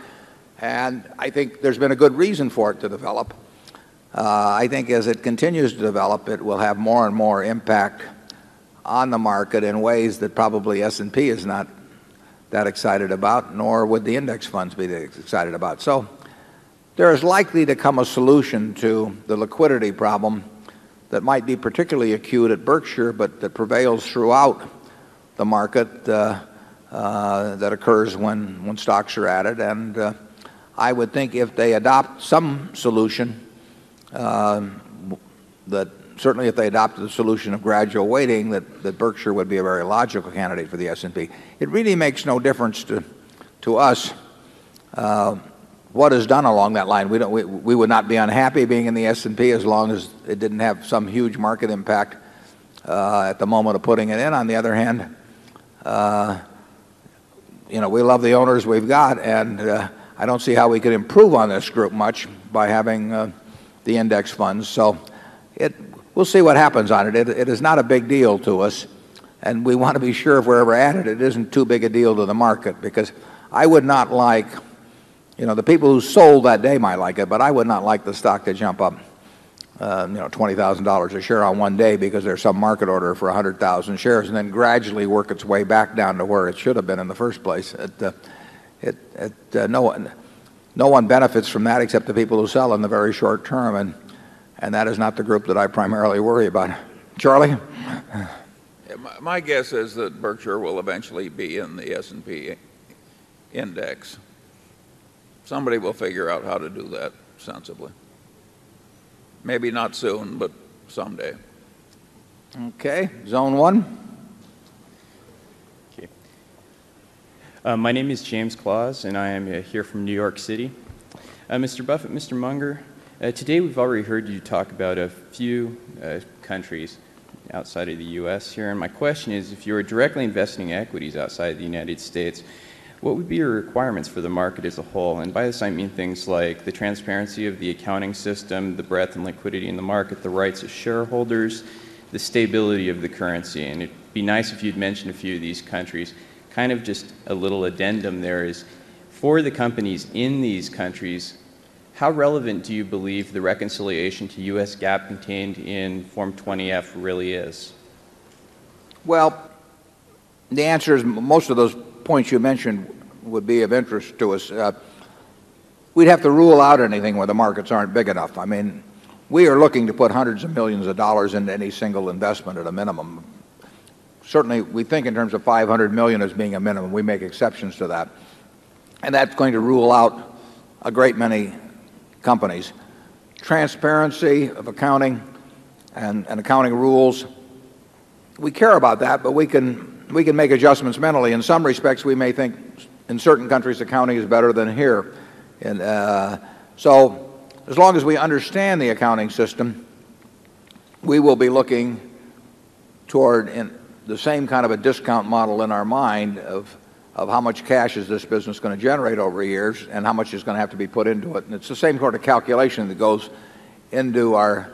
S1: And I think there's been a good reason for it to develop. I think as it continues to develop, it will have more and more impact on the market in ways that probably S and P is not that excited about, nor would the index funds be that excited about. So there is likely to come a solution to the liquidity problem that might be particularly acute at Berkshire, but that prevails throughout the market, that occurs when stocks are added. And I would think if they adopt some solution, that certainly if they adopted a solution of gradual weighting, that Berkshire would be a very logical candidate for the S and P. It really makes no difference to us what is done along that line. We would not be unhappy being in the S and P as long as it didn't have some huge market impact, at the moment of putting it in. On the other hand, you know, we love the owners we've got. And, I don't see how we could improve on this group much by having the index funds. So it we'll see what happens on it. It is not a big deal to us. And we want to be sure if we're ever at it, it isn't too big a deal to the market. Because I would not like you know, the people who sold that day might like it, but I would not like the stock to jump up, you know, dollars 20,000 a share on one day because there's some market order for 100,000 shares and then gradually work its way back down to where it should have been in the 1st place. It it it no one benefits from that except the people who sell them in the very short term. And that is not the group that I primarily worry about. Charlie?
S6: My guess is that Berkshire will eventually be in the S and P index. Somebody will figure out how to do that sensibly. Maybe not soon, but someday.
S1: Okay. Zone 1.
S32: My name is James Claus, and I am here from New York City. Mr. Buffet, Mr. Munger, today, we've already heard you talk about a few countries outside of the U. S. Here. And my question is, if you were directly investing equities outside the United States, what would be your requirements for the market as a whole? And by this, I mean things like the transparency of the accounting system, the breadth and liquidity in the market, the rights of shareholders, the stability of the currency. And it'd be nice if you'd mentioned a few of these countries. Kind of just a little addendum there is for the companies in these countries, how relevant do you believe the reconciliation to U. S. GAAP contained in Form 20F really is?
S1: Well, the answer is most of those points you mentioned would be of interest to us. We'd have to rule out anything where the markets aren't big enough. I mean, we are looking to put 100 of 1,000,000 of dollars into any single investment at a minimum. Certainly, we think in terms of $500,000,000 as being a minimum. We make exceptions to that. And that's going to rule out a great many companies. Transparency of accounting and accounting rules. We care about that, but we can we can make adjustments mentally. In some respects, we may think in certain countries, accounting is better than here. And, so as long as we understand the accounting system, we will be looking toward the same kind of a discount model in our mind of how much cash is this business going to generate over years and how much is going to have to be put into it. And it's the same sort of calculation that goes into our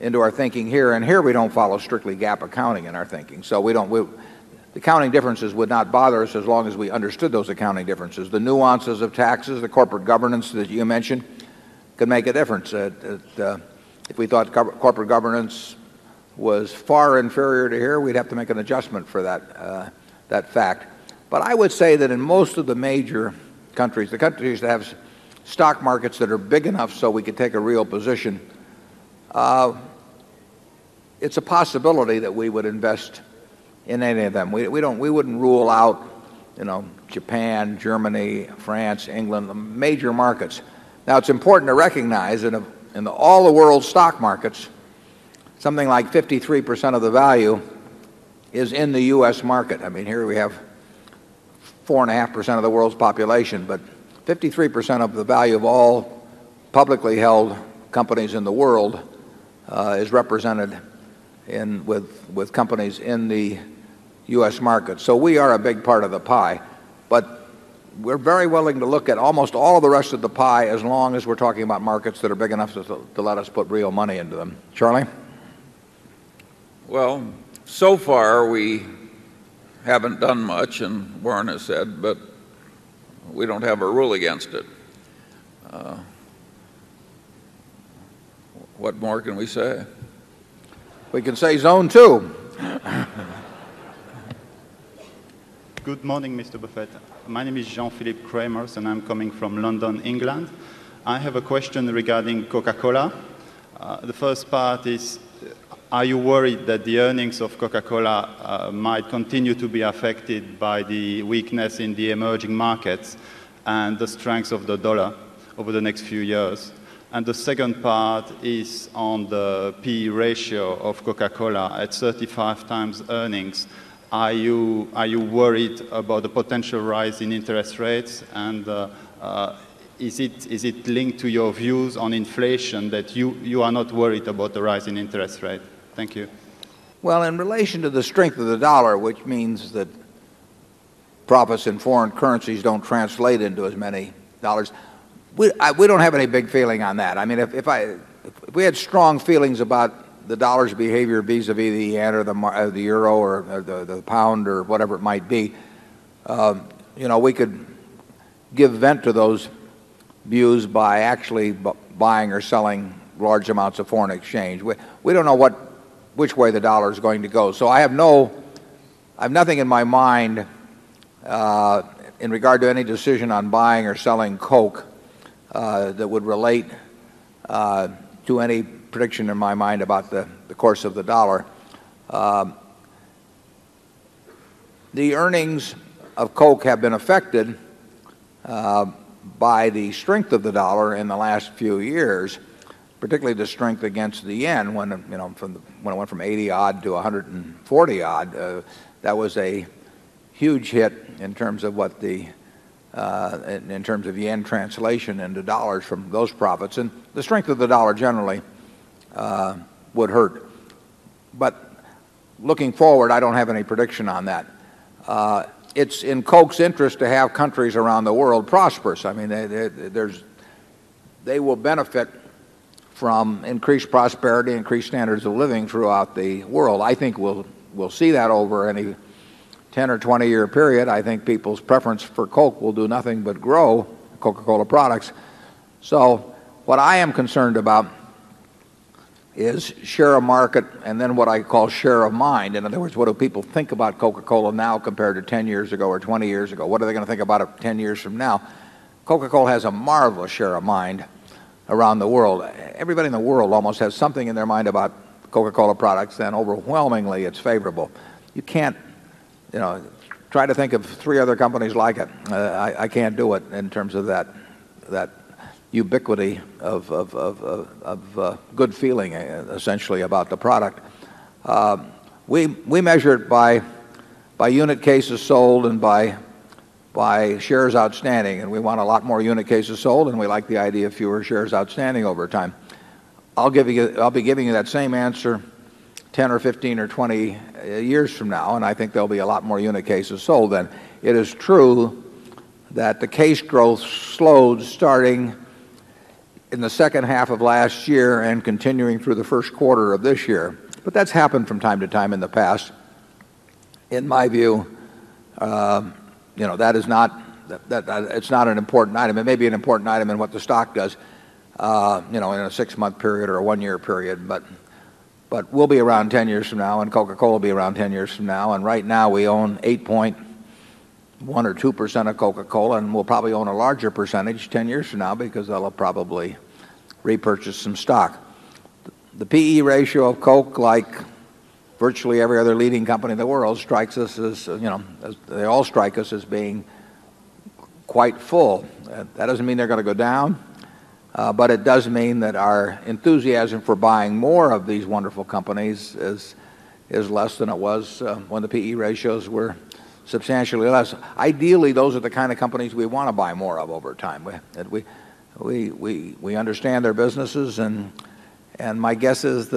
S1: into our thinking here. And here, we don't follow strictly GAAP accounting in our thinking. So we don't the accounting differences would not bother us as long as we understood those accounting differences. The nuances of taxes, the corporate governance that you mentioned, could make a difference. If we thought corporate governance was far inferior to here, we'd have to make an adjustment for that, that fact. But I would say that in most of the major countries the countries that have stock markets that are big enough so we could take a real position it's a possibility that we would invest in any of them. We don't we wouldn't rule out, you know, Japan, Germany, France, England the major markets. Now it's important to recognize in all the world's stock markets, something like 53% of the value is in the U. S. Market. I mean, here we have 4 a half percent of the world's population. But 53% of the value of all publicly held companies in the world, is represented in with with companies in the US markets. So we are a big part of the pie. But we're very willing to look at almost all the rest of the pie as long as we're talking about markets that are big enough to let us put real money into them. Charlie?
S6: Well, so far we haven't done much, as Warren has said, but we don't have a rule against it. What more can we say?
S1: We can say zone 2.
S33: Good morning, Mr. Buffet. My name is Jean Philippe Kremer and I'm coming from London, England. I have a question regarding Coca Cola. The first part is, are you worried that the earnings of Coca Cola might continue to be affected by the weakness in the emerging markets and the strength of the dollar over the next few years? And the second part is on the PE ratio of Coca Cola at 35 times earnings, are you worried about the potential rise in interest rates? And is it linked to your views on inflation that you are not worried about the rise in interest rate? Thank you.
S1: Well, in relation to the strength of the dollar, which means that profits in foreign currencies don't translate into as many dollars, we don't have any big feeling on that. I mean, if I if we had strong feelings about the dollar's behavior visavishead or the euro or the pound or whatever it might be, you know, we could give vent to those views by actually buying or selling large amounts of foreign exchange. We don't know what which way the dollar is going to go. So I have no I have nothing in my mind, in regard to any decision on buying or selling Coke that would relate to any prediction in my mind about the course of the dollar. The earnings of coke have been affected by the strength of the dollar in the last few years. Particularly the strength against the yen when, you know, when it went from 80 odd to 140 odd. That was a huge hit in terms of what the, in terms of yen translation into dollars from those profits. And the strength of the dollar generally would hurt. But looking forward, I don't have any prediction on that. It's in Koch's interest to have countries around the world prosperous. I mean, they they they will benefit from increased prosperity, increased standards of living throughout the world. I think we'll we'll see that over any 10 or 20 year period. I think people's preference for Coke will do nothing but grow Coca Cola products. So what I am concerned about is share of market and then what I call share of mind. And in other words, what do people think about Coca Cola now compared to 10 years ago or 20 years ago? What are they going to think about it 10 years from now? Coca Cola has a marvelous share of mind around the world. Everybody in the world almost has something in their mind about Coca Cola products and overwhelmingly it's favorable. You can't, you know, try to think of 3 other companies like it. I can't do it in terms of that ubiquity of good feeling, essentially, about the product. We measure it by unit cases sold and by shares outstanding. And we want a lot more unit cases sold and we like the idea of fewer shares outstanding over time. I'll be giving you that same answer 10 or 15 or 20 years from now. And I think there'll be a lot more unit cases sold then. It is true that the case growth slowed starting in the second half of last year and continuing through the Q1 of this year. But that's happened from time to time in the past. In my view, that is not it's not an important item. It may be an important item in what the stock does, you know, in a 6 month period or a 1 year period. But we'll be around 10 years from now. And Coca Cola will be around 10 years from now. And right now we own 8 point 1 or 2 percent of Coca Cola. And we'll probably own a larger percentage 10 years from now because that'll probably repurchase some stock. The PE ratio of Coke, like virtually every other leading company in the world, strikes us as, you know, they all strike us as being quite full. That doesn't mean they're going to go down, but it does mean that our enthusiasm for buying more of these wonderful companies is less than it was when the PE ratios were substantially less. Ideally, those are the kind of companies we want to buy more of over time. We understand their businesses. And my guess is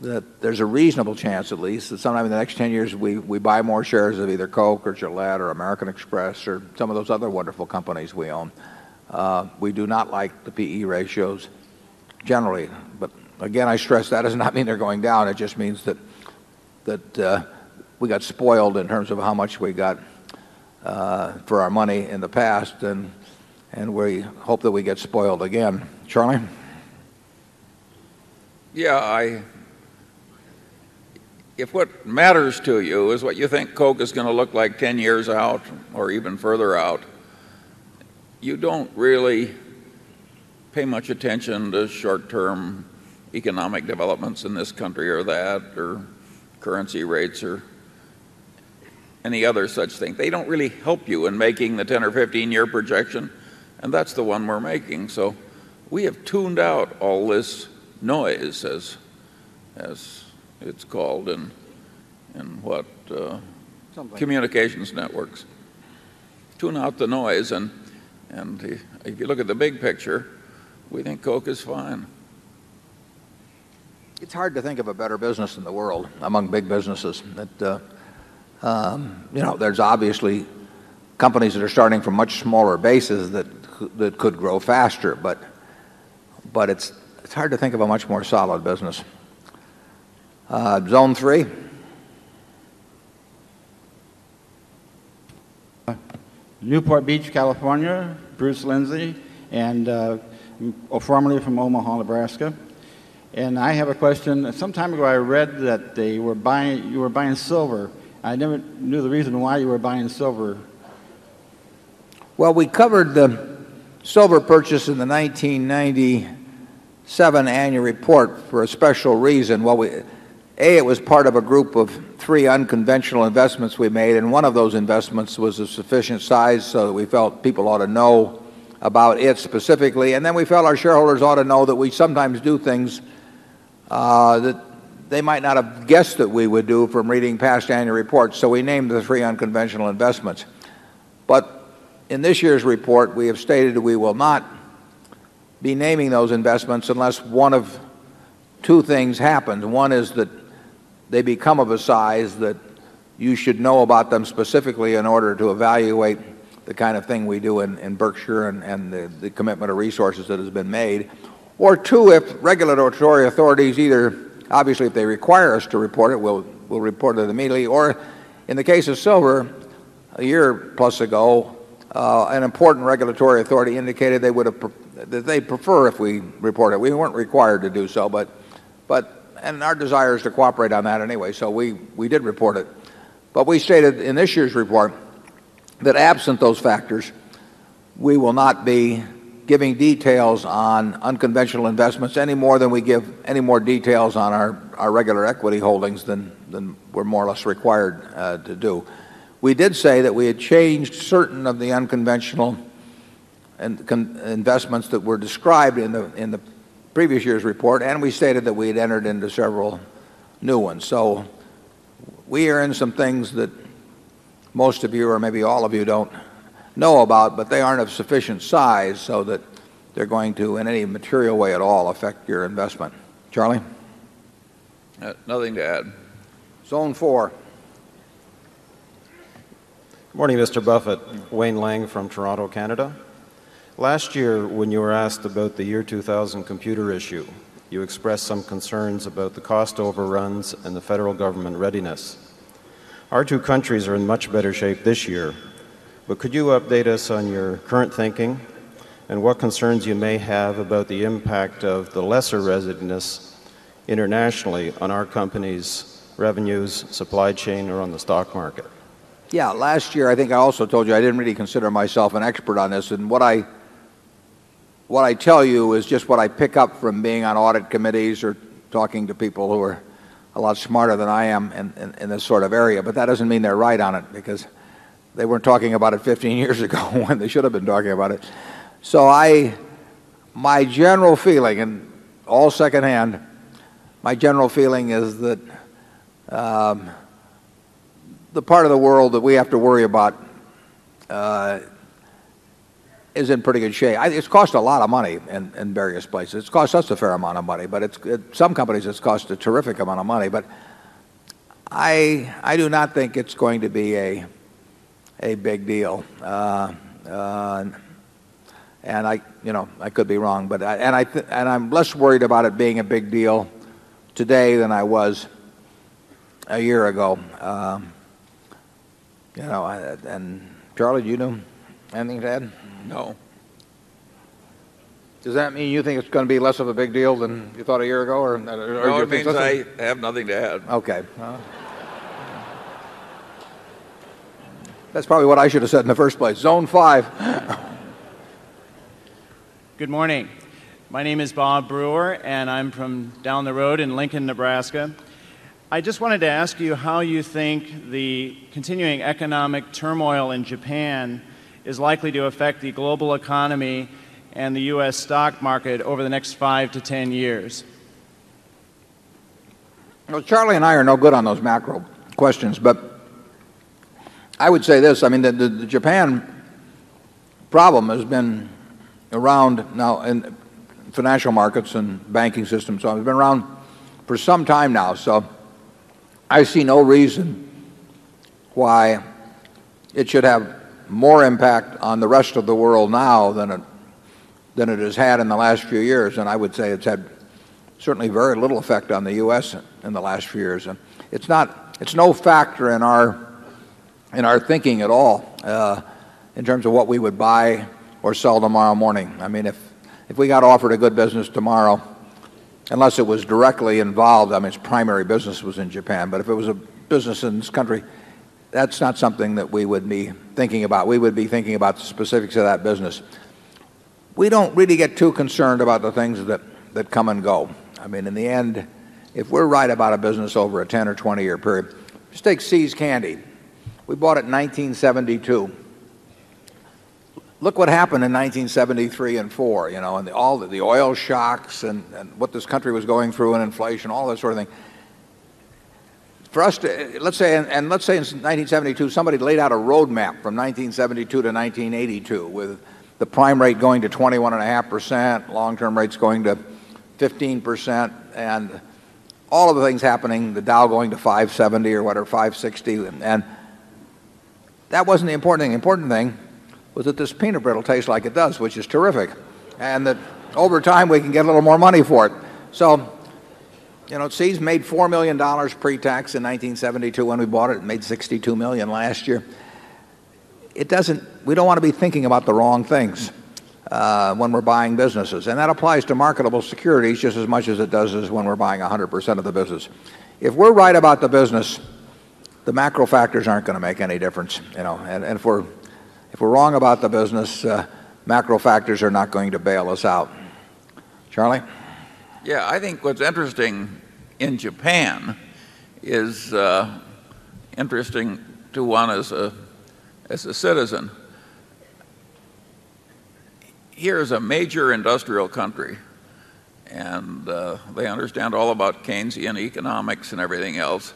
S1: that there's a reasonable chance at least that sometime in the next 10 years, we buy more shares of either Coke or Gillette or American Express or some of those other wonderful companies we own. We do not like the PE ratios generally. But again, I stress that does not mean they're going down. It just means that we got spoiled in terms of how much we got for our money in the past. And we hope that we get spoiled again. Charlie?
S6: Yeah. If what matters to you is what you think Coke is going to look like 10 years out, or even further out, you don't really pay much attention to short term economic developments in this country or that or currency rates or any other such thing. They don't really help you in making the 10 or 15 year projection. And that's the one we're making. So we have tuned out all this noise, as it's called in what communications networks. Tune out the noise. And if you look at the big picture, we think Coke is fine.
S1: It's hard to think of a better business in the world among big businesses. You know, there's obviously companies that are starting from much smaller bases that could grow faster. But it's hard to think of a much more solid business. Zone 3? And I have a question. Some time ago, I read that they were buying you were buying silver. I never knew the reason why you were buying silver. Well, we covered the silver purchase in the 1997 annual report for a special reason. Well, we a) it was part of a group of 3 unconventional investments we made, and one of those investments was of sufficient size so that we felt people ought to know about it specifically. And then we felt our shareholders ought to know that we sometimes do things, that they might not guessed that we would do from reading past annual reports. So we named the 3 unconventional investments. But in this year's report, we have stated that we will not be naming those investments unless one of 2 things happens. 1 is that they become of a size that you should know about them specifically in order to evaluate the kind of thing we do in Berkshire and the commitment of resources that has been made. Or 2, if regulatory authorities either obviously, if they require us to report it, we'll we'll report it immediately. Or in the case of Silver, a year plus ago, an important regulatory authority indicated they would have that they'd prefer if we report it. We weren't required to do so, but but and our desire is to cooperate on that anyway, so we we did report it. But we stated in this year's report that absent those factors, we will not be giving details on unconventional investments any more than we give any more details on our regular equity holdings than we're more or less required to do. We did say that we had changed certain of the unconventional investments that were described in the previous year's report. And we stated that we had entered into several new ones. So we are in some things that most of you or maybe all of you don't know about, but they aren't of sufficient size so that they're going to, in any material way at all, affect your investment. Charlie? Nothing to add. Zone 4.
S34: Good morning, Mr. Buffet. Wayne Lang from Toronto, Canada. Last year when you were asked about the year 2000 computer issue, you expressed some concerns about the cost overruns and the federal government readiness. Our two countries are in much better shape this year, but could you update us on your current thinking and what concerns you may have about the impact of the lesser readiness internationally on our company's revenues, supply chain, or on the stock market?
S1: Yeah. Last year, I think I also told you I didn't really consider myself an expert on this. And what I what I tell you is just what I pick up from being on audit committees or talking to people who are a lot smarter than I am in this sort of area. But that doesn't mean they're right on it because they weren't talking about it 15 years ago when they should have been talking about it. So I my general feeling and all secondhand my general feeling is that, the part of the world that we have to worry about is in pretty good shape. It's cost a lot of money in various places. It's cost us a fair amount of money, but at some companies it's cost a terrific amount of money. But I do not think it's going to be a big deal. And I, you know, I could be wrong. And I'm less worried about it being a big deal today than I was a year ago. You know, and Charlie, do you know anything to add?
S6: No.
S1: Does that mean you think it's going to be less of a big deal than you thought a year ago? Or
S6: No. It means I have nothing to add.
S1: Okay. That's probably what I should have said in the first place. Zone 5.
S35: Good morning. My name is Bob Brewer and I'm from down the road in Lincoln, Nebraska. I just wanted to ask you how you think the continuing economic turmoil in Japan is likely to affect the global economy and the US stock market over the next 5 to 10 years?
S1: Charlie and I are no good on those macro questions. But I would say this. I mean, the Japan problem has been around now in financial markets and banking systems. So it's been around for some time now. So I see no reason why it should have more impact on the rest of the world now than it than it has had in the last few years. And I would say it's had certainly very little effect on the U. S. In the last few years. And it's not it's no factor in our thinking at all, in terms of what we would buy or sell tomorrow morning. I mean, if if we got offered a good business tomorrow, unless it was directly involved, I mean, its primary business was in Japan. But if it was a business in this country, that's not something that we would be thinking about. We would be thinking about the specifics of that business. We don't really get too concerned about the things that that come and go. I mean, in the end, if we're right about a business over a 10 or 20 year period, steak See's Candy. We bought it in 1972. Look what happened in 1973 2004, you know, and all the oil shocks and what this country was going through and inflation all that sort of thing. For us to let's say and let's say in 1972, somebody laid out a roadmap from 1972 to 1982 with the prime rate going to 21.5 percent, long term rates going to 15% and all of the things happening, the Dow going to 5.70 or what or 5.60. And that wasn't the important thing. The important thing was that this peanut brittle tastes like it does, which is terrific. And that over time, we can get a little more money for it. So, you know, it's seized made $4,000,000 pretax in 1972 when we bought it. It made 62,000,000 last year. It doesn't we don't want to be thinking about the wrong things, when we're buying businesses. And that applies to marketable securities just as much as it does when we're buying 100% of the business. If we're right about the business, the macro factors aren't going to make any difference, you know. And if we're wrong about the business, macro factors are not going to bail us out. Charlie?
S6: Yeah, I think what's interesting in Japan is interesting to one as a citizen. Here is a major industrial country. And they understand all about Keynesian economics and everything else.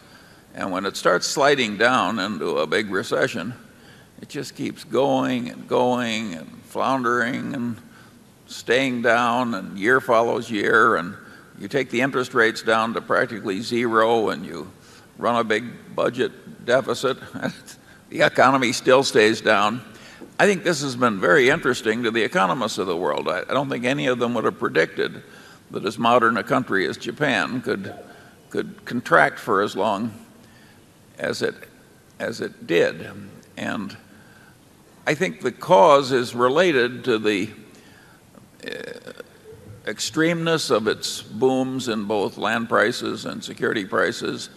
S6: And when it starts sliding down into a big recession, it just keeps going and going and floundering and staying down and year follows year. And you take the interest rates down to practically 0 and you run a big budget deficit, the economy still stays down. I think this has been very interesting to the economists of the world. I don't think any of them would have predicted that as modern a country as Japan could contract for as long as it did. And I think the cause is related to the extremeness of its booms in both land prices and security prices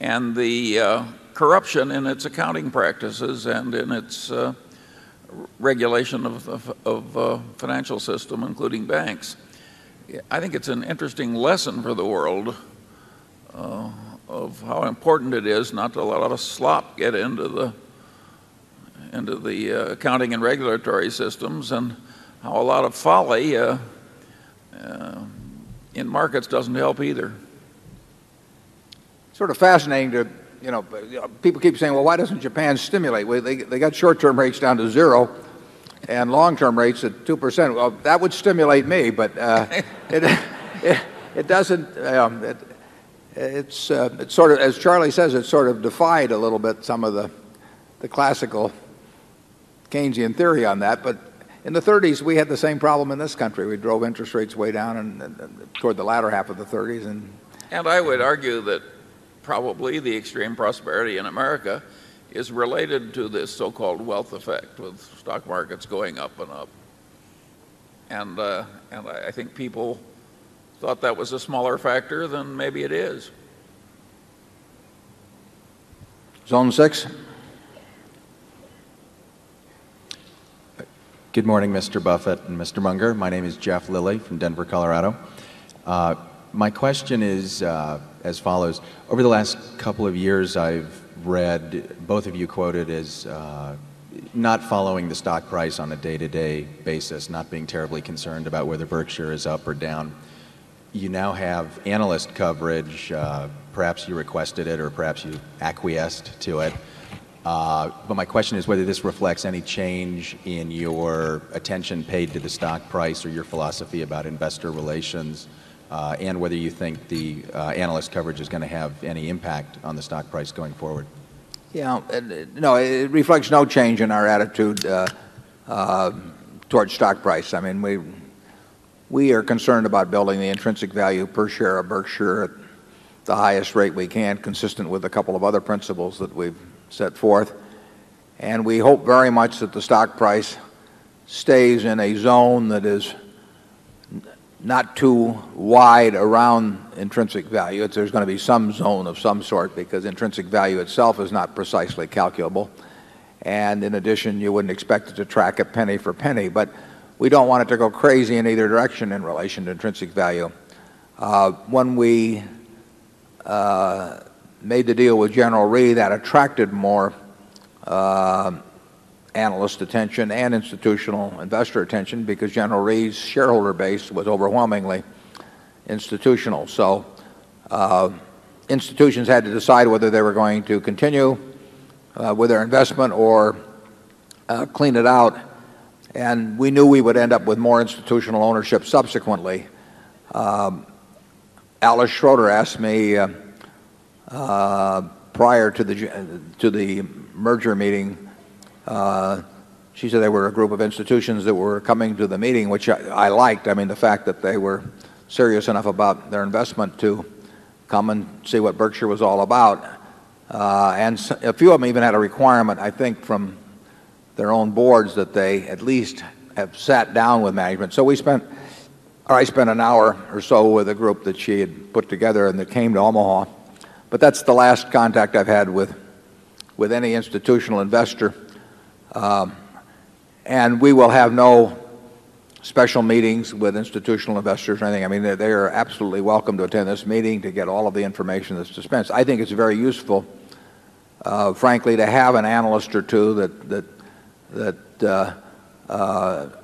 S6: and the, corruption in its accounting practices and in its regulation of financial system, including banks. I think it's an interesting lesson for the world of how important it is not to allow us to slop get into the accounting and regulatory systems and how a lot of folly in markets doesn't help either.
S1: Sort of fascinating to you know, people keep saying, well, why doesn't Japan stimulate? They got short term rates down to 0 and long term rates at 2%. Well, that would stimulate me. But it doesn't it's sort of as Charlie says, it's sort of defied a little bit some of the classical Keynesian theory on that. But in the '30s, we had the same problem in this country. We drove interest rates way down toward the latter half of the '30s.
S6: And And I would argue that probably the extreme prosperity in America is related to this so called wealth effect with stock markets going up and up. And I think people thought that was a smaller factor than maybe it is.
S1: Zone 6?
S36: Good morning, Mr. Buffet and Mr. Munger. My name is Jeff Lilly from Denver, Colorado. My question is as follows. Over the last couple of years, I've read both of you quoted as not following the stock price on a day to day basis, not being terribly concerned about whether Berkshire is up or down. You now have analyst coverage, perhaps you requested it or perhaps you acquiesced to it. But my question is whether this reflects any change in your attention paid to the stock price or your philosophy about Investor Relations and whether you think the analyst coverage is going to have any impact on the stock price going forward?
S1: Yeah. No, it reflects no change in our attitude towards stock price. I mean, we are concerned about building the intrinsic value per share of Berkshire at the highest rate we can, consistent with a stock price stays in a zone that is not too wide around intrinsic value. There's going to be some zone of some sort because intrinsic value itself is not precisely calculable. And in addition, you wouldn't expect it to track a penny for penny. But we don't want it to go crazy in either direction in relation to intrinsic value. When we made the deal with General Re, that attracted more analyst attention and institutional investor attention because General Re's shareholder base was overwhelmingly institutional. So, institutions had to decide whether they were going to continue with their investment or clean it out. And we knew we would end up with more institutional ownership subsequently. Alice Schroeder asked me, prior to the merger meeting, she said they were a group of institutions that were coming to the meeting, which I liked. I mean, the fact that they were serious enough about their investment to come and see what Berkshire was all about. And a few of them even had a requirement, I think, from their own boards that they at least have sat down with management. So we spent or I spent an hour or so with a group that she had put together and that came to Omaha. But that's the last contact I've had with any institutional investor. And we will have no special meetings with institutional investors or anything. I mean, they are absolutely welcome to attend this meeting to get all of the information that's dispensed. I think it's very useful, frankly, to have an analyst or 2 that that that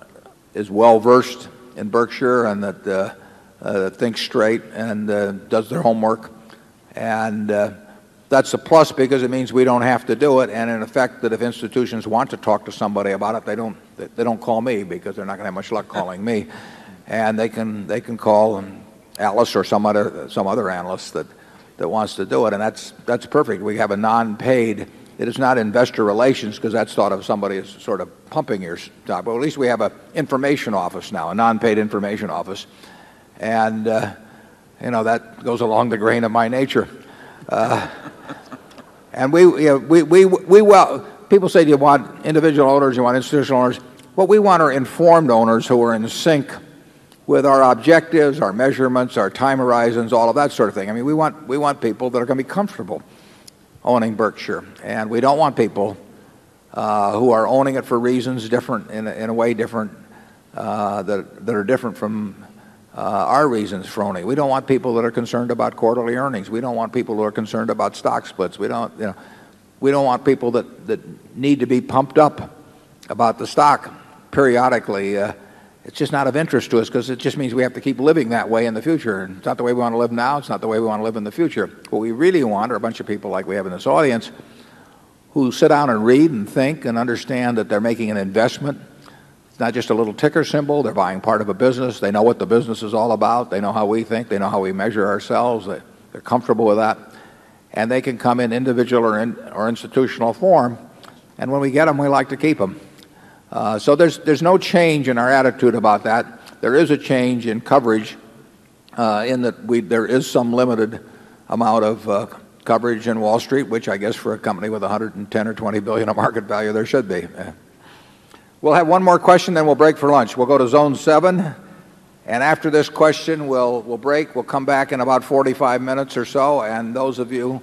S1: is well versed in Berkshire and that thinks straight and does their homework. And that's a plus because it means we don't have to do it. And in effect, that if institutions want to talk to somebody about it, they don't they don't call me because they're not going to have much luck calling me. And they can they can call an analyst or some other some other analyst that that wants to do it. And that's that's perfect. We have a non paid it is not investor relations because that's thought of somebody's sort of pumping your stock. But at least we have an information office now, a non paid information office. And, you know, that goes along the grain of my nature. And we, you know, we we we well people say, do you want individual owners? Do you want institutional owners? What we want are informed owners who are in sync with our objectives, our measurements, our time horizons, all of that sort of thing. I mean, we want we want people that are going to be comfortable owning Berkshire. And we don't want people, who are owning it for reasons different in a way different, that are different from, our reasons, we don't want people that are concerned about quarterly earnings. We don't want people who are concerned about stock splits. We don't, you know, we don't want people that need to be pumped up about the stock periodically. It's just not of interest to us because it just means we have to keep living that way in the future. And it's not the way we want to live now. It's not the way we want to live in the future. What we really want are a bunch of people like we have in this audience who sit down and read and think and understand that they're making an investment. It's not just a little ticker symbol, they're buying part of a business, they know what the business is all about, they know how we think, they know how we measure ourselves, they're comfortable with that. And they can come in individual or institutional form. And when we get them, we like to keep them. So there's no change in our attitude about that. There is a change in coverage, in that there is some limited amount of coverage in Wall Street, which I guess for a company with $110,000,000,000 or $20,000,000,000 of market value, there should be. We'll have one more question, then we'll break for lunch. We'll go to zone 7. And after this question, we'll break. We'll come back in about 45 minutes or so. And those of you,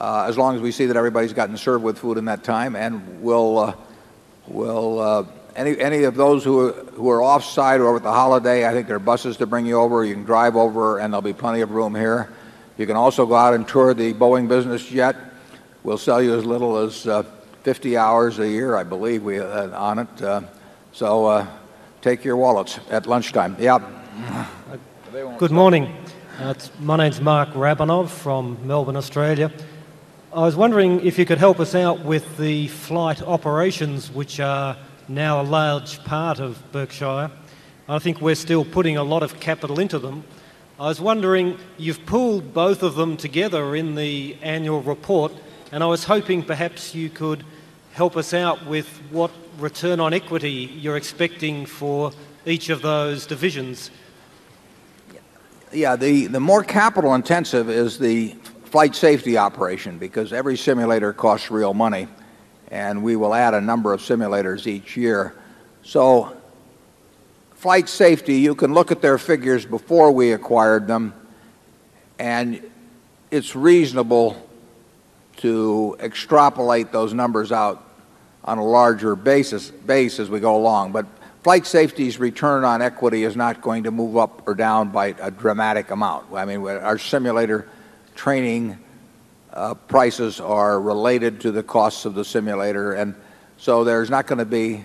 S1: as long as we see that everybody's gotten served with food in that time, and we'll, any of those who are off-site or over the holiday, I think there are buses to bring you over. You can drive over and there'll be plenty of room here. You can also go out and tour the Boeing business jet. We'll sell you as little as 50 hours a year. I believe we are on it. So take your wallets at lunchtime. Yeah.
S15: Good morning. My name is Mark Rabinov from Melbourne, Australia. I was wondering if you could help us out with the flight operations which are now a large part of Berkshire. I think we are still putting a lot of capital into them. I was wondering, you have pulled both of them together in the annual report and I was hoping perhaps you could help us out with what return on equity you're expecting for each of those divisions.
S1: Yeah. The the more capital intensive is the flight safety operation because every simulator costs real money. And we will add a number of simulators each year. So flight safety you can look at their figures before we acquired them. And it's reasonable to extrapolate those numbers out on a larger basis base as we go along. But flight safety's return on equity is not going to move up or down by a dramatic amount. I mean, our simulator training prices are related to the costs of the simulator. And so there's not going to be,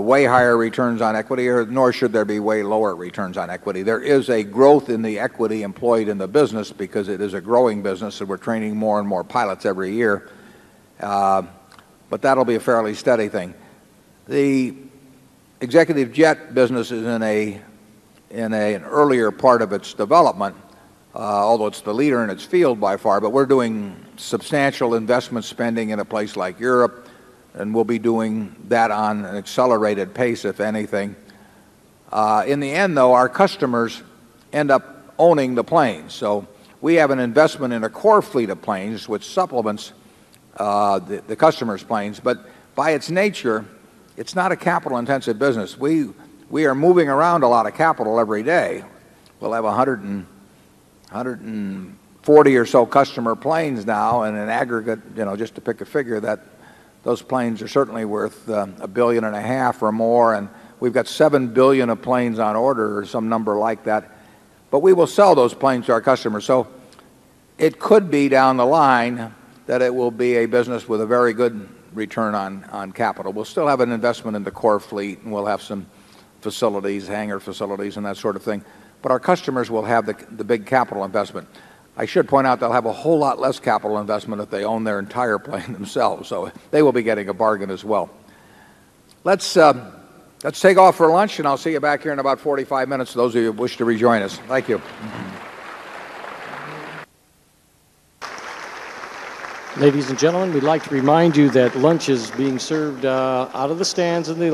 S1: way higher returns on equity, nor should there be way lower returns on equity. There is a growth in the equity employed in the business because it is a growing business and we're training more and more pilots every year. But that'll be a fairly steady thing. The executive jet business is in an earlier part of its development, although it's the leader in its field by far. But we're doing substantial investment spending in a place like Europe, and we'll be doing that on an accelerated pace, if anything. In the end though, our customers end up owning the planes. So we have an investment in a core fleet of planes which supplements, the customers' planes. But by its nature, it's not a capital intensive business. We are moving around a lot of capital every day. We'll have 140 or so customer planes now. And in aggregate, you know, just to pick a figure, that those planes are certainly worth a $1,500,000,000 or more. And we've got 7,000,000,000 of planes on order or some number like that. But we will sell those planes to our customers. So it could be down the line that it will be a business with a very good return on capital. We'll still have an investment in the core fleet and we'll have some facilities, hangar facilities and that sort of thing. But our customers will have the big capital investment. I should point out they'll have a whole lot less capital investment if they own their entire plane themselves. So they will be getting a bargain as well. Let's let's take off for lunch and I'll see you back here in about 45 minutes for those of you who wish to rejoin us. Thank you.
S37: Ladies and gentlemen, we'd like to remind you that lunch is being served out of the stands in the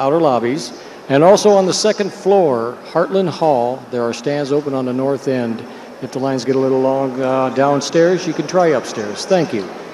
S37: outer lobbies And also on the 2nd floor, Heartland Hall, there are stands open on the north end. If the lines get a little long downstairs, you can try upstairs. Thank you.